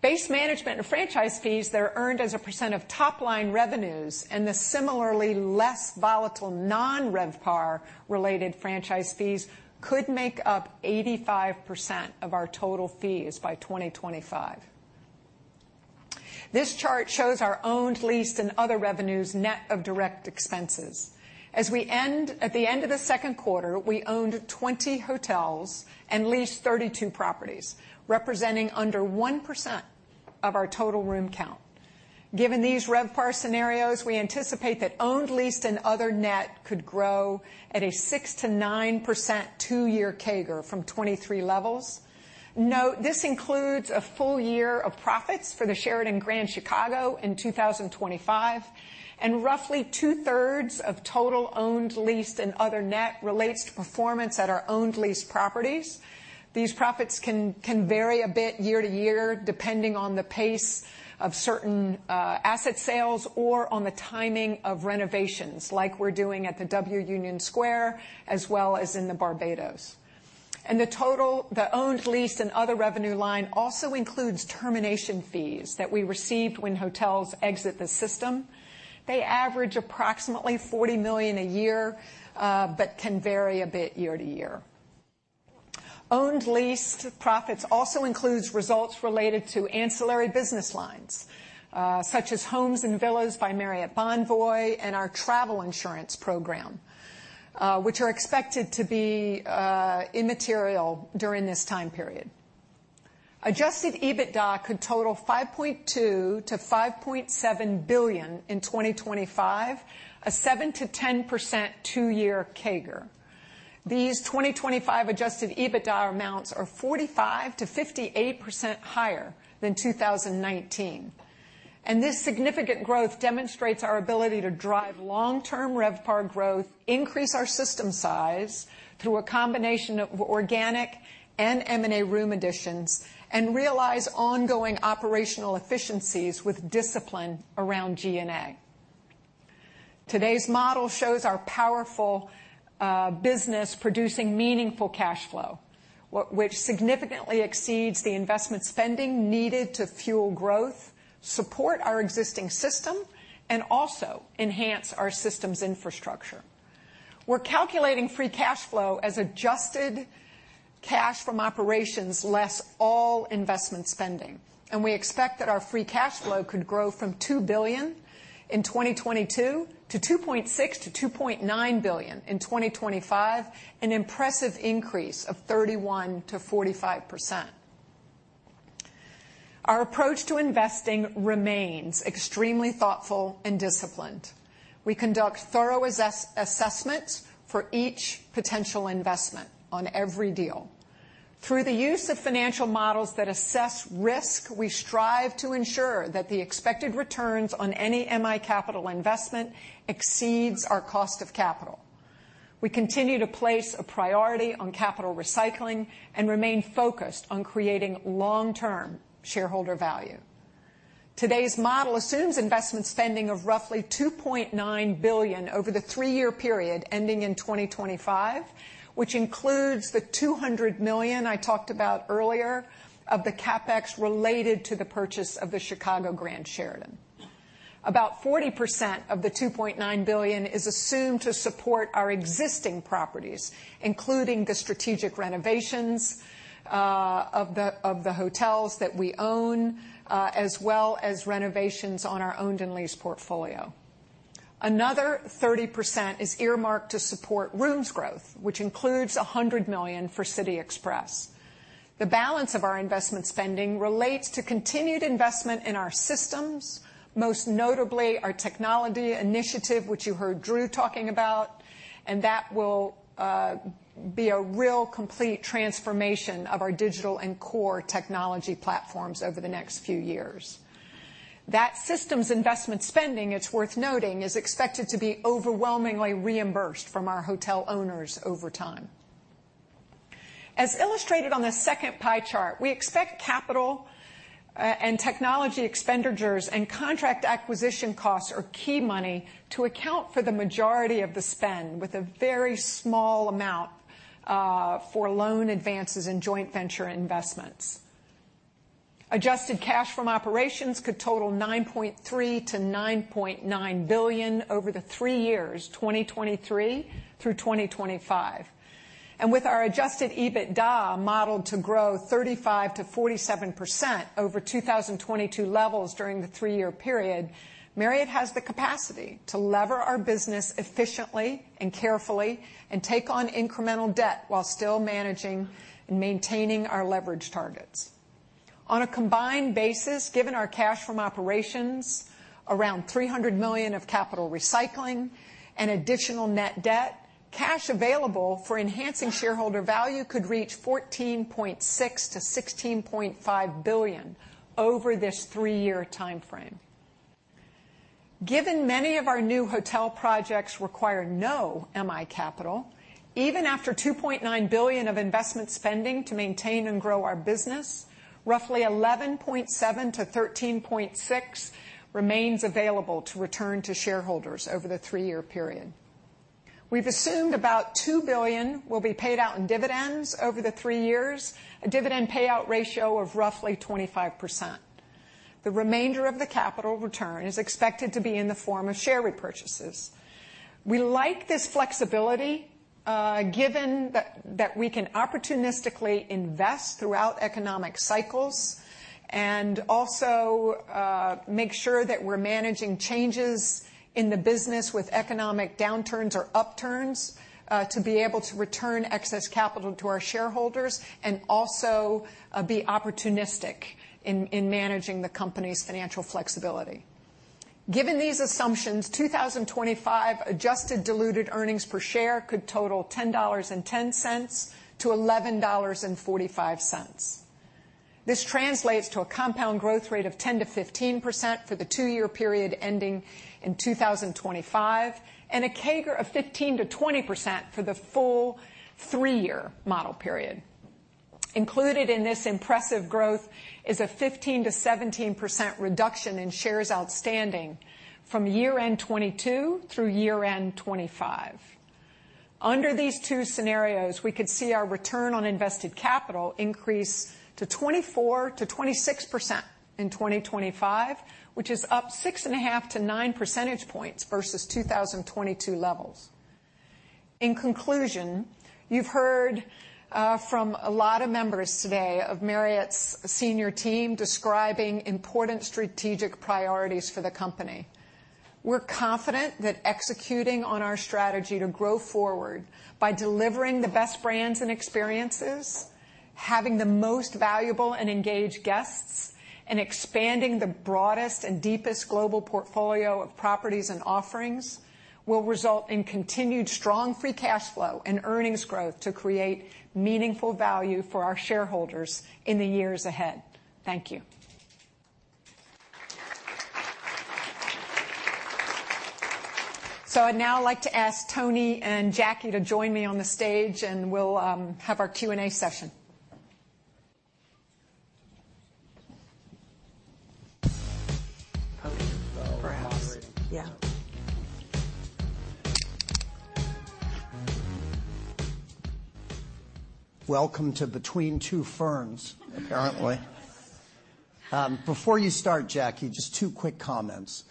Base management and franchise fees that are earned as a percent of top-line revenues and the similarly less volatile non-RevPAR-related franchise fees could make up 85% of our total fees by 2025. This chart shows our owned, leased, and other revenues, net of direct expenses. At the end of the second quarter, we owned 20 hotels and leased 32 properties, representing under 1% of our total room count. Given these RevPAR scenarios, we anticipate that owned, leased, and other net could grow at a 6%-9% two-year CAGR from 2023 levels. Note, this includes a full year of profits for the Sheraton Grand Chicago in 2025, and roughly two-thirds of total owned, leased, and other net relates to performance at our owned leased properties. These profits can vary a bit year to year, depending on the pace of certain asset sales or on the timing of renovations, like we're doing at the W Union Square, as well as in the Barbados. The owned, leased, and other revenue line also includes termination fees that we received when hotels exit the system. They average approximately $40 million a year, but can vary a bit year to year. Owned leased profits also includes results related to ancillary business lines, such as Homes and Villas by Marriott Bonvoy and our travel insurance program, which are expected to be immaterial during this time period. Adjusted EBITDA could total $5.2 billion-$5.7 billion in 2025, a 7%-10% two-year CAGR. These 2025 adjusted EBITDA amounts are 45%-58% higher than 2019. And this significant growth demonstrates our ability to drive long-term RevPAR growth, increase our system size through a combination of organic and M&A room additions, and realize ongoing operational efficiencies with discipline around G&A. Today's model shows our powerful business producing meaningful cash flow, which significantly exceeds the investment spending needed to fuel growth, support our existing system, and also enhance our systems infrastructure. We're calculating free cash flow as adjusted cash from operations less all investment spending, and we expect that our free cash flow could grow from $2 billion in 2022 to $2.6-$2.9 billion in 2025, an impressive increase of 31%-45%. Our approach to investing remains extremely thoughtful and disciplined. We conduct thorough assessments for each potential investment on every deal. Through the use of financial models that assess risk, we strive to ensure that the expected returns on any MI capital investment exceeds our cost of capital. We continue to place a priority on capital recycling and remain focused on creating long-term shareholder value. Today's model assumes investment spending of roughly $2.9 billion over the three-year period, ending in 2025, which includes the $200 million I talked about earlier of the CapEx related to the purchase of the Sheraton Grand Chicago. About 40% of the $2.9 billion is assumed to support our existing properties, including the strategic renovations of the hotels that we own, as well as renovations on our owned and leased portfolio. Another 30% is earmarked to support rooms growth, which includes a $100 million for City Express. The balance of our investment spending relates to continued investment in our systems, most notably our technology initiative, which you heard Drew talking about, and that will be a real complete transformation of our digital and core technology platforms over the next few years. That system's investment spending, it's worth noting, is expected to be overwhelmingly reimbursed from our hotel owners over time. As illustrated on the second pie chart, we expect capital and technology expenditures and contract acquisition costs or key money to account for the majority of the spend, with a very small amount for loan advances and joint venture investments. Adjusted cash from operations could total $9.3 billion-$9.9 billion over the three years, 2023 through 2025. And with our adjusted EBITDA modeled to grow 35%-47% over 2022 levels during the three-year period, Marriott has the capacity to lever our business efficiently and carefully and take on incremental debt while still managing and maintaining our leverage targets. On a combined basis, given our cash from operations, around $300 million of capital recycling and additional net debt, cash available for enhancing shareholder value could reach $14.6 billion-$16.5 billion over this three-year time frame. Given many of our new hotel projects require no MI capital, even after $2.9 billion of investment spending to maintain and grow our business, roughly $11.7 billion-$13.6 billion remains available to return to shareholders over the three-year period. We've assumed about $2 billion will be paid out in dividends over the three years, a dividend payout ratio of roughly 25%. The remainder of the capital return is expected to be in the form of share repurchases. We like this flexibility, given that, that we can opportunistically invest throughout economic cycles and also, make sure that we're managing changes in the business with economic downturns or upturns, to be able to return excess capital to our shareholders and also, be opportunistic in, in managing the company's financial flexibility. Given these assumptions, 2025 adjusted diluted earnings per share could total $10.10-$11.45. This translates to a compound growth rate of 10%-15% for the two-year period ending in 2025, and a CAGR of 15%-20% for the full three-year model period.... Included in this impressive growth is a 15%-17% reduction in shares outstanding from year-end 2022 through year-end 2025. Under these two scenarios, we could see our return on invested capital increase to 24%-26% in 2025, which is up 6.5-9 percentage points versus 2022 levels. In conclusion, you've heard from a lot of members today of Marriott's senior team describing important strategic priorities for the company. We're confident that executing on our strategy to grow forward by delivering the best brands and experiences, having the most valuable and engaged guests, and expanding the broadest and deepest global portfolio of properties and offerings, will result in continued strong free cash flow and earnings growth to create meaningful value for our shareholders in the years ahead. Thank you. So I'd now like to ask Tony and Jackie to join me on the stage, and we'll have our Q&A session. Okay. Perhaps. Yeah. Welcome to Between Two Ferns, apparently. Before you start, Jackie, just two quick comments.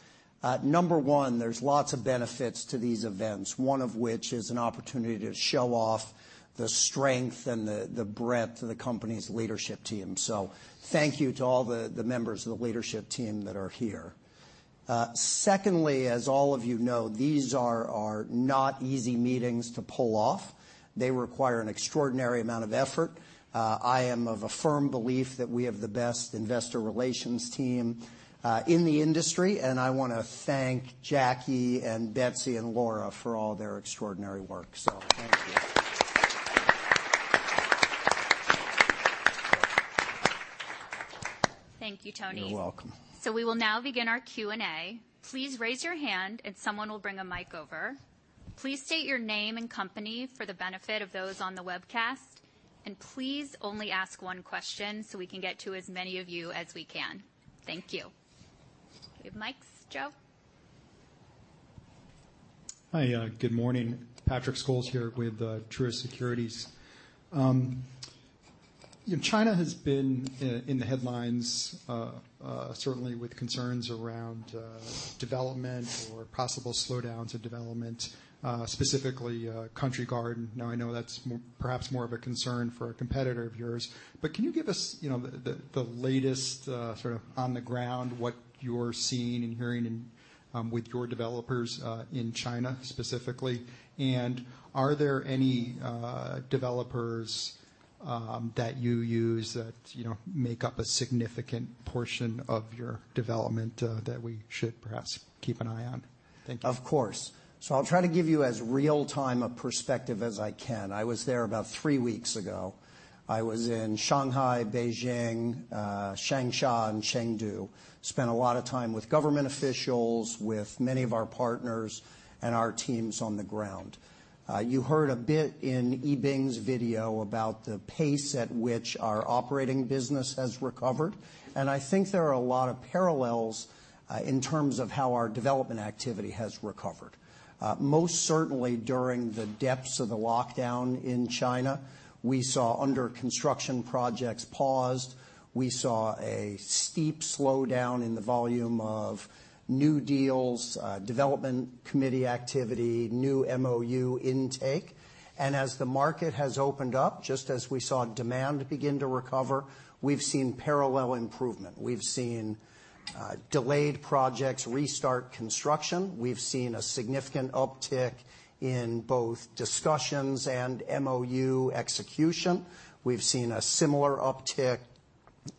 Number one, there's lots of benefits to these events, one of which is an opportunity to show off the strength and the breadth of the company's leadership team. So thank you to all the members of the leadership team that are here. Secondly, as all of you know, these are not easy meetings to pull off. They require an extraordinary amount of effort. I am of a firm belief that we have the best investor relations team in the industry, and I want to thank Jackie and Betsy and Laura for all their extraordinary work. So thank you. Thank you, Tony. You're welcome. So we will now begin our Q&A. Please raise your hand, and someone will bring a mic over. Please state your name and company for the benefit of those on the webcast, and please only ask one question, so we can get to as many of you as we can. Thank you. Do we have mics, Joe? Hi, good morning. Patrick Scholes here with Truist Securities. China has been in the headlines certainly with concerns around development or possible slowdowns in development, specifically Country Garden. Now, I know that's perhaps more of a concern for a competitor of yours, but can you give us, you know, the latest sort of on the ground, what you're seeing and hearing with your developers in China specifically? And are there any developers that you use that, you know, make up a significant portion of your development that we should perhaps keep an eye on? Thank you. Of course. So I'll try to give you as real-time a perspective as I can. I was there about three weeks ago. I was in Shanghai, Beijing, Changsha, and Chengdu. Spent a lot of time with government officials, with many of our partners and our teams on the ground. You heard a bit in Yiming's video about the pace at which our operating business has recovered, and I think there are a lot of parallels in terms of how our development activity has recovered. Most certainly, during the depths of the lockdown in China, we saw under construction projects paused. We saw a steep slowdown in the volume of new deals, development committee activity, new MOU intake. And as the market has opened up, just as we saw demand begin to recover, we've seen parallel improvement. We've seen delayed projects restart construction. We've seen a significant uptick in both discussions and MOU execution. We've seen a similar uptick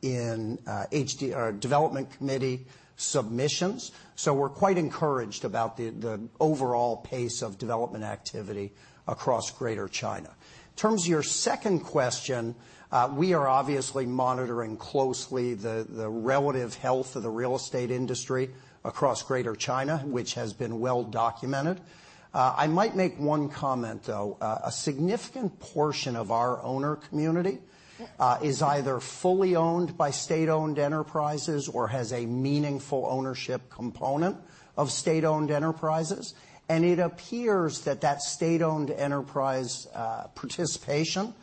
in HD or development committee submissions, so we're quite encouraged about the overall pace of development activity across Greater China. In terms of your second question, we are obviously monitoring closely the relative health of the real estate industry across Greater China, which has been well documented. I might make one comment, though. A significant portion of our owner community is either fully owned by state-owned enterprises or has a meaningful ownership component of state-owned enterprises, and it appears that that state-owned enterprise participation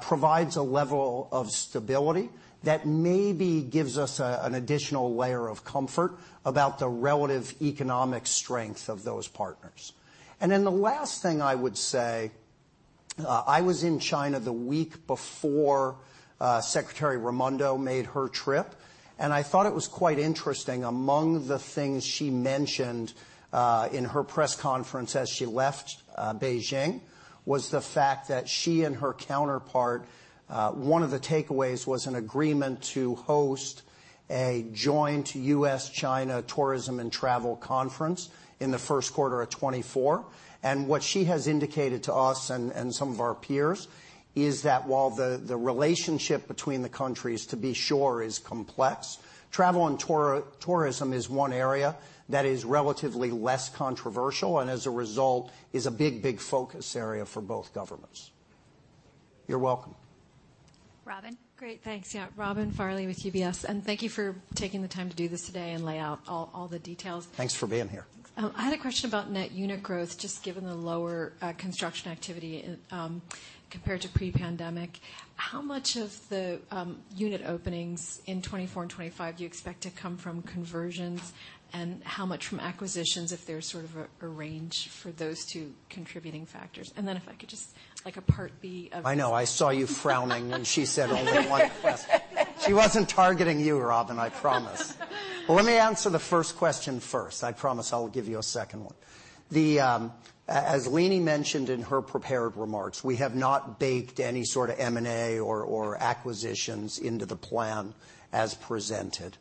provides a level of stability that maybe gives us an additional layer of comfort about the relative economic strength of those partners. Then the last thing I would say, I was in China the week before, Secretary Raimondo made her trip, and I thought it was quite interesting. Among the things she mentioned, in her press conference as she left, Beijing, was the fact that she and her counterpart, one of the takeaways was an agreement to host a joint U.S.-China tourism and travel conference in the first quarter of 2024. What she has indicated to us and, and some of our peers is that while the, the relationship between the countries, to be sure, is complex, travel and tour-tourism is one area that is relatively less controversial, and as a result, is a big, big focus area for both governments.... You're welcome. Robin? Great. Thanks. Yeah, Robin Farley with UBS, and thank you for taking the time to do this today and lay out all, all the details. Thanks for being here. I had a question about net unit growth, just given the lower construction activity compared to pre-pandemic. How much of the unit openings in 2024 and 2025 do you expect to come from conversions, and how much from acquisitions, if there's a range for those two contributing factors? And then if I could, a part B of- I know. I saw you frowning when she said only one question. She wasn't targeting you, Robin, I promise. Well, let me answer the first question first. I promise I'll give you a second one. As Leeny mentioned in her prepared remarks, we have not baked any sort of M&A or acquisitions into the plan as presented.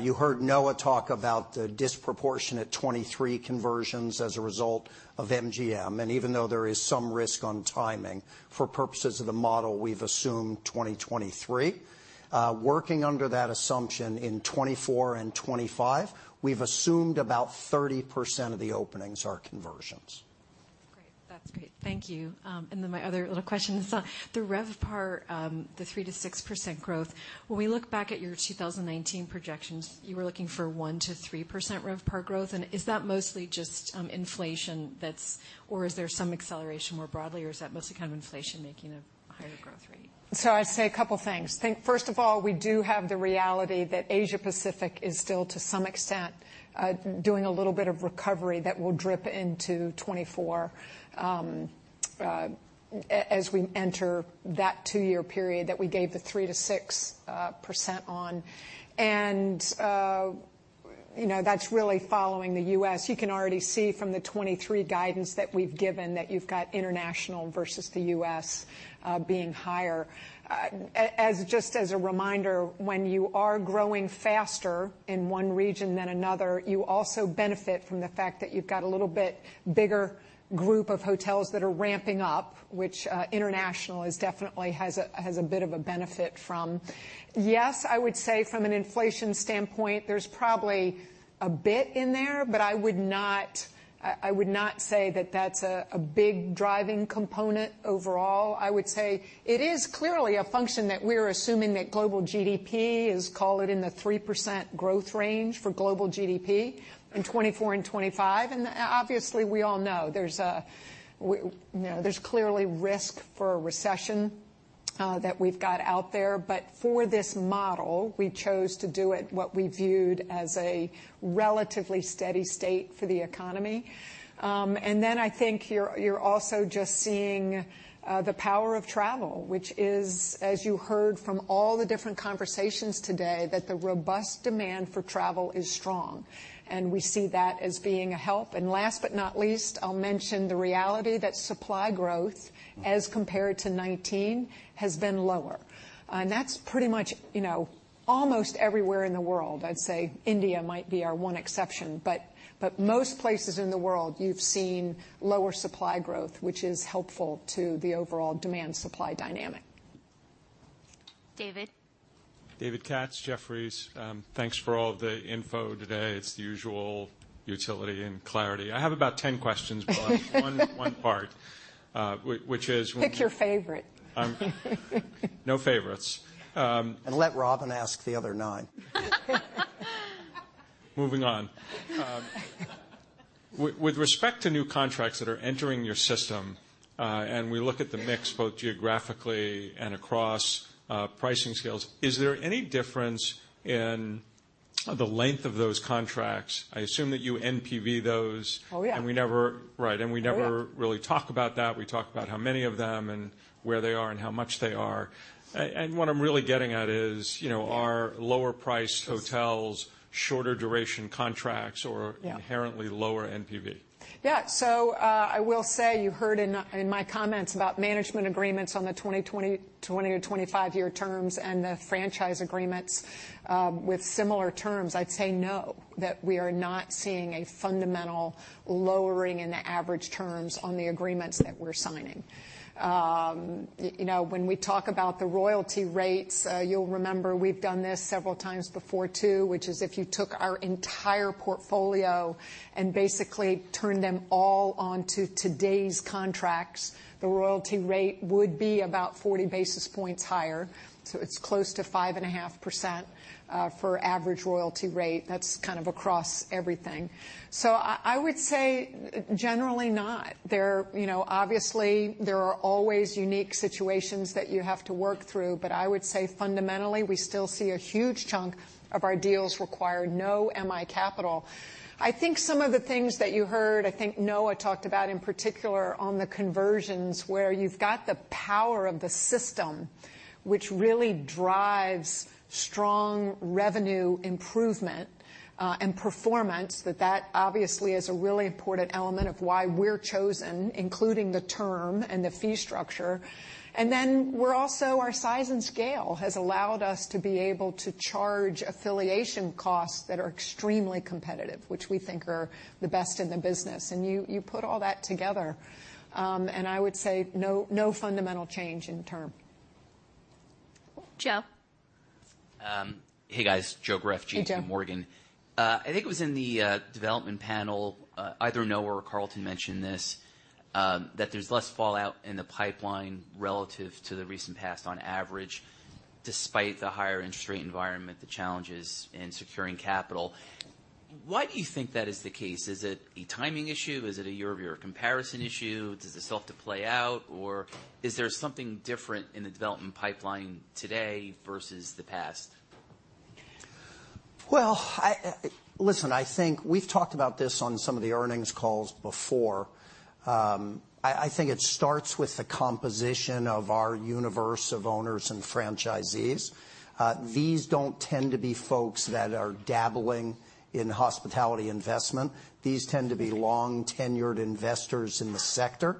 You heard Noah talk about the disproportionate 2023 conversions as a result of MGM, and even though there is some risk on timing, for purposes of the model, we've assumed 2023. Working under that assumption in 2024 and 2025, we've assumed about 30% of the openings are conversions. Great. That's great. Thank you. And then my other little question is on the RevPAR, the 3%-6% growth. When we look back at your 2019 projections, you were looking for 1%-3% RevPAR growth, and is that mostly just inflation that's... or is there some acceleration more broadly, or is that mostly kind of inflation making a higher growth rate? So I'd say a couple things. First of all, we do have the reality that Asia Pacific is still, to some extent, doing a little bit of recovery that will drip into 2024, as we enter that two-year period that we gave the 3-6% on. And, you know, that's really following the U.S. You can already see from the 2023 guidance that we've given that you've got international versus the U.S., being higher. As just a reminder, when you are growing faster in one region than another, you also benefit from the fact that you've got a little bit bigger group of hotels that are ramping up, which international definitely has a bit of a benefit from. Yes, I would say from an inflation standpoint, there's probably a bit in there, but I would not, I would not say that that's a big driving component overall. I would say it is clearly a function that we're assuming that global GDP is, call it, in the 3% growth range for global GDP- Mm-hmm. In 2024 and 2025, and obviously, we all know there's a, you know, there's clearly risk for a recession that we've got out there. But for this model, we chose to do it, what we viewed as a relatively steady state for the economy. And then I think you're, you're also just seeing the power of travel, which is, as you heard from all the different conversations today, that the robust demand for travel is strong, and we see that as being a help. And last but not least, I'll mention the reality that supply growth as compared to 2019 has been lower, and that's pretty much, you know, almost everywhere in the world. I'd say India might be our one exception, but most places in the world, you've seen lower supply growth, which is helpful to the overall demand/supply dynamic. David? David Katz, Jefferies. Thanks for all the info today. It's the usual utility and clarity. I have about 10 questions—but I'll ask one, one part, which is- Pick your favorite. No favorites. Let Robin ask the other nine. Moving on. With respect to new contracts that are entering your system, and we look at the mix both geographically and across pricing scales, is there any difference in the length of those contracts? I assume that you NPV those. Oh, yeah. Right. Oh, yeah. And we never really talk about that. We talk about how many of them and where they are and how much they are. And what I'm really getting at is, you know- Yeah... are lower-priced hotels, shorter-duration contracts or- Yeah... inherently lower NPV? Yeah, so, I will say, you heard in my comments about management agreements on the 20- to 25-year terms and the franchise agreements, with similar terms. I'd say no, that we are not seeing a fundamental lowering in the average terms on the agreements that we're signing. You know, when we talk about the royalty rates, you'll remember we've done this several times before, too, which is, if you took our entire portfolio and basically turned them all onto today's contracts, the royalty rate would be about 40 basis points higher, so it's close to 5.5%, for average royalty rate. That's kind of across everything. So I, I would say generally not. There... You know, obviously, there are always unique situations that you have to work through, but I would say, fundamentally, we still see a huge chunk of our deals require no MI capital. I think some of the things that you heard, I think Noah talked about, in particular, on the conversions, where you've got the power of the system, which really drives strong revenue improvement and performance, that obviously is a really important element of why we're chosen, including the term and the fee structure. And then our size and scale has allowed us to be able to charge affiliation costs that are extremely competitive, which we think are the best in the business. And you put all that together, and I would say, no, no fundamental change in terms.... Joe? Hey, guys, Joe Greff, J.P. Morgan. Hi, Joe. I think it was in the development panel, either Noah or Carlton mentioned this, that there's less fallout in the pipeline relative to the recent past on average, despite the higher interest rate environment, the challenges in securing capital. Why do you think that is the case? Is it a timing issue? Is it a year-over-year comparison issue? Does this have to play out, or is there something different in the development pipeline today versus the past? Well, Listen, I think we've talked about this on some of the earnings calls before. I think it starts with the composition of our universe of owners and franchisees. These don't tend to be folks that are dabbling in hospitality investment. These tend to be long-tenured investors in the sector.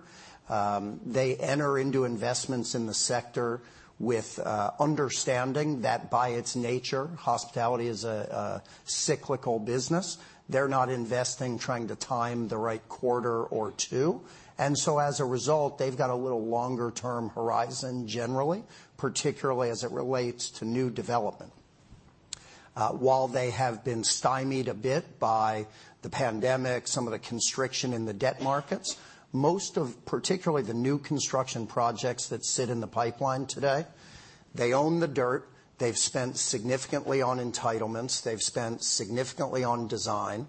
They enter into investments in the sector with understanding that, by its nature, hospitality is a cyclical business. They're not investing trying to time the right quarter or two, and so as a result, they've got a little longer-term horizon generally, particularly as it relates to new development. While they have been stymied a bit by the pandemic, some of the constriction in the debt markets, most of, particularly the new construction projects that sit in the pipeline today, they own the dirt. They've spent significantly on entitlements. They've spent significantly on design.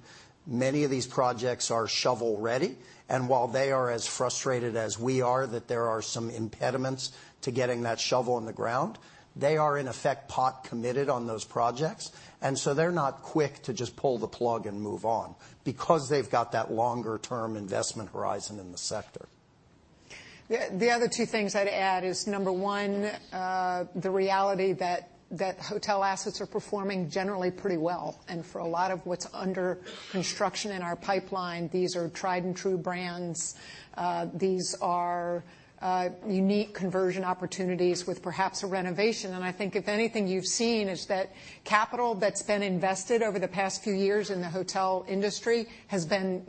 Many of these projects are shovel-ready, and while they are as frustrated as we are that there are some impediments to getting that shovel in the ground, they are, in effect, pot committed on those projects, and so they're not quick to just pull the plug and move on because they've got that longer-term investment horizon in the sector. The other two things I'd add is, number one, the reality that hotel assets are performing generally pretty well, and for a lot of what's under construction in our pipeline, these are tried-and-true brands. These are unique conversion opportunities with perhaps a renovation, and I think if anything you've seen is that capital that's been invested over the past few years in the hotel industry has been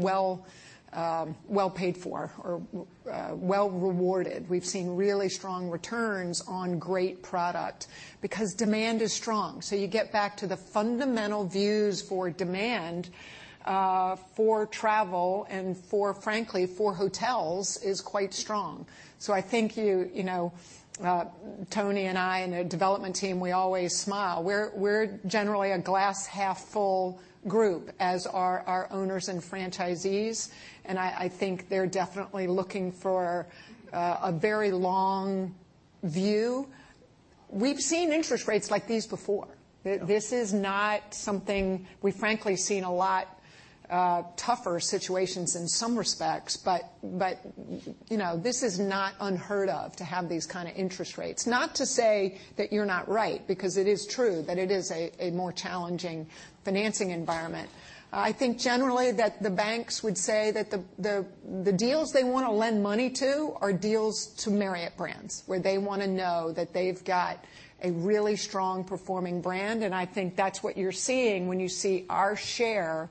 well paid for or well rewarded. We've seen really strong returns on great product because demand is strong. So you get back to the fundamental views for demand for travel and for, frankly, for hotels, is quite strong. So I think, you know, Tony and I and the development team, we always smile. We're generally a glass-half-full group, as are our owners and franchisees, and I think they're definitely looking for a very long view. We've seen interest rates like these before. Yeah. This is not something... We've frankly seen a lot tougher situations in some respects, but you know, this is not unheard of, to have these kind of interest rates. Not to say that you're not right, because it is true that it is a more challenging financing environment. I think generally that the banks would say that the deals they wanna lend money to are deals to Marriott brands, where they wanna know that they've got a really strong-performing brand, and I think that's what you're seeing when you see our share of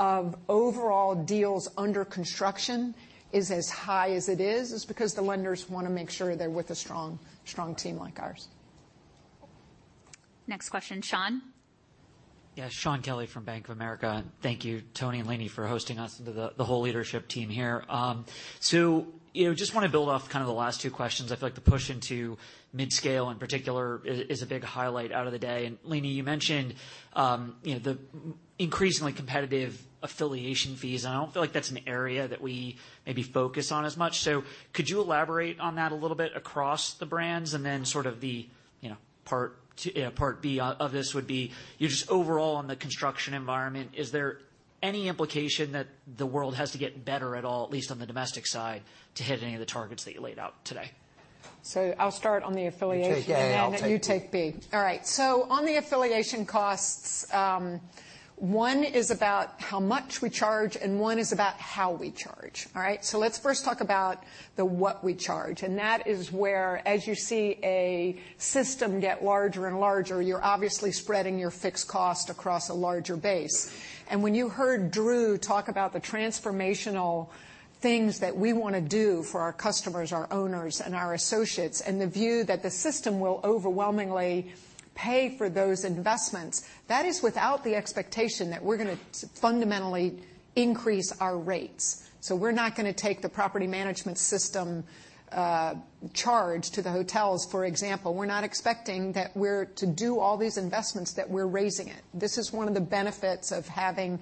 overall deals under construction is as high as it is because the lenders wanna make sure they're with a strong, strong team like ours. Next question. Shaun? Yeah, Shaun Kelley from Bank of America. Thank you, Tony and Leeny, for hosting us, and the whole leadership team here. So, you know, just wanna build off kind of the last two questions. I feel like the push into midscale in particular is a big highlight out of the day. And Leeny, you mentioned, you know, the increasingly competitive affiliation fees, and I don't feel like that's an area that we maybe focus on as much, so could you elaborate on that a little bit across the brands? And then sort of the, you know, part B of this would be, you know, just overall in the construction environment, is there any implication that the world has to get better at all, at least on the domestic side, to hit any of the targets that you laid out today? I'll start on the affiliation- You take A, I'll take B. And then you take B. All right. So on the affiliation costs, one is about how much we charge, and one is about how we charge. All right? So let's first talk about what we charge, and that is where, as you see a system get larger and larger, you're obviously spreading your fixed cost across a larger base. And when you heard Drew talk about the transformational things that we wanna do for our customers, our owners, and our associates, and the view that the system will overwhelmingly pay for those investments, that is without the expectation that we're gonna fundamentally increase our rates. So we're not gonna take the property management system charge to the hotels, for example. We're not expecting that we're to do all these investments, that we're raising it. This is one of the benefits of having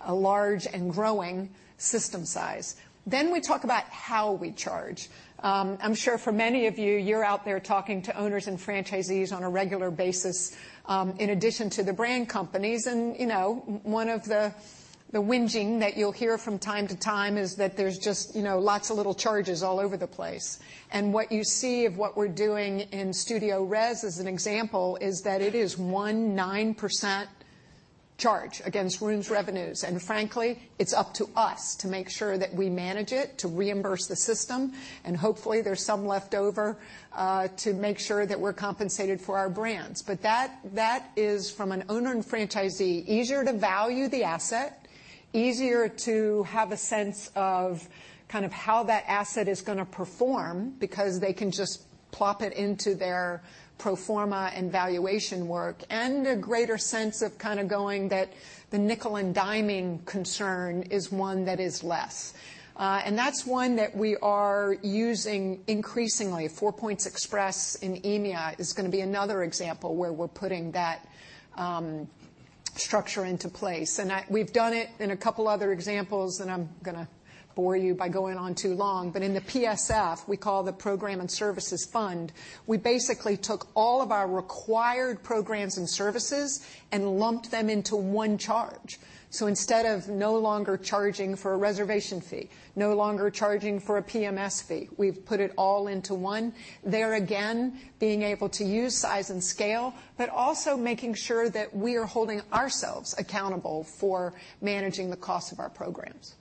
a large and growing system size. Then we talk about how we charge. I'm sure for many of you, you're out there talking to owners and franchisees on a regular basis, in addition to the brand companies, and, you know, one of the, the whinging that you'll hear from time to time is that there's just, you know, lots of little charges all over the place. And what you see of what we're doing in StudioRes, as an example, is that it is 19% charge against rooms revenues. And frankly, it's up to us to make sure that we manage it, to reimburse the system, and hopefully, there's some left over, to make sure that we're compensated for our brands. But that, that is from an owner and franchisee, easier to value the asset, easier to have a sense of kind of how that asset is gonna perform, because they can just plop it into their pro forma and valuation work, and a greater sense of kind of going that the nickel-and-diming concern is one that is less. And that's one that we are using increasingly. Four Points Express in EMEA is gonna be another example where we're putting that structure into place. And we've done it in a couple other examples, and I'm gonna bore you by going on too long. But in the PSF, we call the Program and Services Fund, we basically took all of our required programs and services and lumped them into one charge. Instead of no longer charging for a reservation fee, no longer charging for a PMS fee, we've put it all into one. There again, being able to use size and scale, but also making sure that we are holding ourselves accountable for managing the cost of our programs.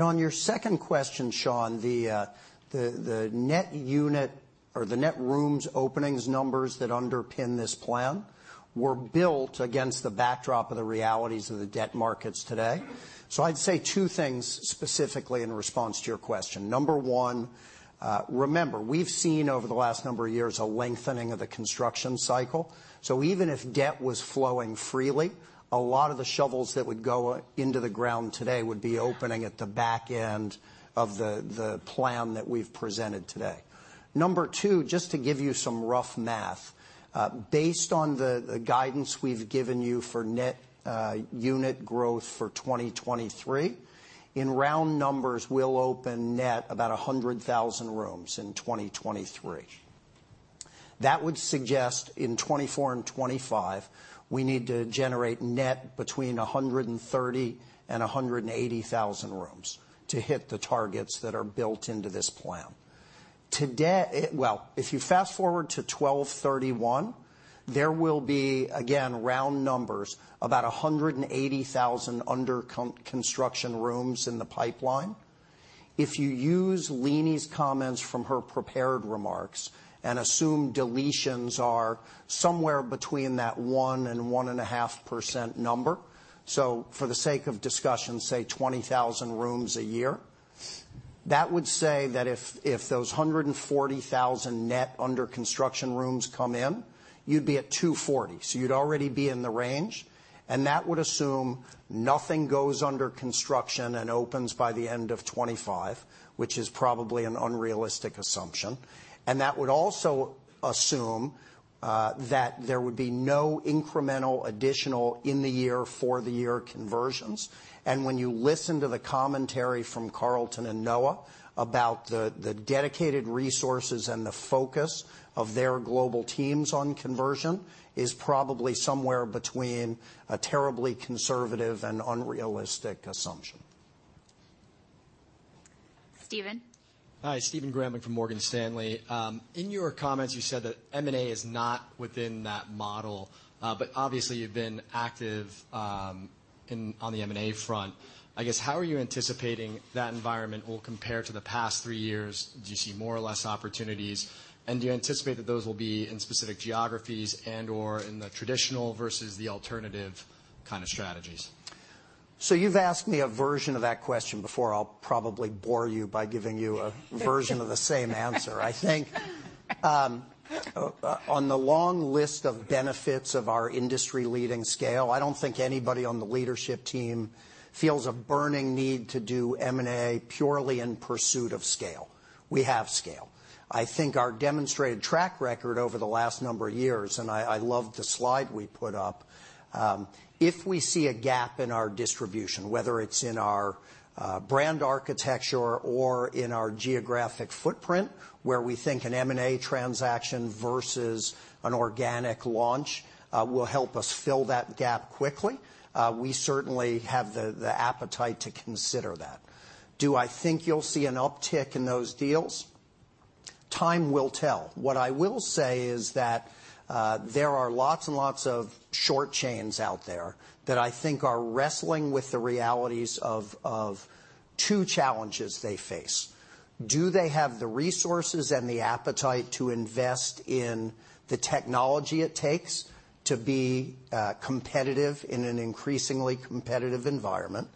On your second question, Sean, the net unit or the net rooms openings numbers that underpin this plan were built against the backdrop of the realities of the debt markets today. So I'd say two things specifically in response to your question. Number one, remember, we've seen over the last number of years, a lengthening of the construction cycle. So even if debt was flowing freely, a lot of the shovels that would go into the ground today would be opening at the back end of the plan that we've presented today. Number two, just to give you some rough math, based on the guidance we've given you for net unit growth for 2023, in round numbers, we'll open net about 100,000 rooms in 2023. That would suggest in 2024 and 2025, we need to generate net between 130,000 and 180,000 rooms to hit the targets that are built into this plan. Well, if you fast-forward to 12/31/2025, there will be, again, round numbers, about 180,000 under construction rooms in the pipeline. If you use Leeny's comments from her prepared remarks and assume deletions are somewhere between that 1% and 1.5% number, so for the sake of discussion, say, 20,000 rooms a year, that would say that if those 140,000 net under construction rooms come in, you'd be at 240. So you'd already be in the range, and that would assume nothing goes under construction and opens by the end of 2025, which is probably an unrealistic assumption. That would also assume that there would be no incremental additional in the year for the year conversions. When you listen to the commentary from Carlton and Noah about the dedicated resources and the focus of their global teams on conversion, is probably somewhere between a terribly conservative and unrealistic assumption. Stephen? Hi, Stephen Grambling from Morgan Stanley. In your comments, you said that M&A is not within that model, but obviously, you've been active, on the M&A front. I guess, how are you anticipating that environment will compare to the past three years? Do you see more or less opportunities, and do you anticipate that those will be in specific geographies and/or in the traditional versus the alternative kind of strategies? So you've asked me a version of that question before. I'll probably bore you by giving you a version of the same answer. I think, on the long list of benefits of our industry-leading scale, I don't think anybody on the leadership team feels a burning need to do M&A purely in pursuit of scale. We have scale. I think our demonstrated track record over the last number of years, and I love the slide we put up, if we see a gap in our distribution, whether it's in our brand architecture or in our geographic footprint, where we think an M&A transaction versus an organic launch will help us fill that gap quickly, we certainly have the appetite to consider that. Do I think you'll see an uptick in those deals? Time will tell. What I will say is that, there are lots and lots of short chains out there that I think are wrestling with the realities of two challenges they face. Do they have the resources and the appetite to invest in the technology it takes to be competitive in an increasingly competitive environment?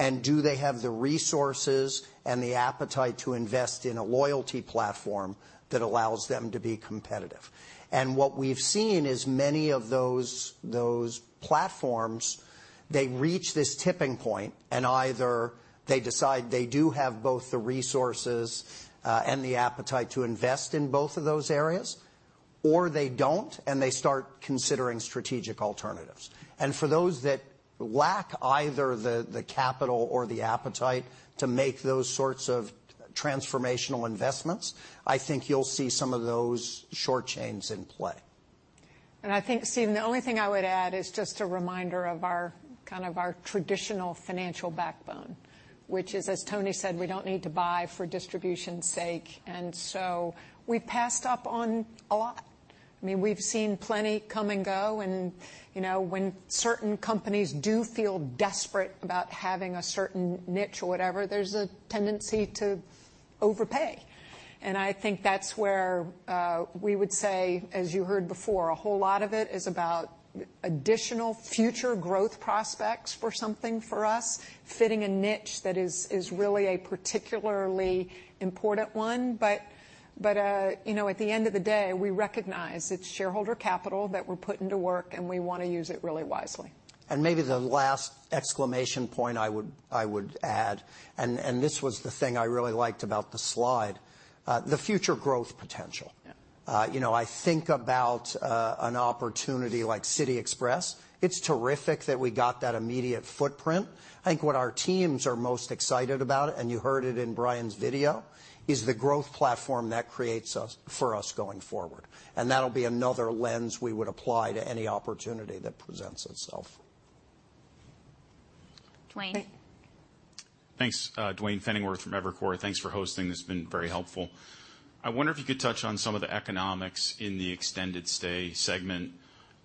And do they have the resources and the appetite to invest in a loyalty platform that allows them to be competitive? And what we've seen is many of those platforms, they reach this tipping point, and either they decide they do have both the resources and the appetite to invest in both of those areas, or they don't, and they start considering strategic alternatives. For those that lack either the capital or the appetite to make those sorts of transformational investments, I think you'll see some of those short chains in play. And I think, Stephen, the only thing I would add is just a reminder of our kind of traditional financial backbone, which is, as Tony said, we don't need to buy for distribution's sake, and so we've passed up on a lot. I mean, we've seen plenty come and go, and, you know, when certain companies do feel desperate about having a certain niche or whatever, there's a tendency to overpay. And I think that's where we would say, as you heard before, a whole lot of it is about additional future growth prospects for something for us, fitting a niche that is really a particularly important one. But, you know, at the end of the day, we recognize it's shareholder capital that we're putting to work, and we wanna use it really wisely. Maybe the last exclamation point I would add, and this was the thing I really liked about the slide, the future growth potential. Yeah. You know, I think about an opportunity like City Express. It's terrific that we got that immediate footprint. I think what our teams are most excited about, and you heard it in Brian's video, is the growth platform that creates for us going forward, and that'll be another lens we would apply to any opportunity that presents itself. Duane? Thanks. Duane Pfennigwerth from Evercore. Thanks for hosting. This has been very helpful. I wonder if you could touch on some of the economics in the extended stay segment,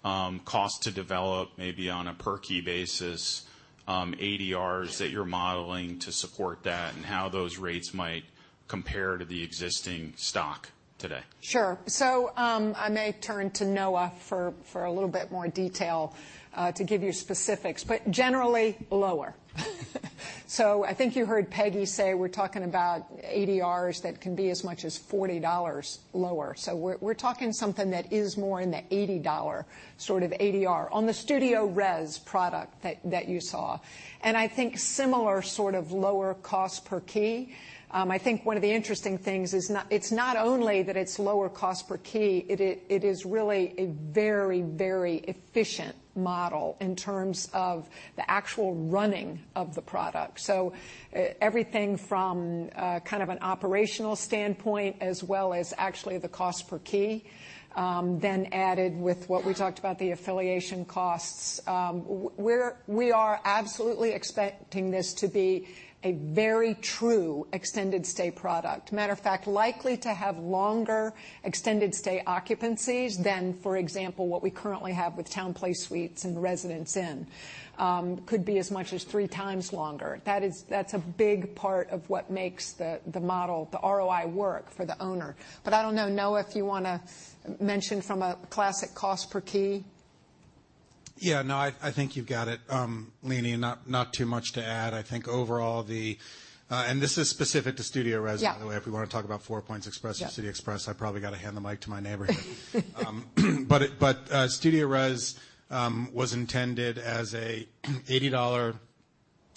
cost to develop, maybe on a per-key basis, ADRs that you're modeling to support that, and how those rates might compare to the existing stock today. Sure. So, I may turn to Noah for a little bit more detail to give you specifics, but generally, lower. So I think you heard Peggy say we're talking about ADRs that can be as much as $40 lower, so we're talking something that is more in the $80 sort of ADR on the StudioRes product that you saw, and I think similar sort of lower cost per key. I think one of the interesting things is not, it's not only that it's lower cost per key, it is really a very, very efficient model in terms of the actual running of the product. So everything from kind of an operational standpoint as well as actually the cost per key, then added with what we talked about, the affiliation costs. We're absolutely expecting this to be a very true extended stay product. Matter of fact, likely to have longer extended stay occupancies than, for example, what we currently have with TownePlace Suites and Residence Inn. Could be as much as three times longer. That's a big part of what makes the model, the ROI, work for the owner. But I don't know, Noah, if you wanna mention from a classic cost per key? Yeah, no, I think you've got it, Leeny, and not too much to add. I think overall, this is specific to StudioRes- Yeah... by the way. If we want to talk about Four Points Express- Yeah... or City Express, I probably gotta hand the mic to my neighbor. But StudioRes was intended as a $80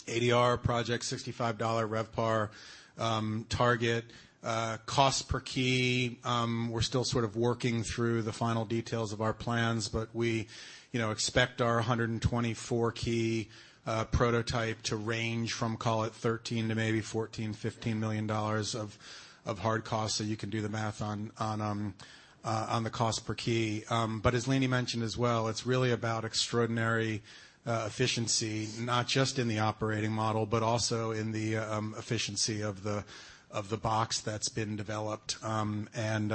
ADR project, $65 RevPAR target. Cost per key, we're still sort of working through the final details of our plans, but we, you know, expect our 124-key prototype to range from, call it, $13 million to maybe $14-$15 million of hard costs, so you can do the math on the cost per key. But as Leeny mentioned as well, it's really about extraordinary efficiency, not just in the operating model, but also in the efficiency of the box that's been developed, and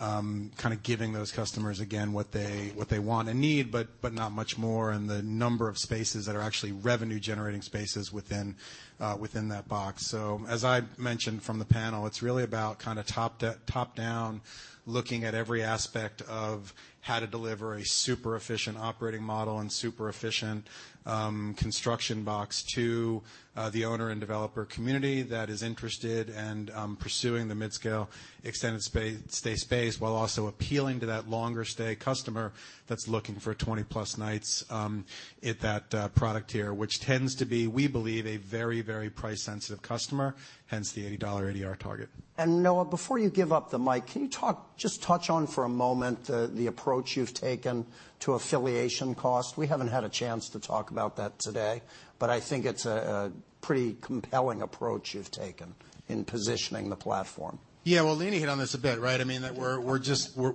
kind of giving those customers, again, what they want and need, but not much more in the number of spaces that are actually revenue-generating spaces within that box. So as I mentioned from the panel, it's really about kind of top-down, looking at every aspect of how to deliver a super efficient operating model and super efficient construction box to the owner and developer community that is interested in pursuing the mid-scale extended stay space, while also appealing to that longer stay customer that's looking for 20+ nights at that product tier, which tends to be, we believe, a very, very price-sensitive customer, hence the $80 ADR target. Noah, before you give up the mic, can you talk, just touch on for a moment, the approach you've taken to affiliation cost? We haven't had a chance to talk about that today, but I think it's a pretty compelling approach you've taken in positioning the platform. Yeah, well, Leeny hit on this a bit, right? I mean, that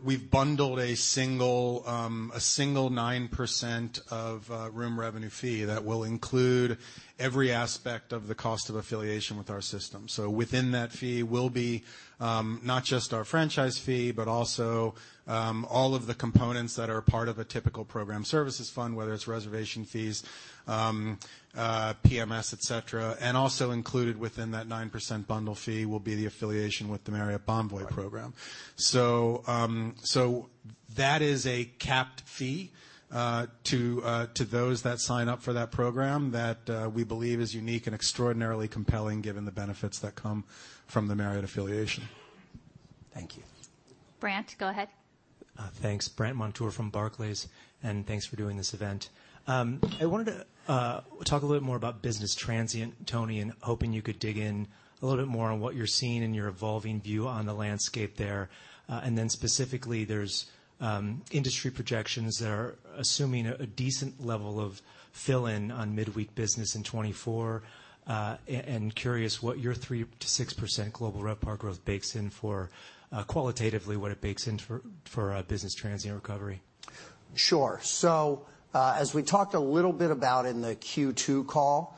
we've bundled a single 9% of room revenue fee that will include every aspect of the cost of affiliation with our system. So within that fee will be not just our franchise fee, but also all of the components that are part of a typical program services fund, whether it's reservation fees, PMS, et cetera. And also included within that 9% bundle fee will be the affiliation with the Marriott Bonvoy program. So that is a capped fee to those that sign up for that program, that we believe is unique and extraordinarily compelling, given the benefits that come from the Marriott affiliation. Thank you. Brandt, go ahead. Thanks. Brandt Montour from Barclays, and thanks for doing this event. I wanted to talk a little bit more about business transient, Tony, and hoping you could dig in a little bit more on what you're seeing and your evolving view on the landscape there. And then specifically, there's industry projections that are assuming a decent level of fill-in on midweek business in 2024. And curious what your 3%-6% global RevPAR growth bakes in for, qualitatively, what it bakes in for, for business transient recovery.... Sure. So, as we talked a little bit about in the Q2 call,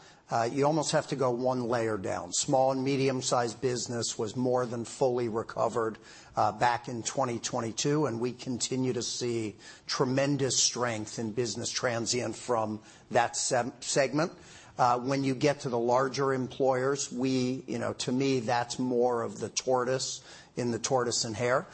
you almost have to go one layer down. Small and medium-sized business was more than fully recovered back in 2022, and we continue to see tremendous strength in business transient from that segment. When you get to the larger employers, we—you know, to me, that's more of the tortoise in the tortoise and hare.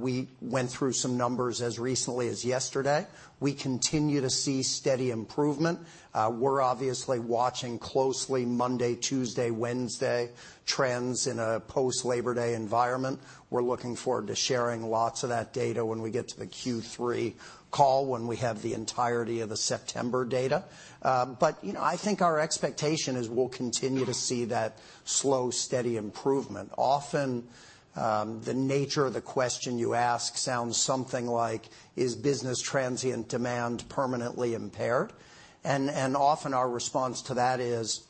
We went through some numbers as recently as yesterday. We continue to see steady improvement. We're obviously watching closely Monday, Tuesday, Wednesday trends in a post-Labor Day environment. We're looking forward to sharing lots of that data when we get to the Q3 call, when we have the entirety of the September data. But, you know, I think our expectation is we'll continue to see that slow, steady improvement. Often, the nature of the question you ask sounds something like: Is business transient demand permanently impaired? And often our response to that is,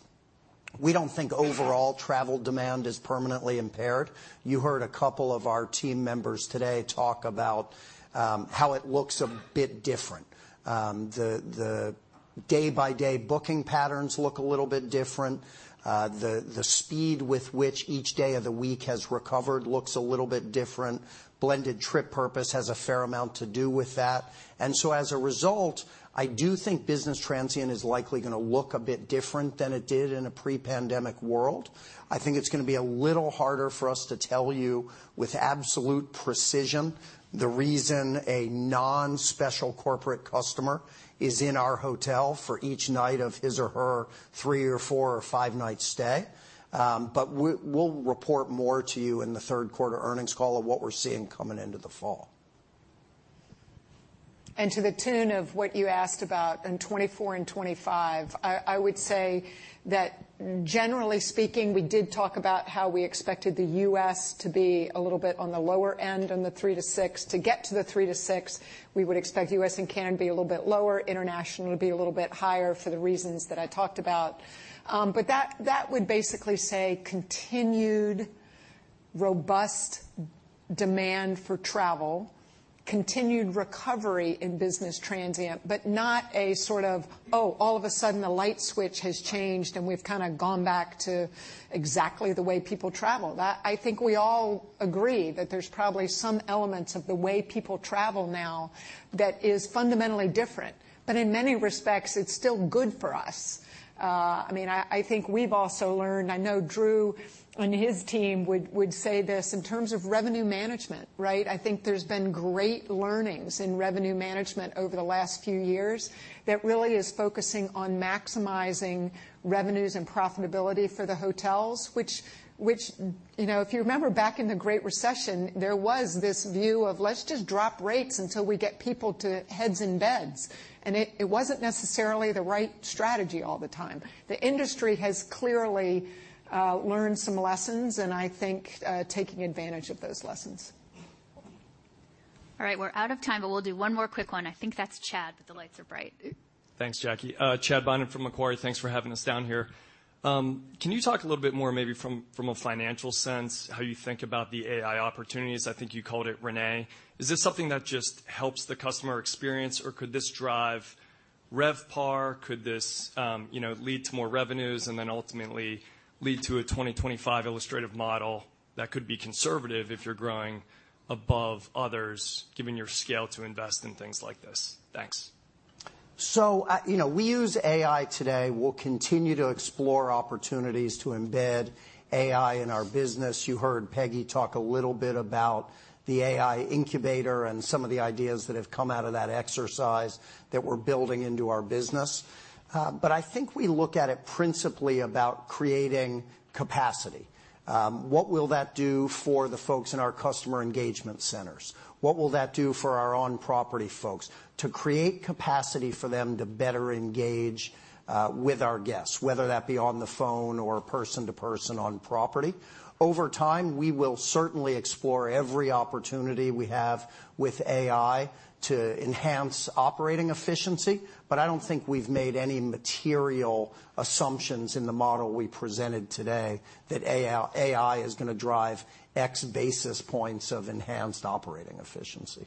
we don't think overall travel demand is permanently impaired. You heard a couple of our team members today talk about how it looks a bit different. The day-by-day booking patterns look a little bit different. The speed with which each day of the week has recovered looks a little bit different. Blended trip purpose has a fair amount to do with that. And so, as a result, I do think business transient is likely gonna look a bit different than it did in a pre-pandemic world. I think it's gonna be a little harder for us to tell you with absolute precision the reason a non-special corporate customer is in our hotel for each night of his or her 3 or 4 or 5-night stay. But we'll report more to you in the third quarter earnings call of what we're seeing coming into the fall. To the tune of what you asked about in 2024 and 2025, I would say that generally speaking, we did talk about how we expected the U.S. to be a little bit on the lower end on the 3%-6%. To get to the 3%-6%, we would expect U.S. and Canada to be a little bit lower, international to be a little bit higher for the reasons that I talked about. But that would basically say continued robust demand for travel, continued recovery in business transient, but not a sort of, oh, all of a sudden, the light switch has changed, and we've kind of gone back to exactly the way people travel. That. I think we all agree that there's probably some elements of the way people travel now that is fundamentally different, but in many respects, it's still good for us. I mean, I think we've also learned... I know Drew and his team would say this in terms of revenue management, right? I think there's been great learnings in revenue management over the last few years that really is focusing on maximizing revenues and profitability for the hotels, which, you know, if you remember back in the Great Recession, there was this view of, let's just drop rates until we get people to heads in beds, and it wasn't necessarily the right strategy all the time. The industry has clearly learned some lessons, and I think taking advantage of those lessons. All right, we're out of time, but we'll do one more quick one. I think that's Chad, but the lights are bright. Thanks, Jackie. Chad Beynon from Macquarie. Thanks for having us down here. Can you talk a little bit more, maybe from, from a financial sense, how you think about the AI opportunities? I think you called it RenAI. Is this something that just helps the customer experience, or could this drive RevPAR? Could this, you know, lead to more revenues and then ultimately lead to a 2025 illustrative model that could be conservative if you're growing above others, given your scale to invest in things like this? Thanks. So, you know, we use AI today. We'll continue to explore opportunities to embed AI in our business. You heard Peggy talk a little bit about the AI incubator and some of the ideas that have come out of that exercise that we're building into our business. But I think we look at it principally about creating capacity. What will that do for the folks in our customer engagement centers? What will that do for our on-property folks? To create capacity for them to better engage with our guests, whether that be on the phone or person to person on property. Over time, we will certainly explore every opportunity we have with AI to enhance operating efficiency, but I don't think we've made any material assumptions in the model we presented today that AI is gonna drive X basis points of enhanced operating efficiency.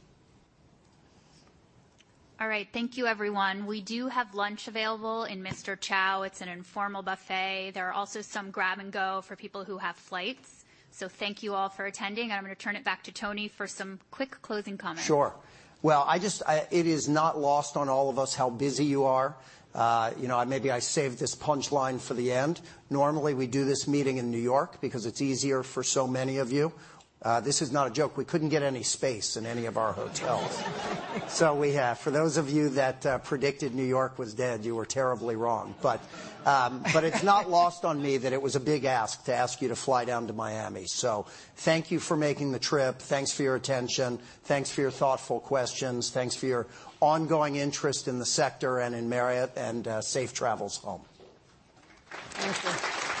All right. Thank you, everyone. We do have lunch available in Mr. Chow. It's an informal buffet. There are also some grab-and-go for people who have flights. So thank you all for attending, and I'm going to turn it back to Tony for some quick closing comments. Sure. Well, I just, it is not lost on all of us how busy you are. You know, maybe I saved this punchline for the end. Normally, we do this meeting in New York because it's easier for so many of you. This is not a joke. We couldn't get any space in any of our hotels. So we have for those of you that, predicted New York was dead, you were terribly wrong. But, but it's not lost on me that it was a big ask to ask you to fly down to Miami. So thank you for making the trip. Thanks for your attention. Thanks for your thoughtful questions. Thanks for your ongoing interest in the sector and in Marriott, and, safe travels home. Thank you.